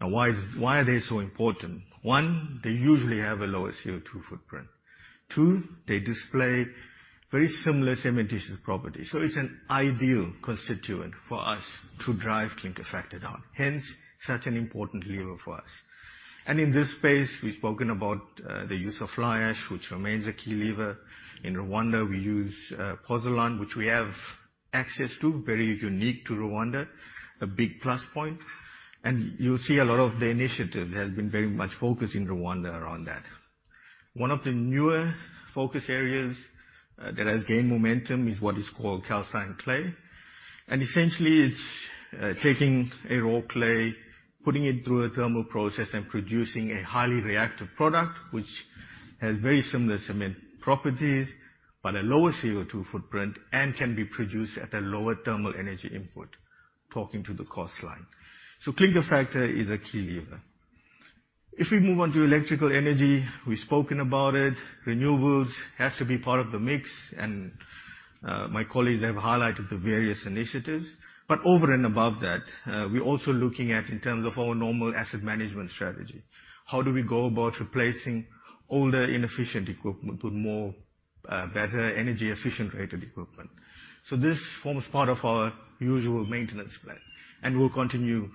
Now, why are they so important? One, they usually have a lower CO2 footprint. Two, they display very similar cementitious properties. It's an ideal constituent for us to drive clinker factor down, hence such an important lever for us. In this space, we've spoken about the use of fly ash, which remains a key lever. In Rwanda, we use pozzolan, which we have access to, very unique to Rwanda, a big plus point. You'll see a lot of the initiative has been very much focused in Rwanda around that. One of the newer focus areas that has gained momentum is what is called calcined clay. Essentially, it's taking a raw clay, putting it through a thermal process and producing a highly reactive product, which has very similar cement properties, but a lower CO2 footprint and can be produced at a lower thermal energy input, talking to the cost line. clinker factor is a key lever. If we move on to electrical energy, we've spoken about it. Renewables has to be part of the mix and my colleagues have highlighted the various initiatives. Over and above that, we're also looking at in terms of our normal asset management strategy, how do we go about replacing older, inefficient equipment with more better energy efficient rated equipment? This forms part of our usual maintenance plan and will continue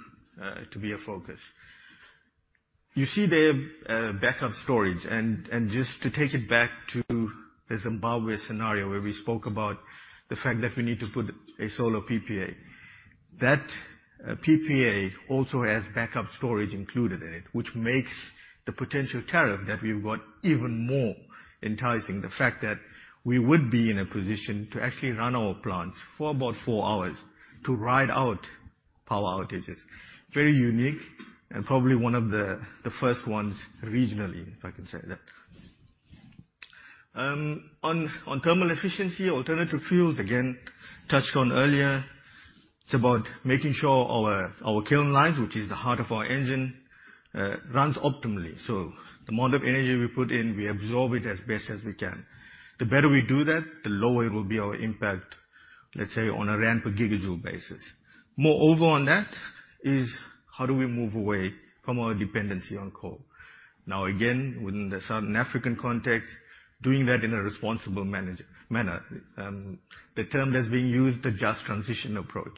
to be a focus. You see there, backup storage, and just to take it back to the Zimbabwe scenario, where we spoke about the fact that we need to put a solar PPA. That PPA also has backup storage included in it, which makes the potential tariff that we've got even more enticing. The fact that we would be in a position to actually run our plants for about four hours to ride out power outages. Very unique and probably one of the first ones regionally, if I can say that. On thermal efficiency, alternative fuels, again, touched on earlier. It's about making sure our kiln lines, which is the heart of our engine, runs optimally. The amount of energy we put in, we absorb it as best as we can. The better we do that, the lower it will be our impact, let's say, on a ramp or gigajoule basis. Moreover on that is how do we move away from our dependency on coal? Now, again, within the Southern African context, doing that in a responsible manner. The term that's being used, the Just Transition approach.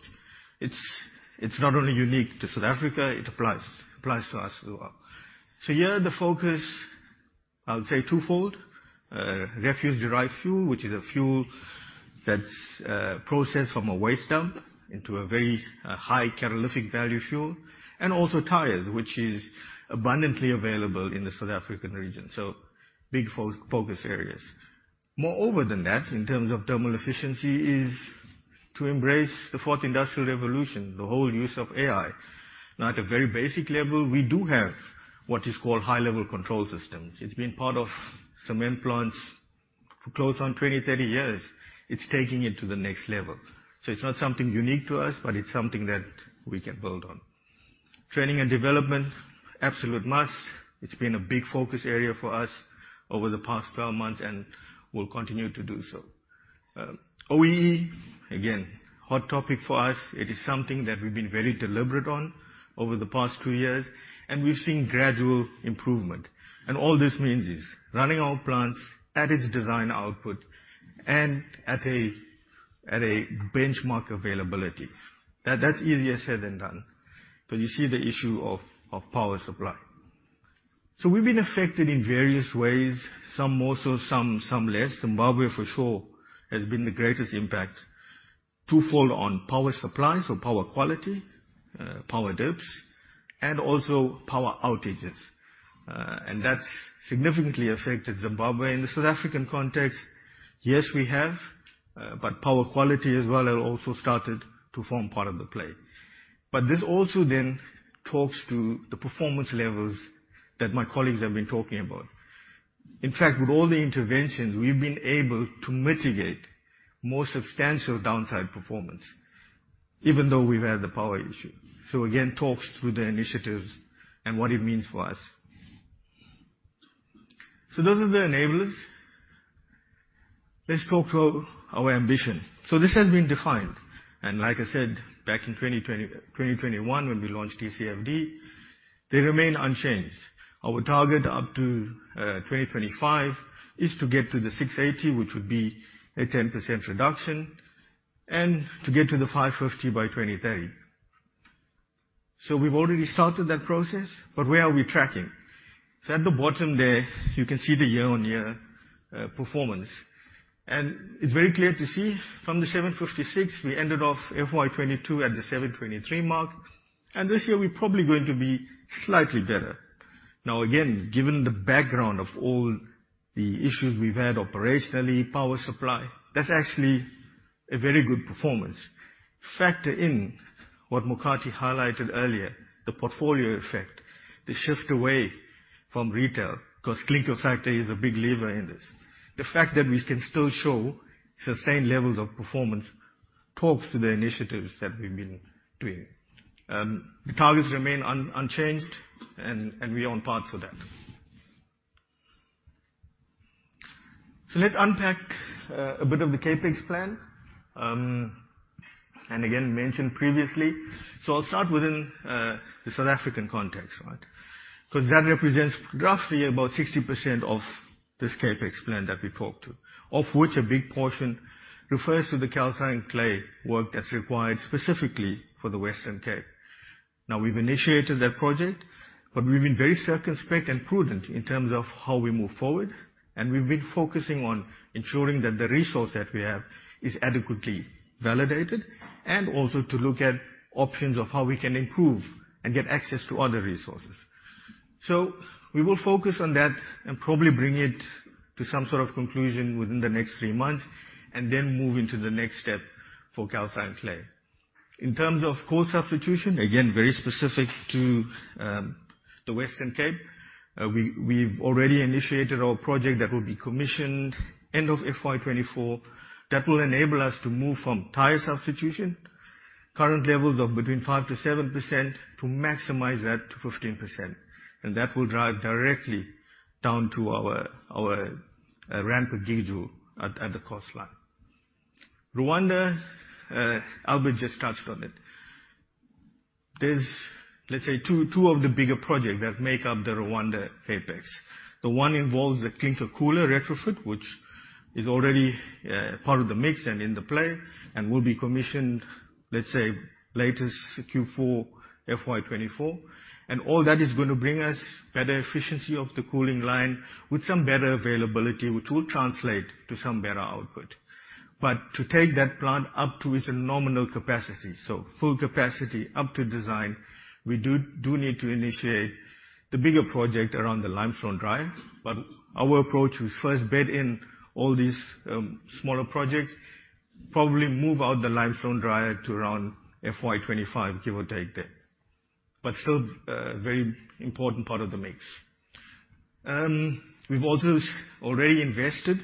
It's not only unique to South Africa, it applies to us as well. Here the focus, I would say, twofold. Refuse-derived fuel, which is a fuel that's processed from a waste dump into a very high calorific value fuel, and also tires, which is abundantly available in the South African region. Big focus areas. Moreover than that, in terms of thermal efficiency is to embrace the fourth industrial revolution, the whole use of AI. At a very basic level, we do have what is called high-level control systems. It's been part of cement plants for close on 20, 30 years. It's taking it to the next level. It's not something unique to us, but it's something that we can build on. Training and development, absolute must. It's been a big focus area for us over the past 12 months, and we'll continue to do so. OEE, again, hot topic for us. It is something that we've been very deliberate on over the past 2 years, and we've seen gradual improvement. All this means is running our plants at its design output and at a benchmark availability. That's easier said than done, 'cause you see the issue of power supply. We've been affected in various ways, some more so, some less. Zimbabwe, for sure, has been the greatest impact, twofold on power supply, so power quality, power dips, and also power outages. That's significantly affected Zimbabwe. In the South African context, yes, we have, power quality as well has also started to form part of the play. This also talks to the performance levels that my colleagues have been talking about. In fact, with all the interventions, we've been able to mitigate more substantial downside performance, even though we've had the power issue. Again, talks to the initiatives and what it means for us. Those are the enablers. Let's talk to our ambition. This has been defined, like I said, back in 2020, 2021 when we launched TCFD, they remain unchanged. Our target up to 2025 is to get to the 680, which would be a 10% reduction, and to get to the 550 by 2030. We've already started that process, but where are we tracking? At the bottom there, you can see the year-on-year performance. It's very clear to see from the 756, we ended off FY 2022 at the 723 mark, and this year we're probably going to be slightly better. Now again, given the background of all the issues we've had operationally, power supply, that's actually a very good performance. Factor in what Mokate highlighted earlier, the portfolio effect, the shift away from retail, 'cause clinker factor is a big lever in this. The fact that we can still show sustained levels of performance talks to the initiatives that we've been doing. The targets remain unchanged and we're on par for that. Let's unpack a bit of the CapEx plan, and again, mentioned previously. I'll start within the South African context, right? 'Cause that represents roughly about 60% of this CapEx plan that we talked to, of which a big portion refers to the calcine clay work that's required specifically for the Western Cape. We've initiated that project, but we've been very circumspect and prudent in terms of how we move forward, and we've been focusing on ensuring that the resource that we have is adequately validated, and also to look at options of how we can improve and get access to other resources. We will focus on that and probably bring it to some sort of conclusion within the next three months and then move into the next step for calcined clay. In terms of coal substitution, again, very specific to the Western Cape, we've already initiated our project that will be commissioned end of FY 2024. That will enable us to move from tire substitution, current levels of between 5%-7%, to maximize that to 15%. That will drive directly down to our Rand per GJ at the cost line. Rwanda, Albert just touched on it. There's, let's say, two of the bigger projects that make up the Rwanda CapEx. The one involves a clinker cooler retrofit, which is already part of the mix and in the play and will be commissioned, let's say, latest Q4 FY 2024. All that is gonna bring us better efficiency of the cooling line with some better availability, which will translate to some better output. To take that plant up to its nominal capacity, so full capacity up to design, we do need to initiate the bigger project around the limestone dryer. Our approach, we first bed in all these smaller projects, probably move out the limestone dryer to around FY 2025, give or take there. Still, a very important part of the mix. We've also already invested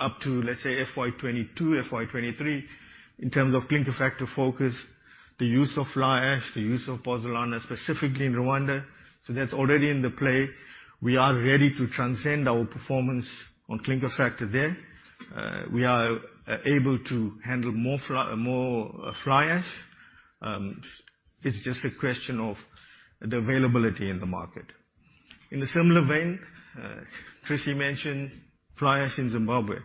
up to, let's say, FY 2022, FY 2023, in terms of clinker factor focus, the use of fly ash, the use of pozzolana, specifically in Rwanda. That's already in the play. We are ready to transcend our performance on clinker factor there. We are able to handle more fly ash. It's just a question of the availability in the market. In a similar vein, Chrissy mentioned fly ash in Zimbabwe.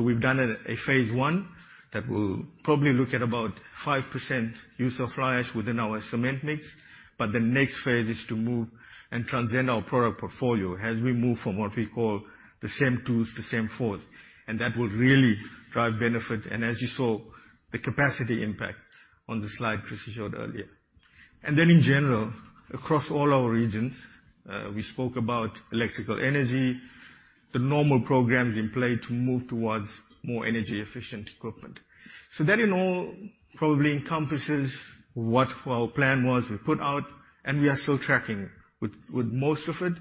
We've done a phase 1 that will probably look at about 5% use of fly ash within our cement mix, but the next phase is to move and transcend our product portfolio as we move from what we call the CEM IIs to CEM IVs, and that will really drive benefit, and as you saw, the capacity impact on the slide Chrissy showed earlier. In general, across all our regions, we spoke about electrical energy, the normal programs in play to move towards more energy efficient equipment. That in all probably encompasses what our plan was. We put out and we are still tracking with most of it,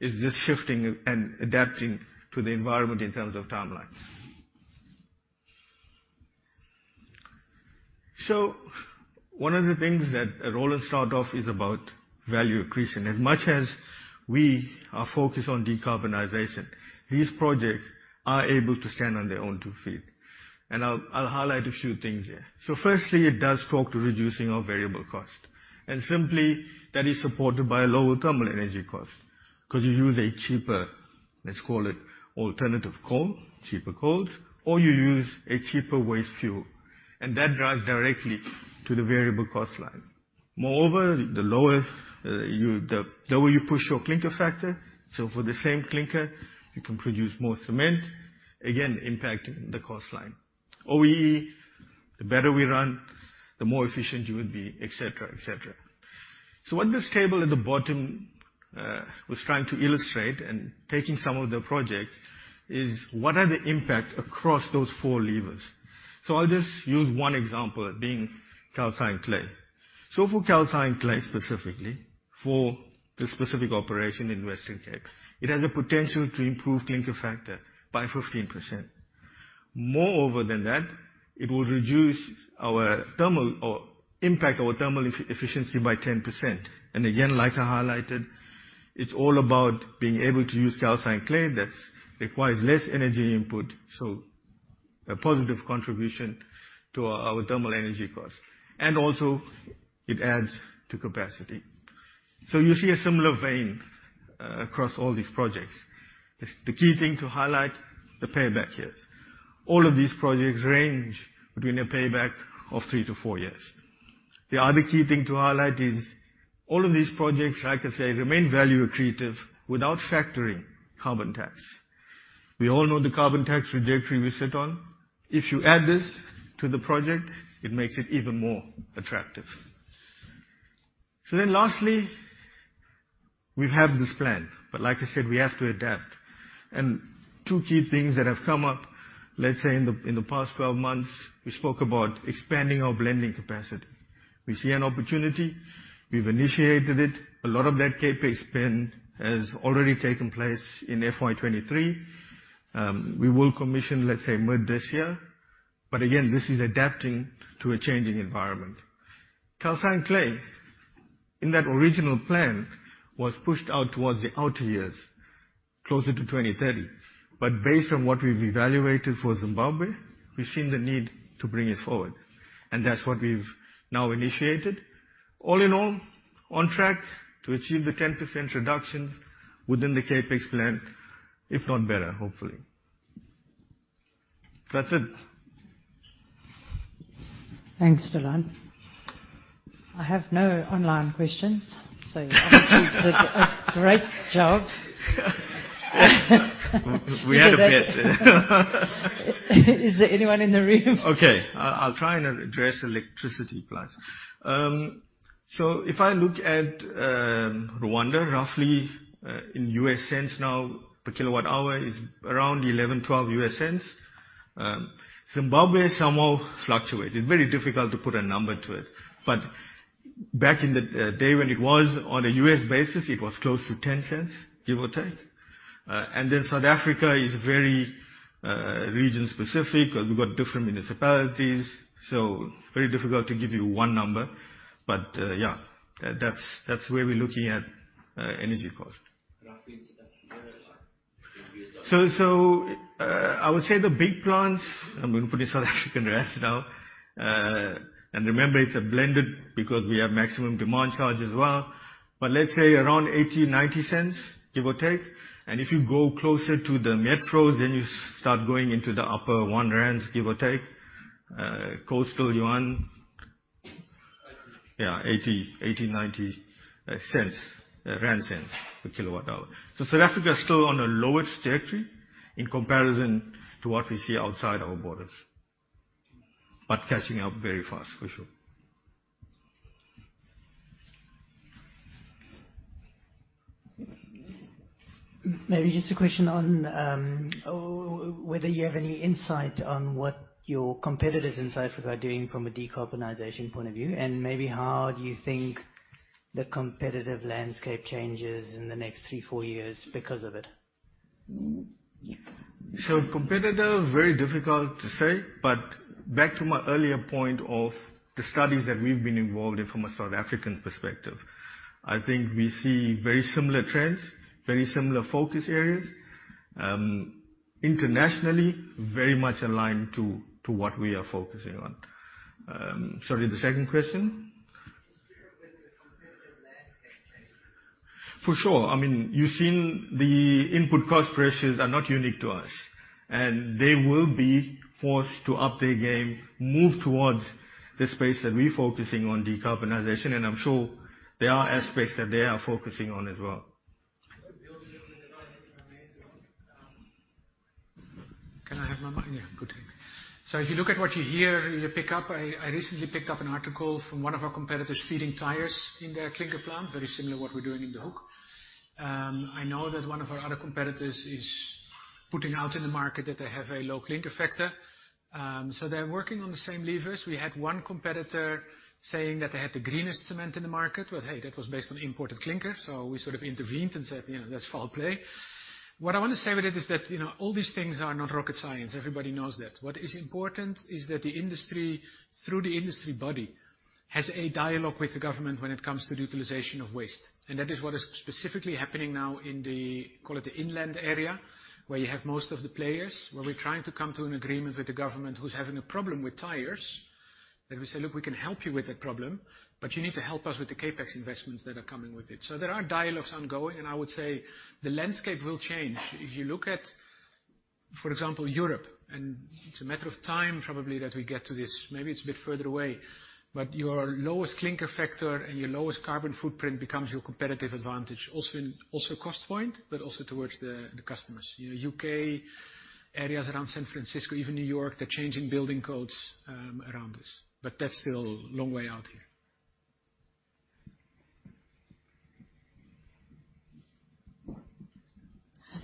is just shifting and adapting to the environment in terms of timelines. One of the things that Roland started off is about value accretion. As much as we are focused on decarbonization, these projects are able to stand on their own two feet. I'll highlight a few things here. Firstly, it does talk to reducing our variable cost, and simply that is supported by a lower thermal energy cost, 'cause you use a cheaper, let's call it alternative coal, cheaper coal, or you use a cheaper waste fuel, and that drives directly to the variable cost line. Moreover, the lower you push your clinker factor, so for the same clinker, you can produce more cement, again, impacting the cost line. O&M, the better we run, the more efficient you will be, et cetera, et cetera. What this table at the bottom was trying to illustrate and taking some of the projects is, what are the impact across those four levers. I'll just use one example, being Calcined Clay. For Calcined Clay, specifically for the specific operation in Western Cape, it has a potential to improve clinker factor by 15%. Moreover than that, it will reduce our thermal or impact our thermal efficiency by 10%. Again, like I highlighted, it's all about being able to use Calcined Clay that requires less energy input, so a positive contribution to our thermal energy cost. Also it adds to capacity. You see a similar vein across all these projects. The key thing to highlight, the payback years. All of these projects range between a payback of 3-4 years. The other key thing to highlight is all of these projects, like I say, remain value accretive without factoring carbon tax. We all know the carbon tax trajectory we sit on. If you add this to the project, it makes it even more attractive. Lastly, we have this plan, but like I said, we have to adapt. Two key things that have come up, let's say in the, in the past 12 months, we spoke about expanding our blending capacity. We see an opportunity, we've initiated it. A lot of that CapEx spend has already taken place in FY 23. We will commission, let's say, mid this year. Again, this is adapting to a changing environment. Calcined clay in that original plan was pushed out towards the outer years, closer to 2030. Based on what we've evaluated for Zimbabwe, we've seen the need to bring it forward, and that's what we've now initiated. All in all, on track to achieve the 10% reductions within the CapEx plan, if not better, hopefully. That's it. Thanks, Delon. I have no online questions, so you did a great job. We had a bet. Is there anyone in the room? Okay. I'll try and address electricity price. If I look at Rwanda, roughly, in US cents now per kilowatt hour is around $0.11-$0.12. Zimbabwe somehow fluctuates. It's very difficult to put a number to it. Back in the day, when it was on a U.S. basis, it was close to $0.10, give or take. South Africa is very region specific because we've got different municipalities. Very difficult to give you 1 number. Yeah. That's where we're looking at energy costs. Roughly in South Africa, like in U.S. dollars. I would say the big plants, I'm gonna put it South African rands now. Remember, it's a blended because we have maximum demand charge as well. Let's say around 0.80-0.90, give or take. If you go closer to the metros, then you start going into the upper 1 rand, give or take. Coastal you are- Eighty. Yeah, 80-90 Rand cents per kilowatt hour. South Africa is still on a lower trajectory in comparison to what we see outside our borders, but catching up very fast for sure. Maybe just a question on whether you have any insight on what your competitors in South Africa are doing from a decarbonization point of view, and maybe how do you think the competitive landscape changes in the next three, four years because of it? Competitive, very difficult to say, but back to my earlier point of the studies that we've been involved in from a South African perspective, I think we see very similar trends, very similar focus areas. Internationally, very much aligned to what we are focusing on. Sorry, the second question. Just where the competitive landscape changes. For sure. I mean, you've seen the input cost pressures are not unique to us, and they will be forced to up their game, move towards the space that we're focusing on, decarbonization, and I'm sure there are aspects that they are focusing on as well. I have my mic, yeah. Good, thanks. If you look at what you hear, you pick up. I recently picked up an article from one of our competitors feeding tires in their clinker plant, very similar to what we're doing in De Hoek. I know that one of our other competitors is putting out in the market that they have a low clinker factor. They're working on the same levers. We had one competitor saying that they had the greenest cement in the market. Well, hey, that was based on imported clinker. We sort of intervened and said, "You know, that's foul play." What I wanna say with it is that, you know, all these things are not rocket science. Everybody knows that. What is important is that the industry, through the industry body, has a dialogue with the government when it comes to the utilization of waste. That is what is specifically happening now in the... call it the inland area, where you have most of the players, where we're trying to come to an agreement with the government who's having a problem with tires. We say, "Look, we can help you with that problem, but you need to help us with the CapEx investments that are coming with it." There are dialogues ongoing, and I would say the landscape will change. If you look at, for example, Europe, and it's a matter of time probably that we get to this, maybe it's a bit further away, but your lowest clinker factor and your lowest carbon footprint becomes your competitive advantage. Also in, also cost point, but also towards the customers. You know, UK, areas around San Francisco, even New York, they're changing building codes around this. That's still a long way out here.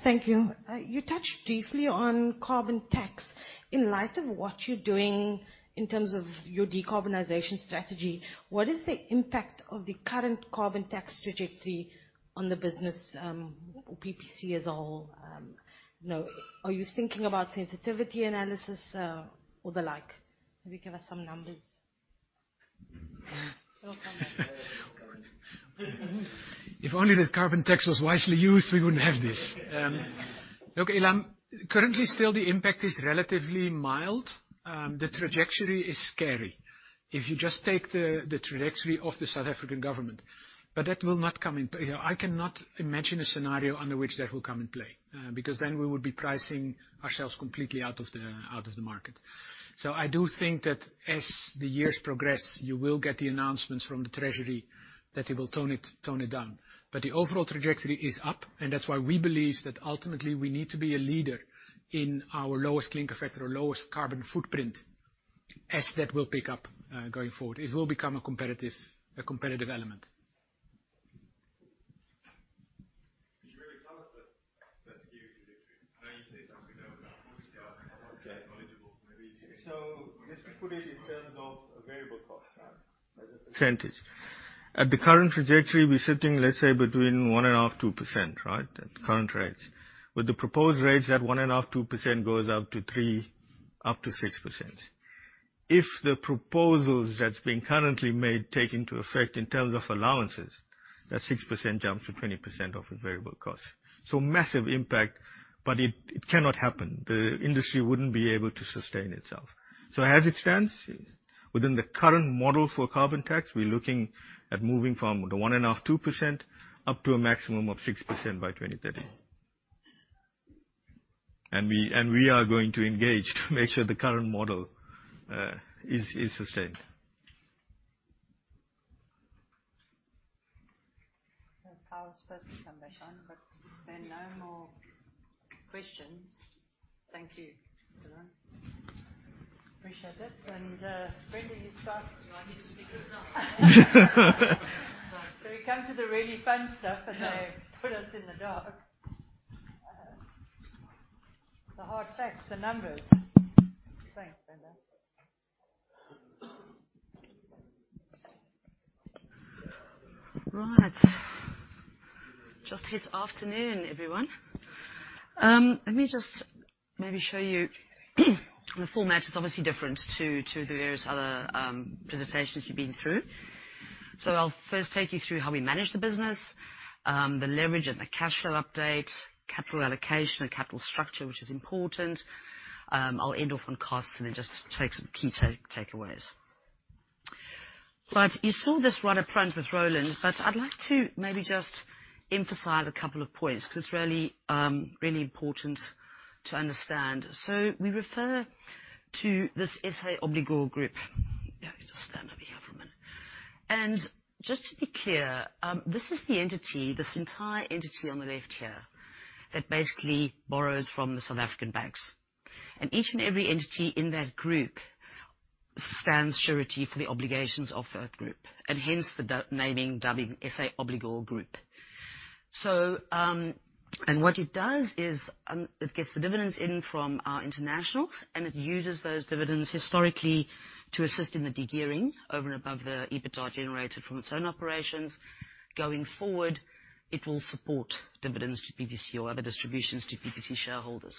Thank you. You touched deeply on carbon tax. In light of what you're doing in terms of your decarbonization strategy, what is the impact of the current carbon tax trajectory on the business, or PPC as a whole? You know, are you thinking about sensitivity analysis, or the like? Maybe give us some numbers. We'll come back. If only that carbon tax was wisely used, we wouldn't have this. Look, Elan, currently still the impact is relatively mild. The trajectory is scary. If you just take the trajectory of the South African government. You know, I cannot imagine a scenario under which that will come in play, because then we would be pricing ourselves completely out of the market. I do think that as the years progress, you will get the announcements from the treasury that it will tone it down. The overall trajectory is up, and that's why we believe that ultimately we need to be a leader in our lowest clinker factor or lowest carbon footprint, as that will pick up going forward. It will become a competitive element. Could you maybe tell us what that trajectory is? I know you say it's something that will come into play. Okay. Maybe- Let's put it in terms of a variable cost, right? As a %. Percentage. At the current trajectory, we're sitting, let's say, between 1.5%-2%, right? At the current rates. With the proposed rates, that 1.5%-2% goes up to 3%-6%. If the proposals that's being currently made take into effect in terms of allowances, that 6% jumps to 20% of the variable cost. Massive impact, but it cannot happen. The industry wouldn't be able to sustain itself. As it stands, within the current model for carbon tax, we're looking at moving from the 1.5%-2% up to a maximum of 6% by 2030. We are going to engage to make sure the current model is sustained. The power's supposed to come back on, if there are no more questions, thank you to them. Appreciate it. Brenda, you start. Do I need to speak in the dark? We come to the really fun stuff. No. They put us in the dark. The hard facts, the numbers. Thanks, Brenda. Right. Just afternoon, everyone. Let me just maybe show you. The format is obviously different to the various other presentations you've been through. I'll first take you through how we manage the business, the leverage and the cash flow update, capital allocation and capital structure, which is important. I'll end off on costs and then just take some key takeaways. Right. You saw this right up front with Roland van Wijnen, but I'd like to maybe just emphasize a couple of points 'cause it's really important to understand. We refer to this SA Obligor Group. Let me just stand over here for a minute. Just to be clear, this is the entity, this entire entity on the left here, that basically borrows from the South African banks. Each and every entity in that group stands surety for the obligations of that group, and hence the naming, dubbing SA Obligor Group. What it does is, it gets the dividends in from our internationals, and it uses those dividends historically to assist in the de-gearing over and above the EBITDA generated from its own operations. Going forward, it will support dividends to PPC or other distributions to PPC shareholders.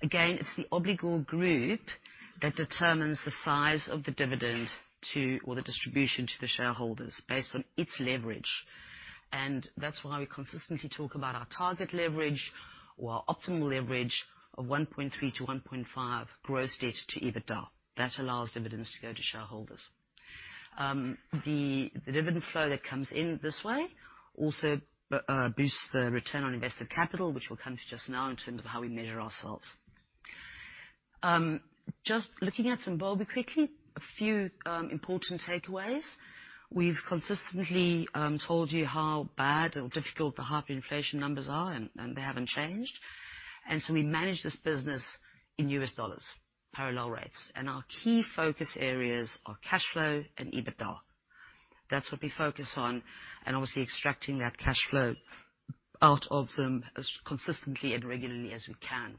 It's the Obligor Group that determines the size of the dividend to, or the distribution to the shareholders based on its leverage. That's why we consistently talk about our target leverage or our optimal leverage of 1.3-1.5 gross debt to EBITDA. That allows dividends to go to shareholders. The dividend flow that comes in this way also boosts the return on invested capital, which we'll come to just now in terms of how we measure ourselves. Just looking at Zimbabwe quickly, a few important takeaways. We've consistently told you how bad or difficult the hyperinflation numbers are, and they haven't changed. We manage this business in US dollars, parallel rates, and our key focus areas are cash flow and EBITDA. That's what we focus on, and obviously extracting that cash flow out of them as consistently and regularly as we can.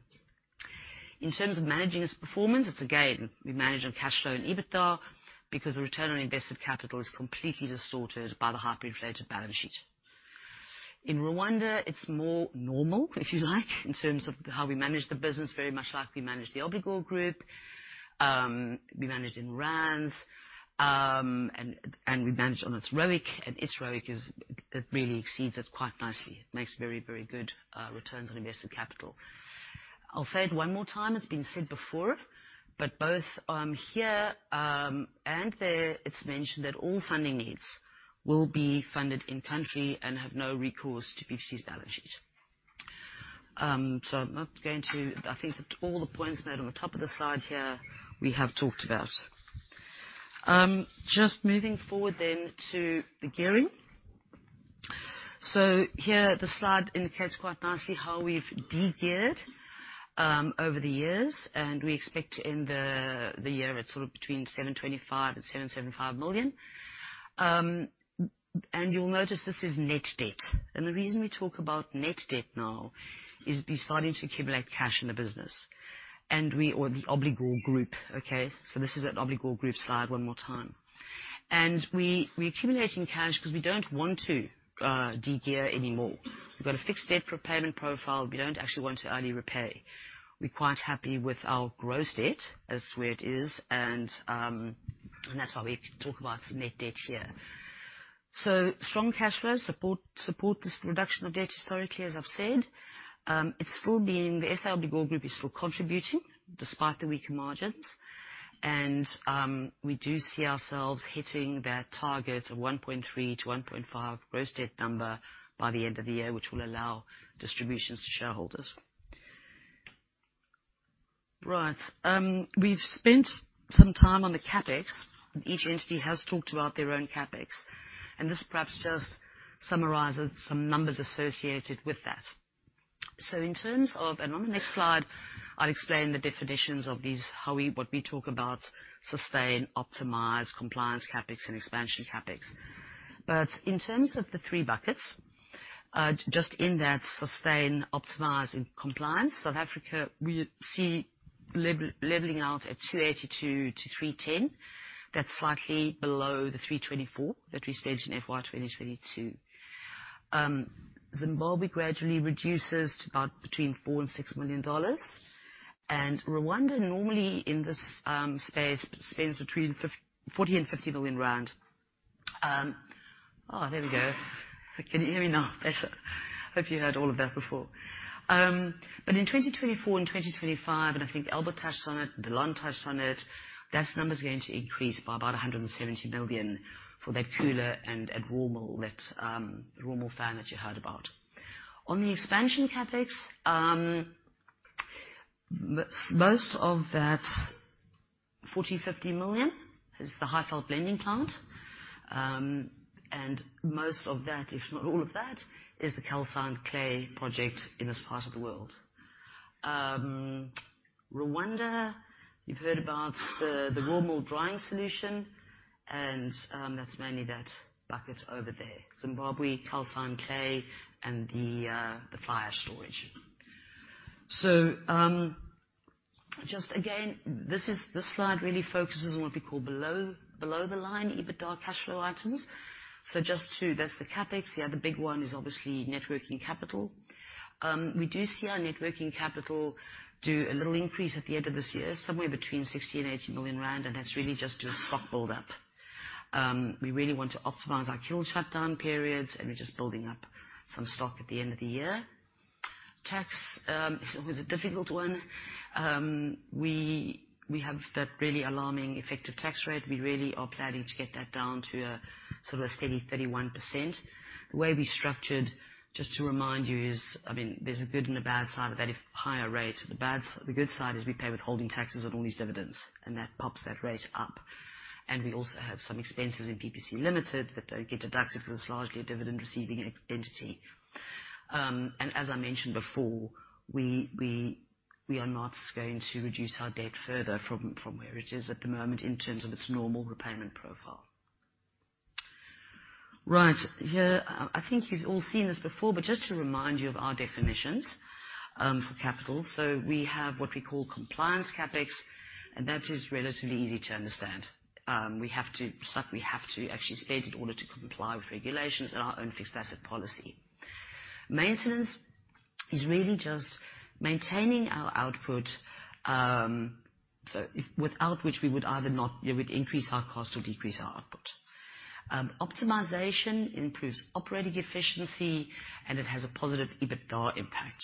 In terms of managing its performance, it's again, we manage on cash flow and EBITDA because the return on invested capital is completely distorted by the hyperinflated balance sheet. In Rwanda, it's more normal, if you like, in terms of how we manage the business. Very much like we manage the Obligor Group. We manage in ZAR, and we manage on its ROIC, and its ROIC is, it really exceeds it quite nicely. It makes very, very good returns on invested capital. I'll say it one more time, it's been said before, but both here and there, it's mentioned that all funding needs will be funded in country and have no recourse to PPC's balance sheet. I'm not going to. I think that all the points made on the top of the side here we have talked about. Just moving forward then to the gearing. Here, the slide indicates quite nicely how we've de-geared over the years, and we expect to end the year at sort of between 725 million and 775 million. You'll notice this is net debt, and the reason we talk about net debt now is we're starting to accumulate cash in the business, and we Or the SA Obligor Group, okay? This is that SA Obligor Group slide one more time. We're accumulating cash 'cause we don't want to de-gear anymore. We've got a fixed debt repayment profile we don't actually want to early repay. We're quite happy with our gross debt as where it is and that's why we talk about net debt here. Strong cash flows support this reduction of debt historically, as I've said. It's still been the SA Obligor Group is still contributing despite the weaker margins. We do see ourselves hitting that target of 1.3-1.5 gross debt number by the end of the year, which will allow distributions to shareholders. Right. We've spent some time on the CapEx, and each entity has talked about their own CapEx, and this perhaps just summarizes some numbers associated with that. In terms of... On the next slide, I'll explain the definitions of these, what we talk about sustain, optimize, compliance CapEx and expansion CapEx. In terms of the three buckets, just in that sustain, optimize and compliance, South Africa, we see leveling out at 282-310. That's slightly below the 324 that we spent in FY 2022. Zimbabwe gradually reduces to about between $4 million and $6 million. Rwanda normally in this space spends between 40 million-50 million rand. There we go. You can hear me now. That's it. Hope you heard all of that before. In 2024 and 2025, I think Albert touched on it, Delon touched on it, that number's going to increase by about 170 million for that cooler and at Rawmill, that Rawmill fan that you heard about. On the expansion CapEx, most of that 40 million, 50 million is the Highveld blending plant. Most of that, if not all of that, is the Calcined Clay project in this part of the world. Rwanda, you've heard about the Rawmill drying solution, that's mainly that bucket over there. Zimbabwe, Calcined Clay and the fly ash storage. Just again, this is... This slide really focuses on what we call below the line EBITDA cash flow items. Just two, that's the CapEx. The other big one is obviously net working capital. We do see our net working capital do a little increase at the end of this year, somewhere between 60 million-80 million rand, and that's really just your stock build-up. We really want to optimize our kiln shutdown periods, and we're just building up some stock at the end of the year. Tax is always a difficult one. We have that really alarming effective tax rate. We really are planning to get that down to a sort of a steady 31%. The way we structured, just to remind you, is, I mean, there's a good and a bad side of that higher rate. The bad... The good side is we pay withholding taxes on all these dividends, and that pops that rate up. We also have some expenses in PPC Limited that don't get deducted because it's largely a dividend-receiving entity. As I mentioned before, we are not going to reduce our debt further from where it is at the moment in terms of its normal repayment profile. Right. Here, I think you've all seen this before, but just to remind you of our definitions for capital. We have what we call compliance CapEx, and that is relatively easy to understand. Stuff we have to actually spend in order to comply with regulations and our own fixed asset policy. Maintenance is really just maintaining our output, without which we would either not... It would increase our cost or decrease our output. Optimization improves operating efficiency, and it has a positive EBITDA impact,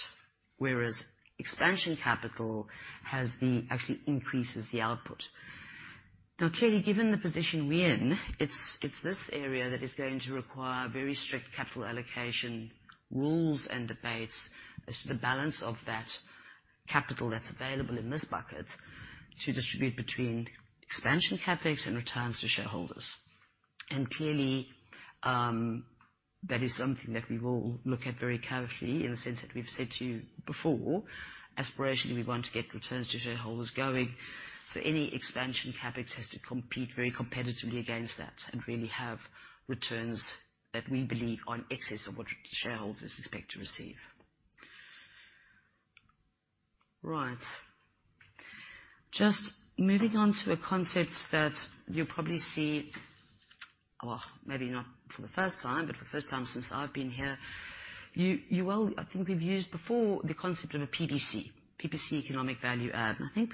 whereas expansion capital actually increases the output. Clearly, given the position we're in, it's this area that is going to require very strict capital allocation rules and debates as to the balance of that capital that's available in this bucket to distribute between expansion CapEx and returns to shareholders. Clearly, that is something that we will look at very carefully in the sense that we've said to you before. Aspirationally, we want to get returns to shareholders going, so any expansion CapEx has to compete very competitively against that and really have returns that we believe are in excess of what shareholders expect to receive. Right. Just moving on to the concepts that you'll probably see, maybe not for the first time, but for the first time since I've been here. You will I think we've used before the concept of a PPC economic value add. I think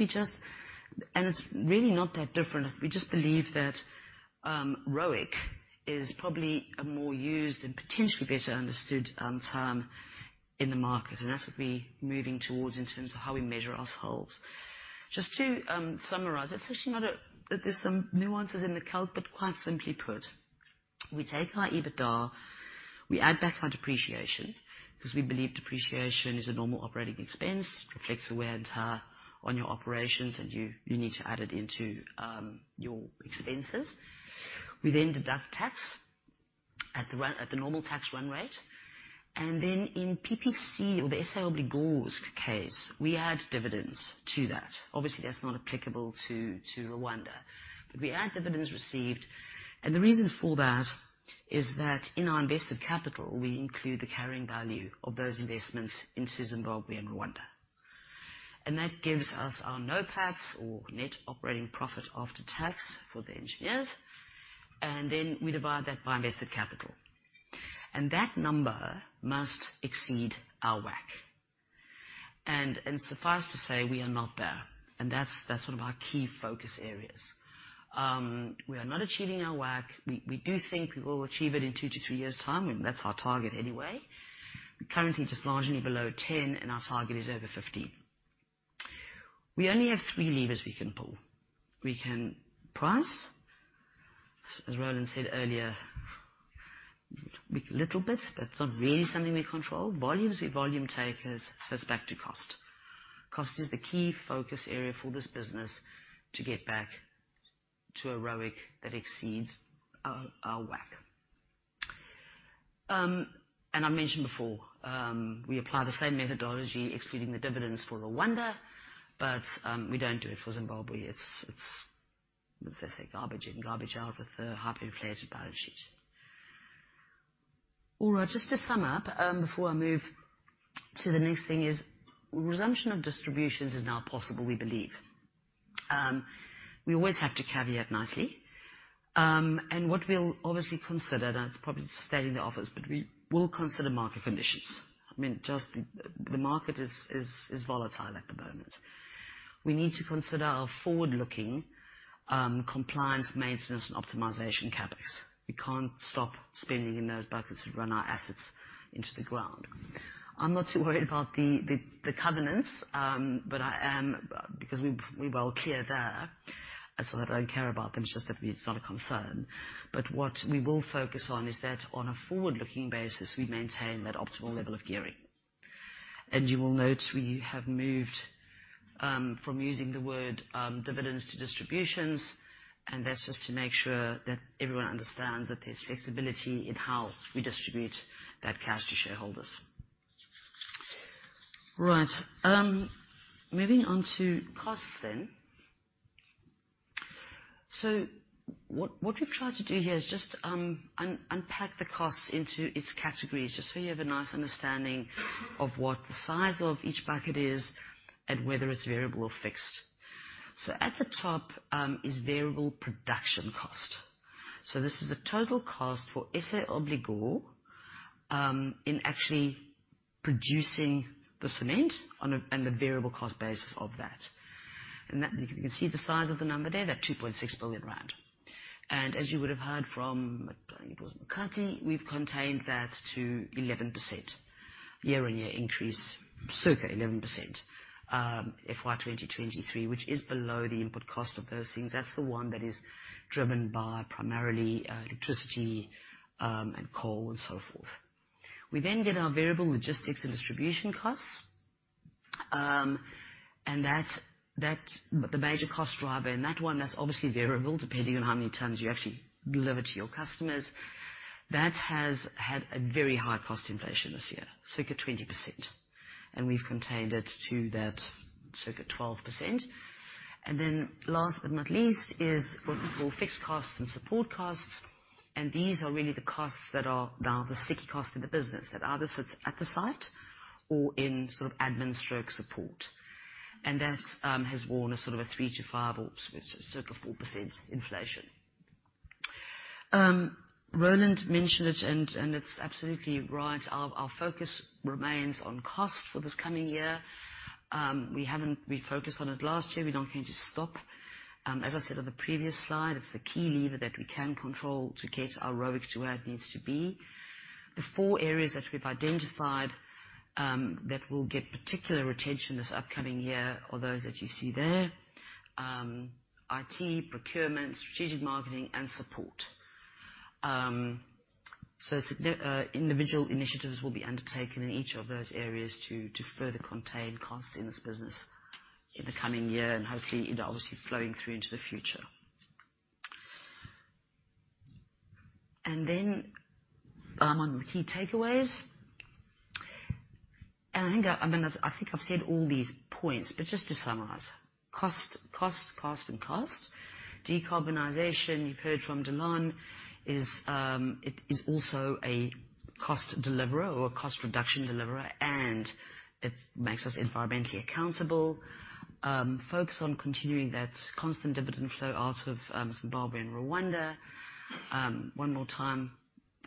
it's really not that different. We just believe that ROIC is probably a more used and potentially better understood term in the market, and that's what we're moving towards in terms of how we measure ourselves. Just to summarize, it's actually not There's some nuances in the calc, but quite simply put, we take our EBITDA, we add back our depreciation, because we believe depreciation is a normal operating expense. It reflects the wear and tear on your operations, and you need to add it into your expenses. We then deduct tax at the normal tax run rate. Then in PPC or the SA Obligors case, we add dividends to that. Obviously, that's not applicable to Rwanda. We add dividends received. The reason for that is that in our invested capital, we include the carrying value of those investments into Zimbabwe and Rwanda. That gives us our NOPAT, or net operating profit after tax for the engineers. Then we divide that by invested capital. That number must exceed our WACC. Suffice to say, we are not there. That's one of our key focus areas. We are not achieving our WACC. We do think we will achieve it in 2 to 3 years' time. That's our target anyway. Currently, just largely below 10, and our target is over 15. We only have three levers we can pull. We can price, as Roland said earlier, little bit, but it's not really something we control. Volumes, we're volume takers, so it's back to cost. Cost is the key focus area for this business to get back to a ROIC that exceeds our WACC. I mentioned before, we apply the same methodology, excluding the dividends for Rwanda, but we don't do it for Zimbabwe. It's, as I say, garbage in, garbage out with a highly inflated balance sheet. Just to sum up, before I move to the next thing, is resumption of distributions is now possible, we believe. We always have to caveat nicely. What we'll obviously consider, and it's probably a state in the office, but we will consider market conditions. I mean, just the market is volatile at the moment. We need to consider our forward-looking compliance, maintenance, and optimization CapEx. We can't stop spending in those buckets to run our assets into the ground. I'm not too worried about the covenants, but I am, because we're well clear there. It's not that I don't care about them, it's just that it's not a concern. What we will focus on is that on a forward-looking basis, we maintain that optimal level of gearing. You will note we have moved from using the word dividends to distributions, and that's just to make sure that everyone understands that there's flexibility in how we distribute that cash to shareholders. Right. Moving on to costs then. What, what we've tried to do here is just un-unpack the costs into its categories, just so you have a nice understanding of what the size of each bucket is and whether it's variable or fixed. At the top, is variable production cost. This is the total cost for SA Obligor in actually producing the cement on a, on the variable cost basis of that. That, you can see the size of the number there, that 2.6 billion rand. As you would have heard from, I think it was Nkateko, we've contained that to 11% year-on-year increase, circa 11%, FY 2023, which is below the input cost of those things. That's the one that is driven by primarily electricity and coal and so forth. We get our variable logistics and distribution costs. The major cost driver in that one, that's obviously variable, depending on how many tons you actually deliver to your customers. That has had a very high cost inflation this year, circa 20%. We've contained it to that circa 12%. Last but not least is what we call fixed costs and support costs. These are really the costs that are now the sticky cost of the business that either sits at the site or in sort of admin stroke support. That has worn a sort of a 3%-5% or circa 4% inflation. Roland mentioned it, and it's absolutely right. Our focus remains on cost for this coming year. We focused on it last year. We're not going to stop. As I said on the previous slide, it's the key lever that we can control to get our ROIC to where it needs to be. The four areas that we've identified that will get particular attention this upcoming year are those that you see there. IT, procurement, strategic marketing, and support. Individual initiatives will be undertaken in each of those areas to further contain costs in this business in the coming year and hopefully it obviously flowing through into the future. On the key takeaways. I mean, I think I've said all these points, but just to summarize. Cost, cost, and cost. Decarbonization, you've heard from Delon, it is also a cost deliverer or a cost reduction deliverer, and it makes us environmentally accountable. Focus on continuing that constant dividend flow out of Zimbabwe and Rwanda. One more time,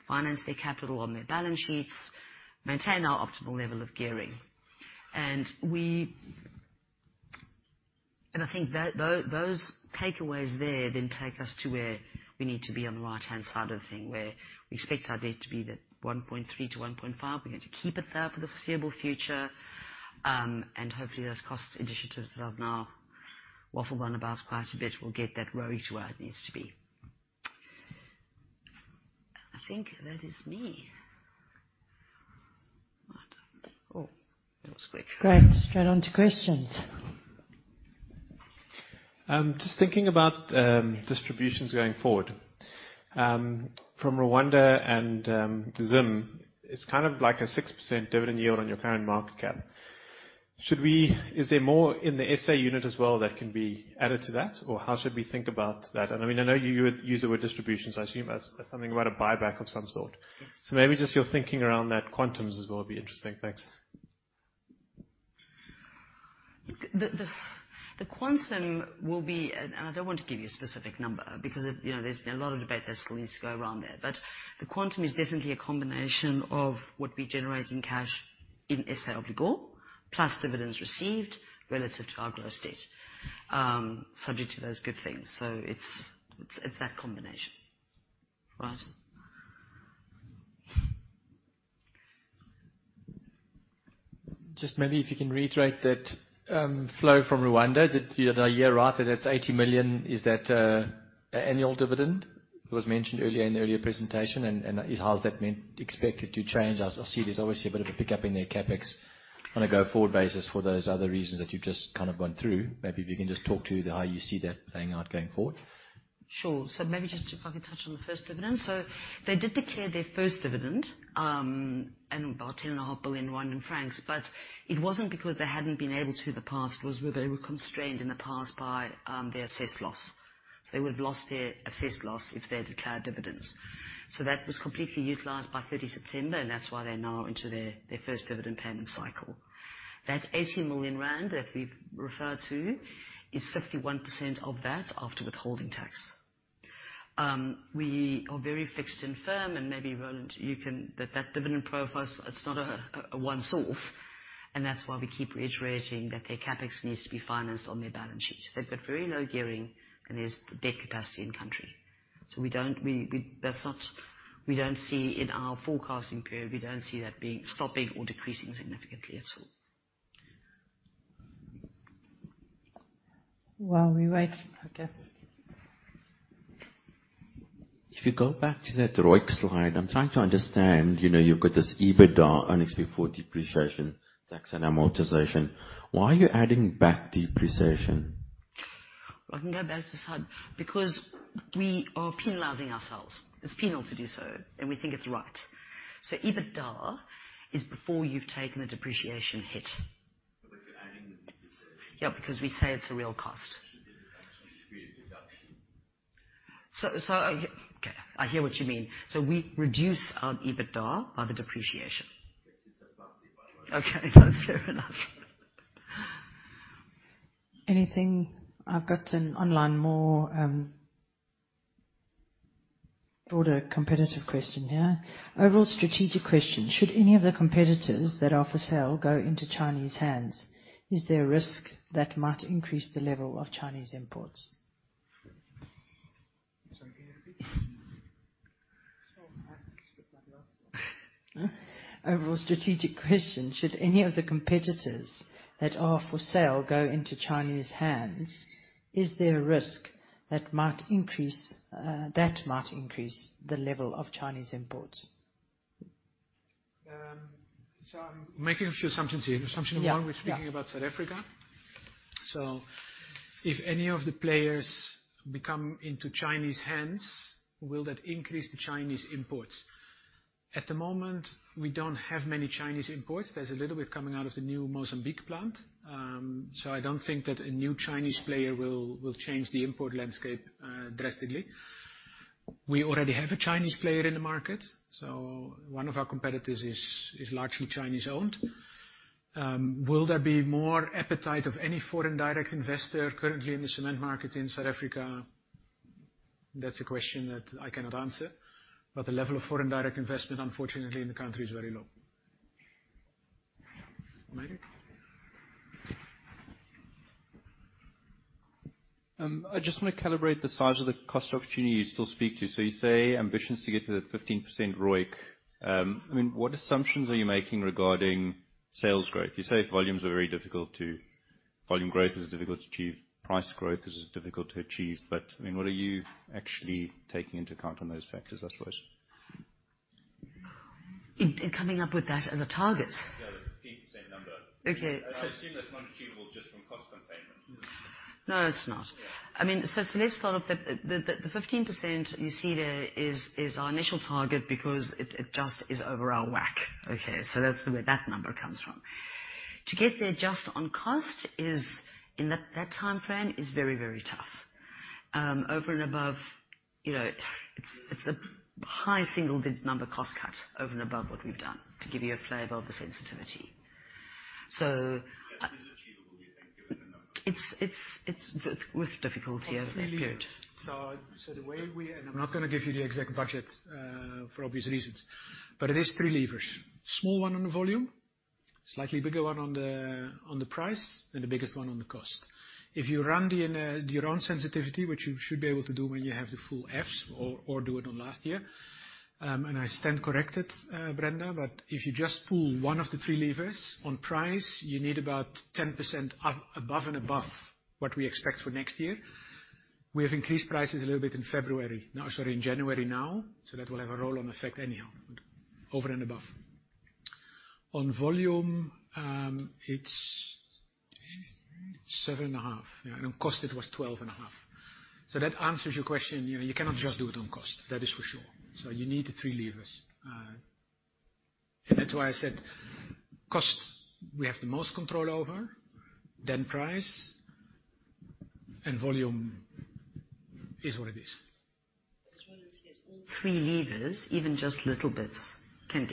finance their capital on their balance sheets, maintain our optimal level of gearing. I think that, those takeaways there then take us to where we need to be on the right-hand side of the thing, where we expect our debt to be the 1.3-1.5. We're going to keep it there for the foreseeable future, and hopefully those costs initiatives that I've now waffled on about quite a bit will get that ROE to where it needs to be. I think that is me. Right. Oh, that was quick. Great. Straight on to questions. Just thinking about distributions going forward. From Rwanda and Zim, it's kind of like a 6% dividend yield on your current market cap. Is there more in the SA unit as well that can be added to that? Or how should we think about that? I mean, I know you used the word distributions, I assume as something about a buyback of some sort. Maybe just your thinking around that quantums as well would be interesting. Thanks. The quantum will be... I don't want to give you a specific number because it, you know, there's a lot of debate that still needs to go around there. The quantum is definitely a combination of what we generate in cash in SA Obligor plus dividends received relative to our gross debt, subject to those good things. It's that combination. Right. Just maybe if you can reiterate that, flow from Rwanda. Did I hear right that it's 80 million? Is that, a, annual dividend? It was mentioned earlier in the earlier presentation, and how is that meant expected to change? I see there's obviously a bit of a pickup in their CapEx on a go-forward basis for those other reasons that you've just kind of gone through. Maybe if you can just talk to how you see that playing out going forward. Sure. Maybe just if I can touch on the first dividend. They did declare their first dividend, and about 10.5 billion RWF, it wasn't because they hadn't been able to in the past, it was where they were constrained in the past by their assess loss. They would have lost their assess loss if they had declared dividends. That was completely utilized by 30 September, and that's why they're now into their first dividend payment cycle. 80 million rand that we've referred to is 51% of that after withholding tax. We are very fixed and firm, and maybe, Roland, you can... That dividend profile, it's not a once-off, and that's why we keep reiterating that their CapEx needs to be financed on their balance sheets. They've got very low gearing, and there's the debt capacity in country. We don't see in our forecasting period that being, stopping or decreasing significantly at all. While we wait. Okay. If you go back to that ROIC slide, I'm trying to understand, you know, you've got this EBITDA, earnings before depreciation, tax, and amortization. Why are you adding back depreciation? I can go back to side. Because we are penalizing ourselves. It's penal to do so, and we think it's right. EBITDA is before you've taken the depreciation hit. You're adding the depreciation. Yeah, because we say it's a real cost. It should be a deduction. Okay, I hear what you mean. We reduce our EBITDA by the depreciation. It's a plus, if I were you. Okay. Fair enough. I've got an online more, broader competitive question here. Overall strategic question. Should any of the competitors that are for sale go into Chinese hands, is there a risk that might increase the level of Chinese imports? Sorry, can you repeat the question? Sure. I'll have to skip that last one. Overall strategic question. Should any of the competitors that are for sale go into Chinese hands, is there a risk that might increase the level of Chinese imports? I'm making a few assumptions here. Yeah. Assumption number one, we're speaking about South Africa. If any of the players become into Chinese hands, will that increase the Chinese imports? At the moment, we don't have many Chinese imports. There's a little bit coming out of the new Mozambique plant. I don't think that a new Chinese player will change the import landscape drastically. We already have a Chinese player in the market, one of our competitors is largely Chinese-owned. Will there be more appetite of any foreign direct investor currently in the cement market in South Africa? That's a question that I cannot answer, but the level of foreign direct investment, unfortunately in the country is very low. Megan? I just want to calibrate the size of the cost opportunity you still speak to. You say ambitions to get to the 15% ROIC. I mean, what assumptions are you making regarding sales growth? You say volumes are very difficult to achieve, price growth is difficult to achieve, I mean, what are you actually taking into account on those factors, I suppose? In coming up with that as a target? Yeah, the 15% number. Okay. I assume that's not achievable just from cost containment. No, it's not. Yeah. I mean, let's start up the 15% you see there is our initial target because it just is over our WACC. Okay? That's where that number comes from. To get there just on cost is, in that timeframe is very tough. Over and above, you know, it's a high single-digit number cost cut over and above what we've done, to give you a flavor of the sensitivity. That is achievable, you think, given the numbers? It's with difficulty over a period. I'm not gonna give you the exact budget for obvious reasons, but it is 3 levers. Small one on the volume, slightly bigger one on the price, and the biggest one on the cost. If you run the your own sensitivity, which you should be able to do when you have the full F's or do it on last year. I stand corrected, Brenda, but if you just pull one of the 3 levers on price, you need about 10% above and above what we expect for next year. We have increased prices a little bit in January now, so that will have a roll on effect anyhow, over and above. On volume, it's 7.5. On cost it was 12.5. That answers your question. You know, you cannot just do it on cost, that is for sure. You need the three levers. That's why I said costs we have the most control over, then price, and volume is what it is. I just wanna say it's all three levers, even just little bits.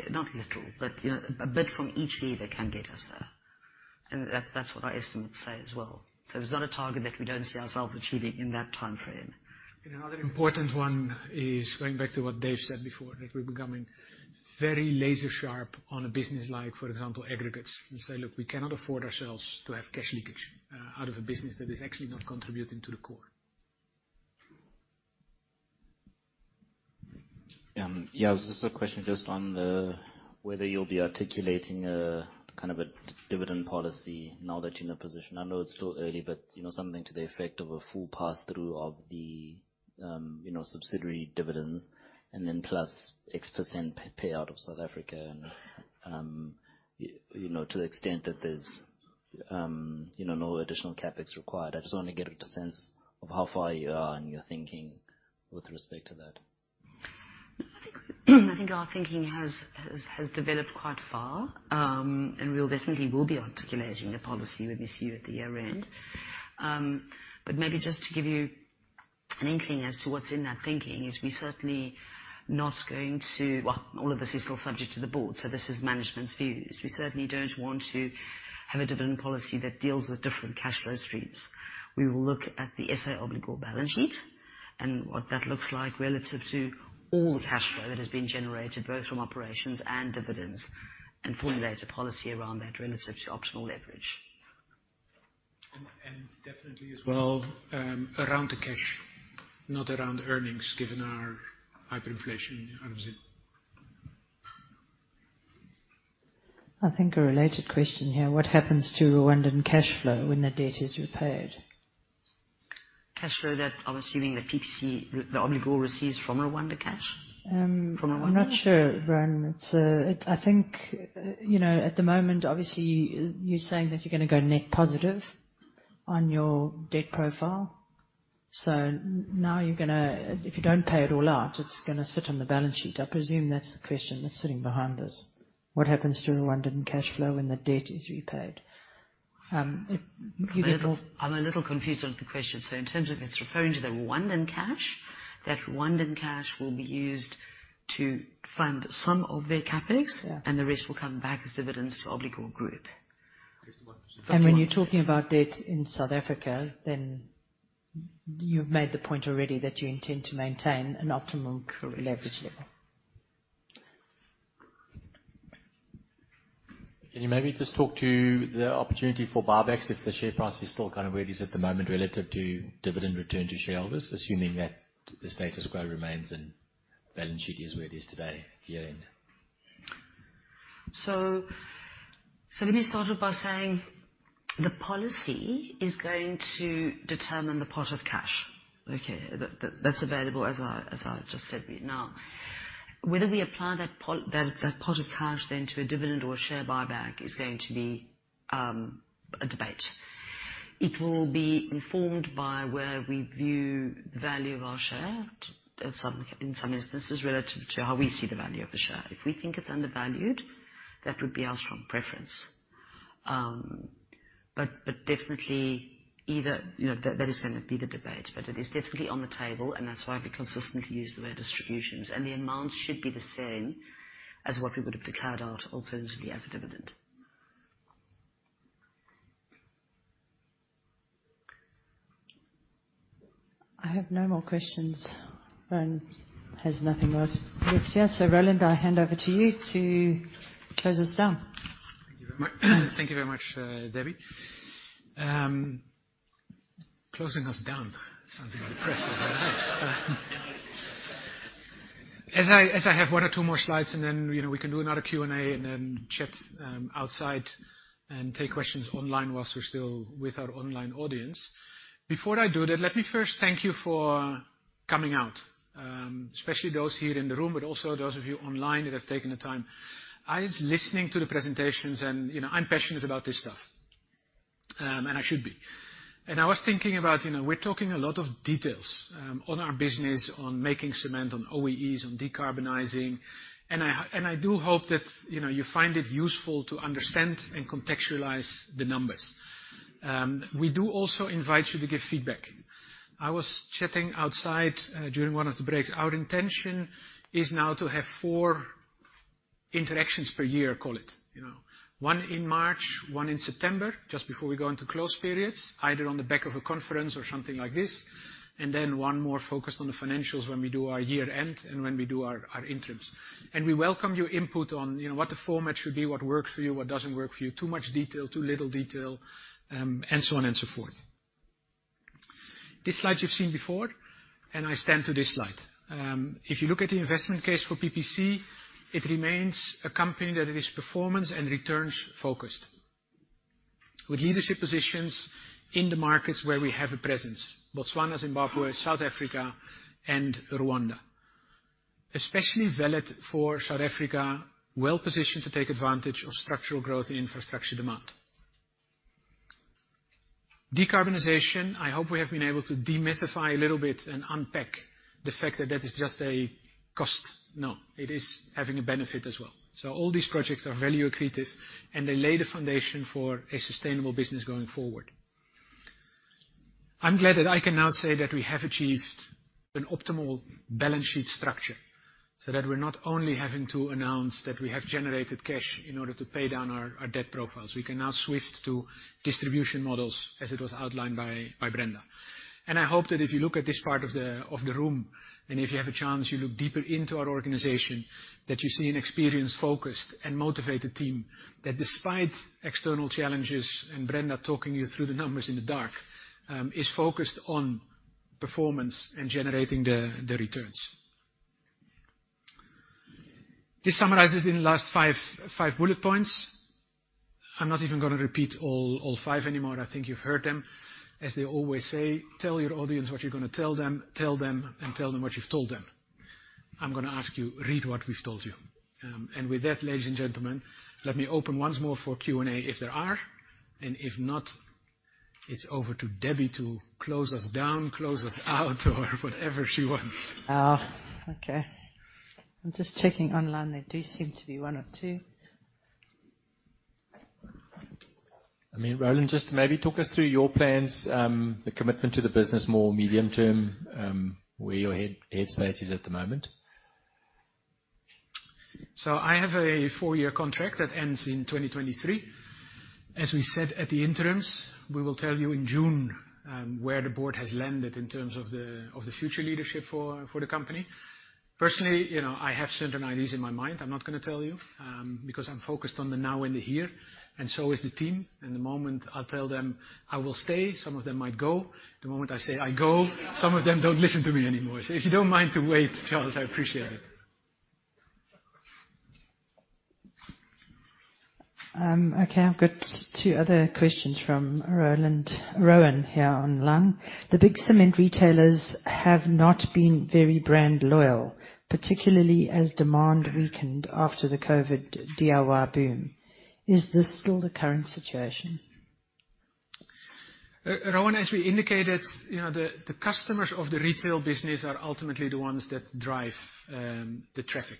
Not little, but you know, a bit from each lever can get us there. That's what our estimates say as well. It's not a target that we don't see ourselves achieving in that timeframe. Another important one is going back to what Dave said before, that we're becoming very laser sharp on a business like, for example, aggregates. Say, look, we cannot afford ourselves to have cash leakage out of a business that is actually not contributing to the core. Yeah. This is a question just on the, whether you'll be articulating a kind of a dividend policy now that you're in a position. I know it's still early, but you know, something to the effect of a full pass-through of the, you know, subsidiary dividends and then plus X% payout of South Africa. You know, to the extent that there's, you know, no additional CapEx required. I just want to get a sense of how far you are in your thinking with respect to that. I think our thinking has developed quite far. We definitely will be articulating the policy when we see you at the year-end. Maybe just to give you an inkling as to what's in that thinking, is we're certainly not going to. Well, all of this is still subject to the board, so this is management's views. We certainly don't want to have a dividend policy that deals with different cash flow streams. We will look at the SA Obligor balance sheet and what that looks like relative to all the cash flow that has been generated, both from operations and dividends, and formulate a policy around that relative to optional leverage. Definitely as well, around the cash, not around earnings, given our hyperinflation in Brazil. I think a related question here. What happens to Rwandan cash flow when the debt is repaid? Cash flow that I'm assuming the PPC, the Obligor receives from Rwanda cash? I'm not sure, Rowan. From Rwanda? It's I think, you know, at the moment obviously you're saying that you're gonna go net positive on your debt profile. If you don't pay it all out, it's gonna sit on the balance sheet. I presume that's the question that's sitting behind this. What happens to Rwandan cash flow when the debt is repaid? if you don't- I'm a little confused on the question. In terms of it's referring to the Rwandan cash, that Rwandan cash will be used to fund some of their CapEx. Yeah. The rest will come back as dividends to SA Obligor Group. When you're talking about debt in South Africa, you've made the point already that you intend to maintain an optimal leverage level. Can you maybe just talk to the opportunity for buybacks if the share price is still kind of where it is at the moment relative to dividend return to shareholders, assuming that the status quo remains and balance sheet is where it is today year-end? Let me start off by saying the policy is going to determine the pot of cash, okay? That's available as I just said right now. Whether we apply that pot of cash then to a dividend or a share buyback is going to be a debate. It will be informed by where we view the value of our share at some, in some instances, relative to how we see the value of the share. If we think it's undervalued, that would be our strong preference. but definitely either, you know, that is gonna be the debate, but it is definitely on the table and that's why we consistently use the word distributions. The amount should be the same as what we would have declared out alternatively as a dividend. I have no more questions. Roland has nothing else left here. Roland, I hand over to you to close us down. Thank you very much. Thank you very much, Debbie. Closing us down sounds depressing. As I have one or two more slides, and then, you know, we can do another Q&A and then chat outside and take questions online whilst we're still with our online audience. Before I do that, let me first thank you for coming out, especially those here in the room, but also those of you online that have taken the time. I was listening to the presentations and, you know, I'm passionate about this stuff. I should be. I was thinking about, you know, we're talking a lot of details on our business, on making cement, on OEEs, on decarbonizing. I do hope that, you know, you find it useful to understand and contextualize the numbers. We do also invite you to give feedback. I was chatting outside, during 1 of the breaks. Our intention is now to have 4 interactions per year, call it. You know, 1 in March, 1 in September, just before we go into close periods, either on the back of a conference or something like this. Then 1 more focused on the financials when we do our year-end and when we do our interims. We welcome your input on, you know, what the format should be, what works for you, what doesn't work for you, too much detail, too little detail, and so on and so forth. This slide you've seen before. I stand to this slide. If you look at the investment case for PPC, it remains a company that is performance and returns-focused. With leadership positions in the markets where we have a presence. Botswana, Zimbabwe, South Africa, and Rwanda. Especially valid for South Africa, well-positioned to take advantage of structural growth in infrastructure demand. Decarbonization, I hope we have been able to demystify a little bit and unpack the fact that that is just a cost. No, it is having a benefit as well. All these projects are value accretive, and they lay the foundation for a sustainable business going forward. I'm glad that I can now say that we have achieved an optimal balance sheet structure, so that we're not only having to announce that we have generated cash in order to pay down our debt profiles. We can now switch to distribution models as it was outlined by Brenda. I hope that if you look at this part of the room, and if you have a chance you look deeper into our organization, that you see an experienced, focused, and motivated team that despite external challenges, and Brenda talking you through the numbers in the dark, is focused on performance and generating the returns. This summarizes in the last five bullet points. I'm not even gonna repeat all five anymore. I think you've heard them. As they always say, Tell your audience what you're gonna tell them, tell them, and tell them what you've told them. I'm gonna ask you, read what we've told you. With that, ladies and gentlemen, let me open once more for Q&A if there are. If not, it's over to Debbie to close us down, close us out, or whatever she wants. Oh, okay. I'm just checking online. There do seem to be one or two. I mean, Roland, just maybe talk us through your plans, the commitment to the business more medium term, where your headspace is at the moment. I have a 4-year contract that ends in 2023. As we said at the interims, we will tell you in June, where the board has landed in terms of the, of the future leadership for the company. Personally, you know, I have certain ideas in my mind. I'm not gonna tell you, because I'm focused on the now and the here, and so is the team. The moment I'll tell them I will stay, some of them might go. The moment I say I go, some of them don't listen to me anymore. If you don't mind to wait, Charles, I appreciate it. Okay. I've got 2 other questions from Rowan here online. The big cement retailers have not been very brand loyal, particularly as demand weakened after the COVID DIY boom. Is this still the current situation? Rowan, as we indicated, you know, the customers of the retail business are ultimately the ones that drive the traffic.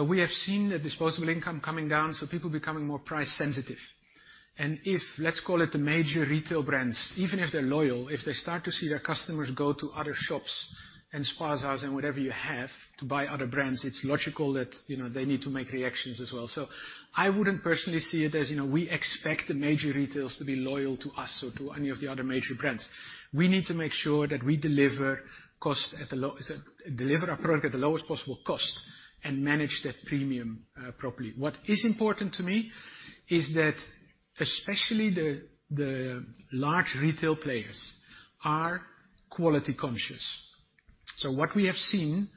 We have seen the disposable income coming down, so people becoming more price sensitive. If, let's call it the major retail brands, even if they're loyal, if they start to see their customers go to other shops and spaza shops and whatever you have to buy other brands, it's logical that, you know, they need to make reactions as well. I wouldn't personally see it as, you know, we expect the major retailers to be loyal to us or to any of the other major brands. We need to make sure that we deliver our product at the lowest possible cost and manage that premium properly. What is important to me is that especially the large retail players are quality conscious. What we have seen,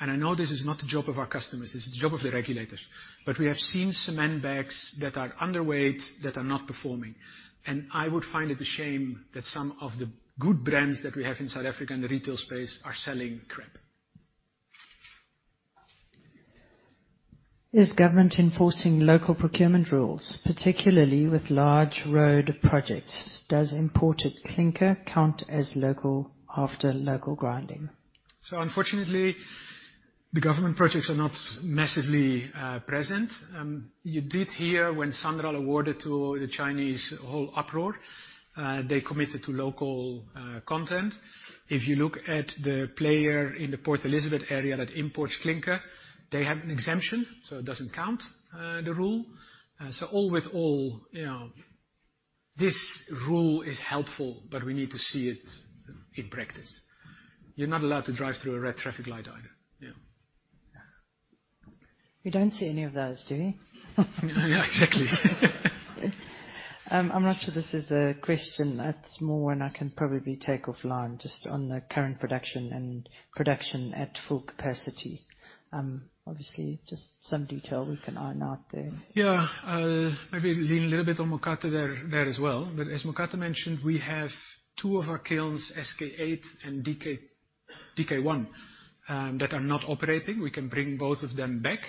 and I know this is not the job of our customers, this is the job of the regulators, but we have seen cement bags that are underweight, that are not performing. I would find it a shame that some of the good brands that we have in South Africa in the retail space are selling crap. Is government enforcing local procurement rules, particularly with large road projects? Does imported clinker count as local after local grinding? Unfortunately, the government projects are not massively present. You did hear when Sinoma awarded to the Chinese whole uproar, they committed to local content. If you look at the player in the Port Elizabeth area that imports clinker, they have an exemption, so it doesn't count the rule. All with all, you know, this rule is helpful, but we need to see it in practice. You're not allowed to drive through a red traffic light either. Yeah. Yeah. We don't see any of those, do we? Yeah, exactly. I'm not sure this is a question. That's more one I can probably take offline just on the current production and production at full capacity. Obviously, just some detail we can iron out there. Maybe lean a little bit on Mokate there as well. As Mokate mentioned, we have two of our kilns, SK8 and DK1, that are not operating. We can bring both of them back.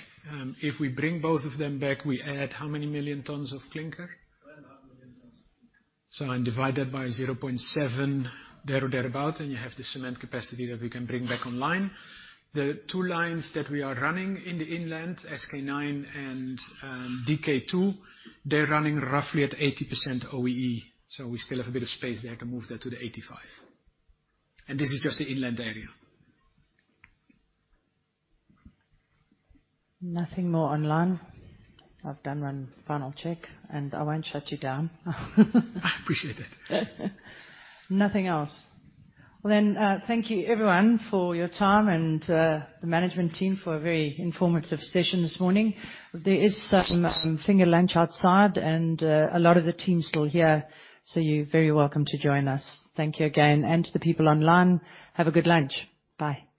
If we bring both of them back, we add how many million tons of clinker? One and a half million tons. Divide that by 0.7 there or thereabout, you have the cement capacity that we can bring back online. The two lines that we are running in the inland, SK9 and DK2, they're running roughly at 80% OEE. We still have a bit of space there to move that to the 85%. This is just the inland area. Nothing more online. I've done one final check, and I won't shut you down. I appreciate it. Nothing else. Well, thank you everyone for your time and the management team for a very informative session this morning. There is some finger lunch outside and a lot of the team still here. You're very welcome to join us. Thank you again. To the people online, have a good lunch. Bye.